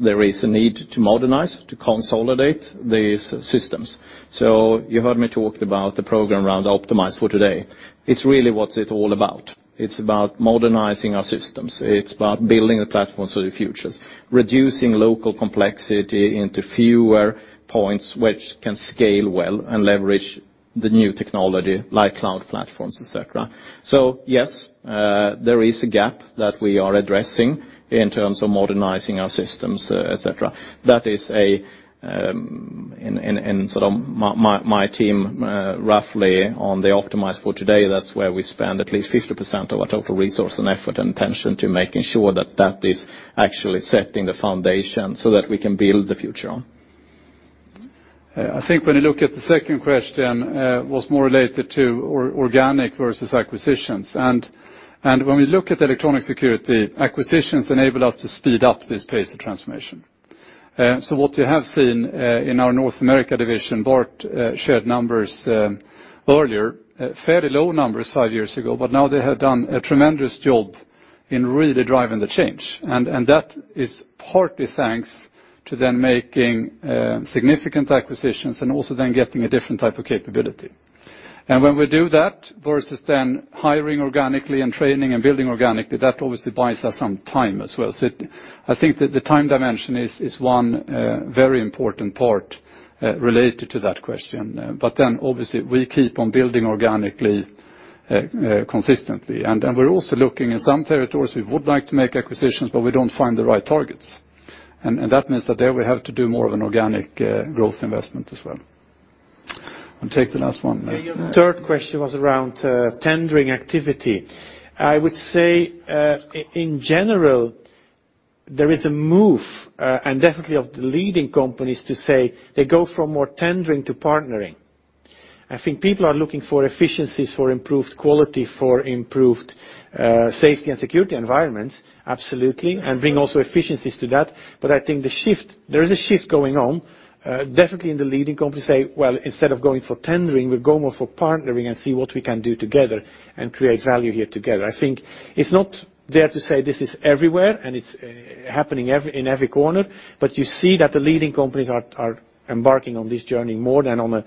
there is a need to modernize to consolidate these systems. You heard me talked about the program around Optimize for Today. It's really what it's all about. It's about modernizing our systems. It's about building the platforms for the futures, reducing local complexity into fewer points which can scale well and leverage the new technology like cloud platforms, et cetera. Yes, there is a gap that we are addressing in terms of modernizing our systems, et cetera. My team roughly on the Optimize for Today, that's where we spend at least 50% of our total resource and effort and attention to making sure that is actually setting the foundation so that we can build the future on. I think when you look at the second question was more related to organic versus acquisitions. When we look at electronic security, acquisitions enable us to speed up this pace of transformation. What you have seen in our North America division, Bart shared numbers earlier, fairly low numbers five years ago, but now they have done a tremendous job in really driving the change. That is partly thanks to them making significant acquisitions and also then getting a different type of capability. When we do that versus then hiring organically and training and building organically, that obviously buys us some time as well. I think that the time dimension is one very important part related to that question. Obviously we keep on building organically consistently. We're also looking in some territories, we would like to make acquisitions, but we don't find the right targets. That means that there we have to do more of an organic growth investment as well. I'll take the last one. Your third question was around tendering activity. I would say in general, there is a move and definitely of the leading companies to say they go from more tendering to partnering. I think people are looking for efficiencies, for improved quality, for improved safety and security environments absolutely, and bring also efficiencies to that. I think there is a shift going on definitely in the leading company say, "Well, instead of going for tendering, we go more for partnering and see what we can do together and create value here together." I think it's not there to say this is everywhere and it's happening in every corner, but you see that the leading companies are embarking on this journey more than on a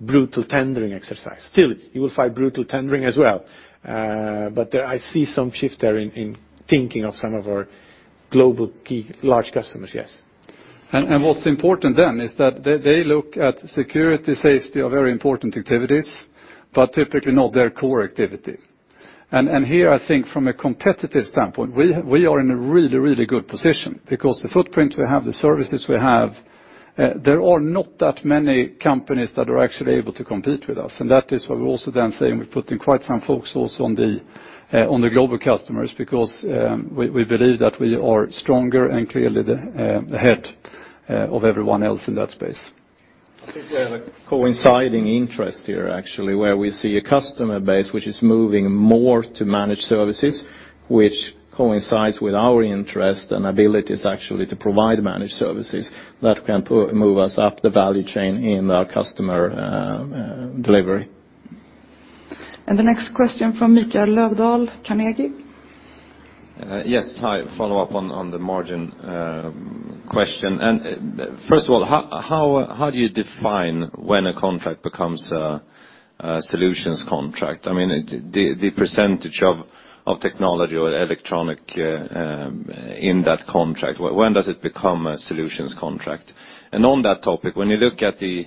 brutal tendering exercise. Still, you will find brutal tendering as well. I see some shift there in thinking of some of our global key large customers, yes. What's important then is that they look at security, safety are very important activities, but typically not their core activity. Here I think from a competitive standpoint, we are in a really good position because the footprint we have, the services we have, there are not that many companies that are actually able to compete with us. That is why we're also then saying we're putting quite some focus also on the global customers because we believe that we are stronger and clearly the head of everyone else in that space. I think we have a coinciding interest here actually where we see a customer base which is moving more to managed services which coincides with our interest and abilities actually to provide managed services that can move us up the value chain in our customer delivery. The next question from Mikael Löfdahl, Carnegie. Yes, hi. Follow-up on the margin question. First of all, how do you define when a contract becomes a solutions contract? I mean, the percentage of technology or electronic in that contract, when does it become a solutions contract? On that topic, when you look at the.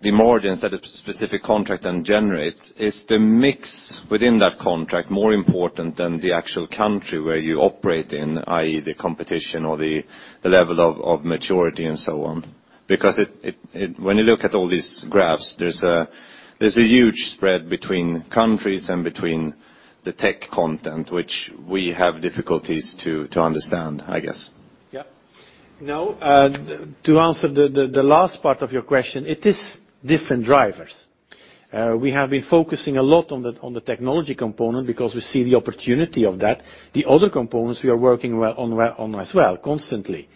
The margins that a specific contract then generates, is the mix within that contract more important than the actual country where you operate in, i.e., the competition or the level of maturity and so on? Because when you look at all these graphs, there's a huge spread between countries and between the tech content, which we have difficulties to understand, I guess. No, to answer the last part of your question, it is different drivers. We have been focusing a lot on the technology component because we see the opportunity of that. The other components we are working on as well, constantly.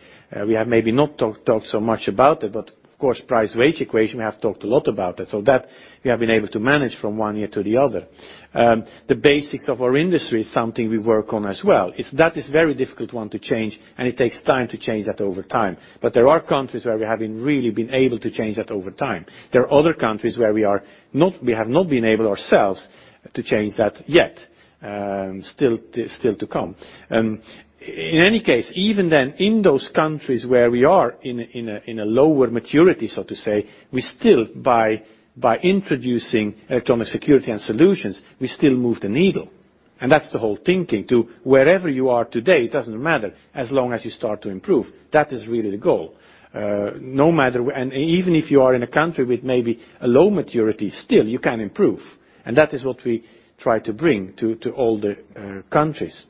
We have maybe not talked so much about it, but of course, price wage equation, we have talked a lot about that, so that we have been able to manage from one year to the other. The basics of our industry is something we work on as well. That is very difficult one to change, and it takes time to change that over time. There are countries where we have really been able to change that over time. There are other countries where we have not been able ourselves to change that yet. Still to come. In any case, even then, in those countries where we are in a lower maturity, so to say, we still by introducing electronic security and solutions, we still move the needle. That's the whole thinking to wherever you are today, it doesn't matter, as long as you start to improve. That is really the goal. Even if you are in a country with maybe a low maturity, still you can improve, and that is what we try to bring to all the countries.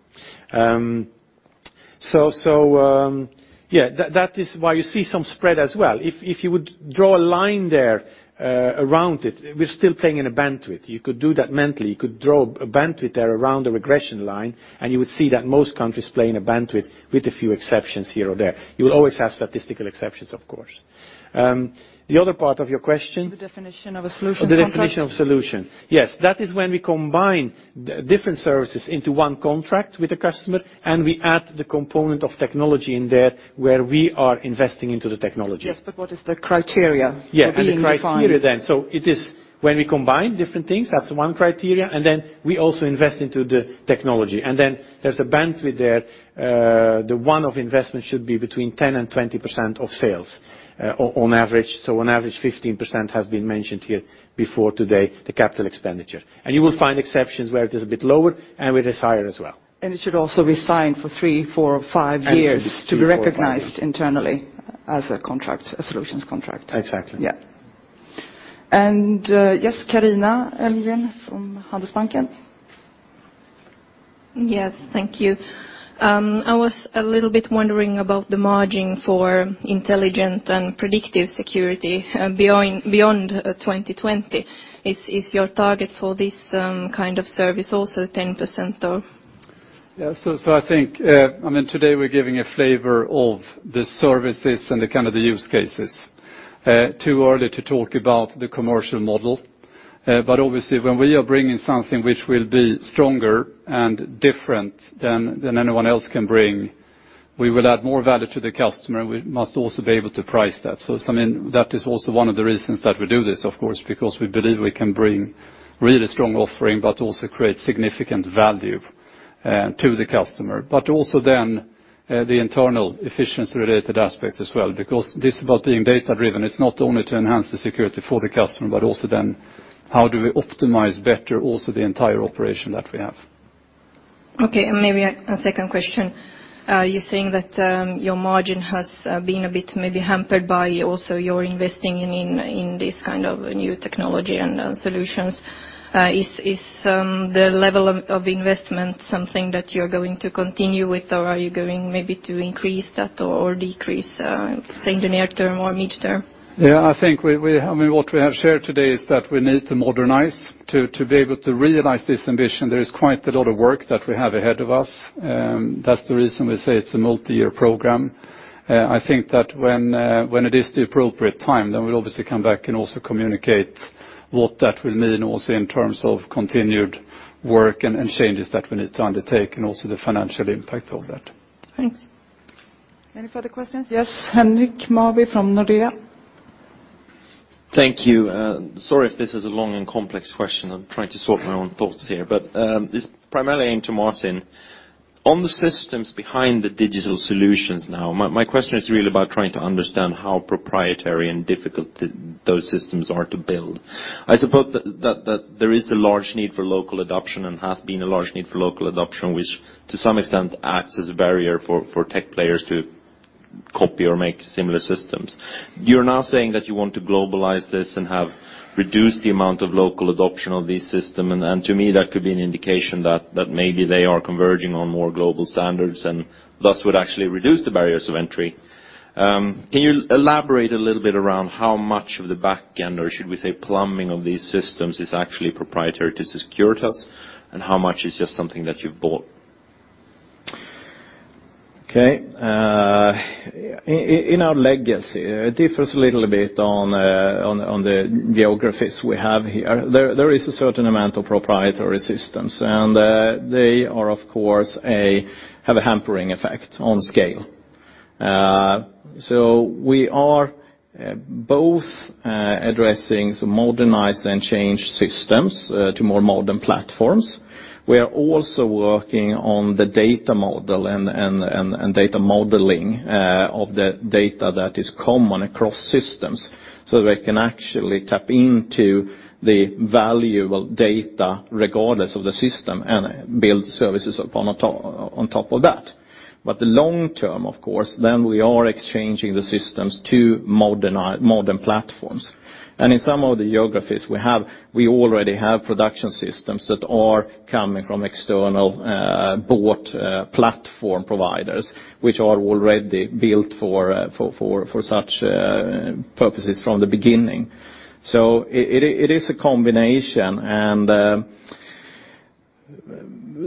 Yeah, that is why you see some spread as well. If you would draw a line there around it, we're still playing in a bandwidth. You could do that mentally. You could draw a bandwidth there around the regression line, and you would see that most countries play in a bandwidth with a few exceptions here or there. You will always have statistical exceptions, of course. The other part of your question? The definition of a solution contract. The definition of solution. Yes. That is when we combine different services into one contract with a customer, we add the component of technology in there where we are investing into the technology. Yes, what is the criteria for being defined? Yeah. The criteria, it is when we combine different things, that's one criteria, we also invest into the technology. There's a bandwidth there. The one-off investment should be between 10%-20% of sales on average. On average, 15% has been mentioned here before today, the capital expenditure. You will find exceptions where it is a bit lower and where it is higher as well. It should also be signed for three, four, five years. It should be three, four, five years. to be recognized internally as a solutions contract. Exactly. Yeah. Yes, Carina Elmgren from Handelsbanken. Yes, thank you. I was a little bit wondering about the margin for intelligent and predictive security beyond 2020. Is your target for this kind of service also 10%? Yeah, I think, today we're giving a flavor of the services and the kind of the use cases. Too early to talk about the commercial model. Obviously, when we are bringing something which will be stronger and different than anyone else can bring, we will add more value to the customer. We must also be able to price that. That is also one of the reasons that we do this, of course, because we believe we can bring really strong offering, but also create significant value to the customer. Also then the internal efficiency-related aspects as well, because this is about being data-driven. It's not only to enhance the security for the customer, but also then how do we optimize better also the entire operation that we have. Okay, and maybe a second question. You're saying that your margin has been a bit maybe hampered by also your investing in this kind of new technology and solutions. Is the level of investment something that you're going to continue with or are you going maybe to increase that or decrease, say, in the near term or mid-term? I think what we have shared today is that we need to modernize to be able to realize this ambition. There is quite a lot of work that we have ahead of us. That's the reason we say it's a multi-year program. I think that when it is the appropriate time, then we'll obviously come back and also communicate what that will mean also in terms of continued work and changes that we need to undertake, and also the financial impact of that. Thanks. Any further questions? Yes, Henrik Nilsson from Nordea. Thank you. Sorry if this is a long and complex question. I'm trying to sort my own thoughts here. This primarily aimed to Martin. On the systems behind the digital solutions now, my question is really about trying to understand how proprietary and difficult those systems are to build. I suppose that there is a large need for local adoption and has been a large need for local adoption, which to some extent acts as a barrier for tech players to copy or make similar systems. You're now saying that you want to globalize this and have reduced the amount of local adoption of this system, and to me, that could be an indication that maybe they are converging on more global standards and thus would actually reduce the barriers of entry. Can you elaborate a little bit around how much of the back end, or should we say plumbing of these systems, is actually proprietary to Securitas and how much is just something that you've bought? Okay. In our legacy, it differs a little bit on the geographies we have here. There is a certain amount of proprietary systems, and they of course have a hampering effect on scale We are both addressing some modernized and changed systems to more modern platforms. We are also working on the data model and data modeling of the data that is common across systems, so that we can actually tap into the valuable data regardless of the system and build services on top of that. The long term, of course, then we are exchanging the systems to modern platforms. In some of the geographies we already have production systems that are coming from external bought platform providers, which are already built for such purposes from the beginning. It is a combination, and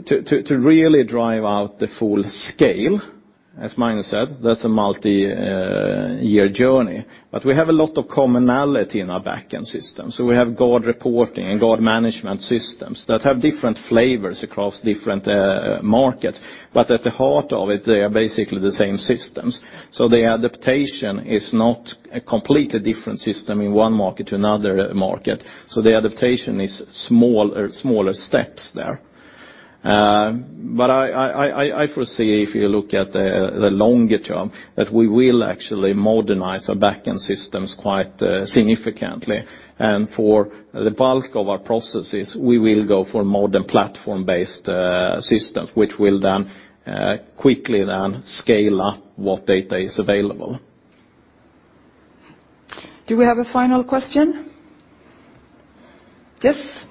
to really drive out the full scale, as Magnus said, that's a multi-year journey. We have a lot of commonality in our back-end system. We have guard reporting and guard management systems that have different flavors across different markets, but at the heart of it, they are basically the same systems. The adaptation is not a completely different system in one market to another market. The adaptation is smaller steps there. I foresee if you look at the longer term, that we will actually modernize our back-end systems quite significantly. For the bulk of our processes, we will go for more than platform-based systems, which will then quickly scale up what data is available. Do we have a final question? Yes. Please.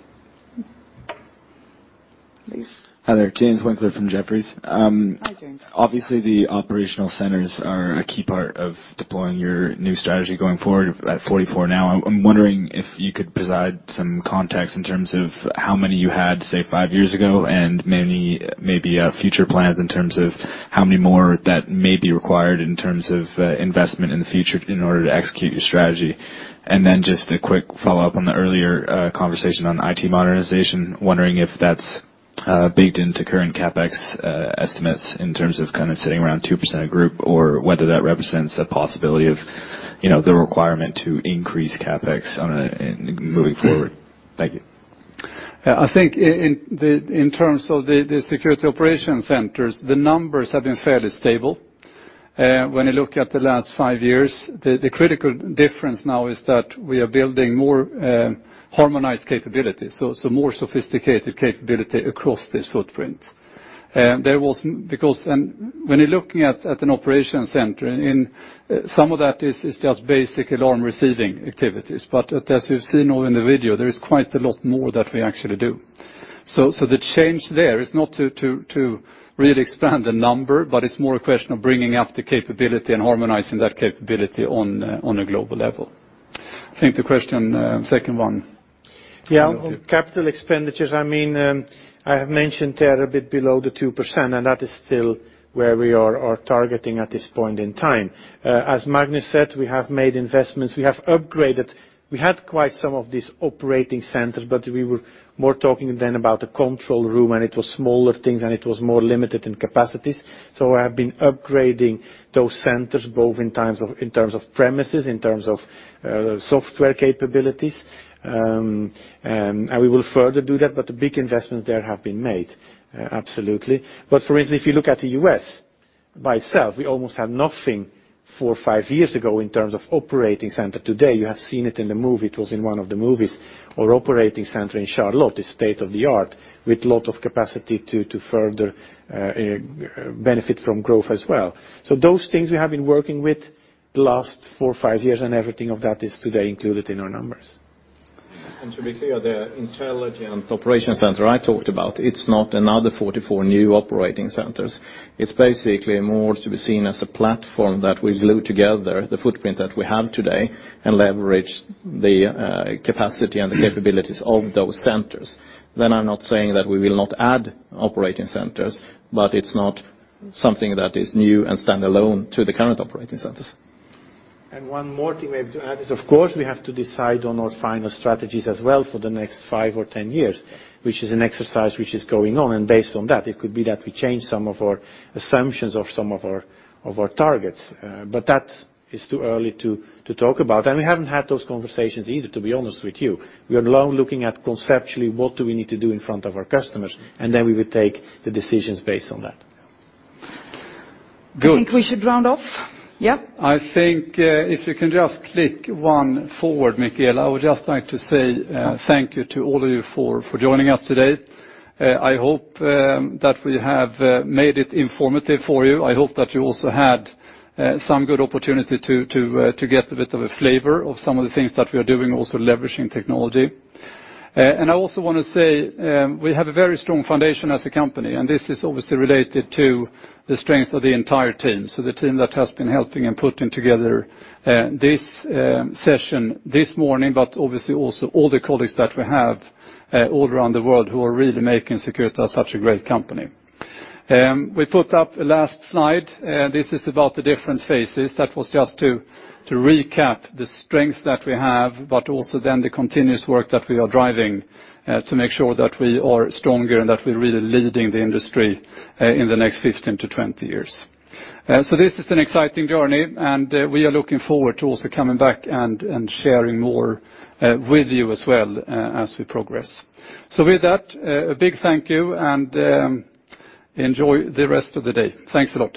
Hi there, James Winkler from Jefferies. Hi, James. Obviously, the operational centers are a key part of deploying your new strategy going forward at 44 now. I'm wondering if you could provide some context in terms of how many you had, say, five years ago and maybe future plans in terms of how many more that may be required in terms of investment in the future in order to execute your strategy. Then just a quick follow-up on the earlier conversation on IT modernization, wondering if that's baked into current CapEx estimates in terms of sitting around 2% of group, or whether that represents a possibility of the requirement to increase CapEx moving forward. Thank you. I think in terms of the security operation centers, the numbers have been fairly stable. When you look at the last five years, the critical difference now is that we are building more harmonized capabilities, so more sophisticated capability across this footprint. Because when you're looking at an operation center, some of that is just basic alarm receiving activities. As you've seen in the video, there is quite a lot more that we actually do. The change there is not to really expand the number, but it's more a question of bringing up the capability and harmonizing that capability on a global level. I think the question, second one. On capital expenditures, I have mentioned they are a bit below the 2%, and that is still where we are targeting at this point in time. As Magnus said, we have made investments. We have upgraded. We had quite some of these operating centers, but we were more talking then about the control room, and it was smaller things, and it was more limited in capacities. We have been upgrading those centers both in terms of premises, in terms of software capabilities. We will further do that, but the big investments there have been made. Absolutely. For instance, if you look at the U.S. by itself, we almost had nothing four or five years ago in terms of operating center. Today, you have seen it in the movie. It was in one of the movies. Our Securitas Operations Center in Charlotte is state of the art with lot of capacity to further benefit from growth as well. Those things we have been working with the last four or five years, everything of that is today included in our numbers. To be clear, the intelligent operation center I talked about, it's not another 44 new operating centers. It's basically more to be seen as a platform that we glue together the footprint that we have today and leverage the capacity and the capabilities of those centers. I'm not saying that we will not add operating centers, it's not something that is new and standalone to the current operating centers. One more thing we have to add is, of course, we have to decide on our final strategies as well for the next five or 10 years, which is an exercise which is going on. Based on that, it could be that we change some of our assumptions of some of our targets. That is too early to talk about. We haven't had those conversations either, to be honest with you. We are now looking at conceptually what do we need to do in front of our customers, and then we will take the decisions based on that. I think we should round off. Yeah? I think if you can just click one forward, Micaela, I would just like to say thank you to all of you for joining us today. I hope that we have made it informative for you. I hope that you also had some good opportunity to get a bit of a flavor of some of the things that we are doing, also leveraging technology. I also want to say we have a very strong foundation as a company, and this is obviously related to the strength of the entire team. The team that has been helping and putting together this session this morning, but obviously also all the colleagues that we have all around the world who are really making Securitas such a great company. We put up a last slide. This is about the different phases. That was just to recap the strength that we have, but also then the continuous work that we are driving to make sure that we are stronger and that we're really leading the industry in the next 15 to 20 years. This is an exciting journey, and we are looking forward to also coming back and sharing more with you as well as we progress. With that, a big thank you, and enjoy the rest of the day. Thanks a lot.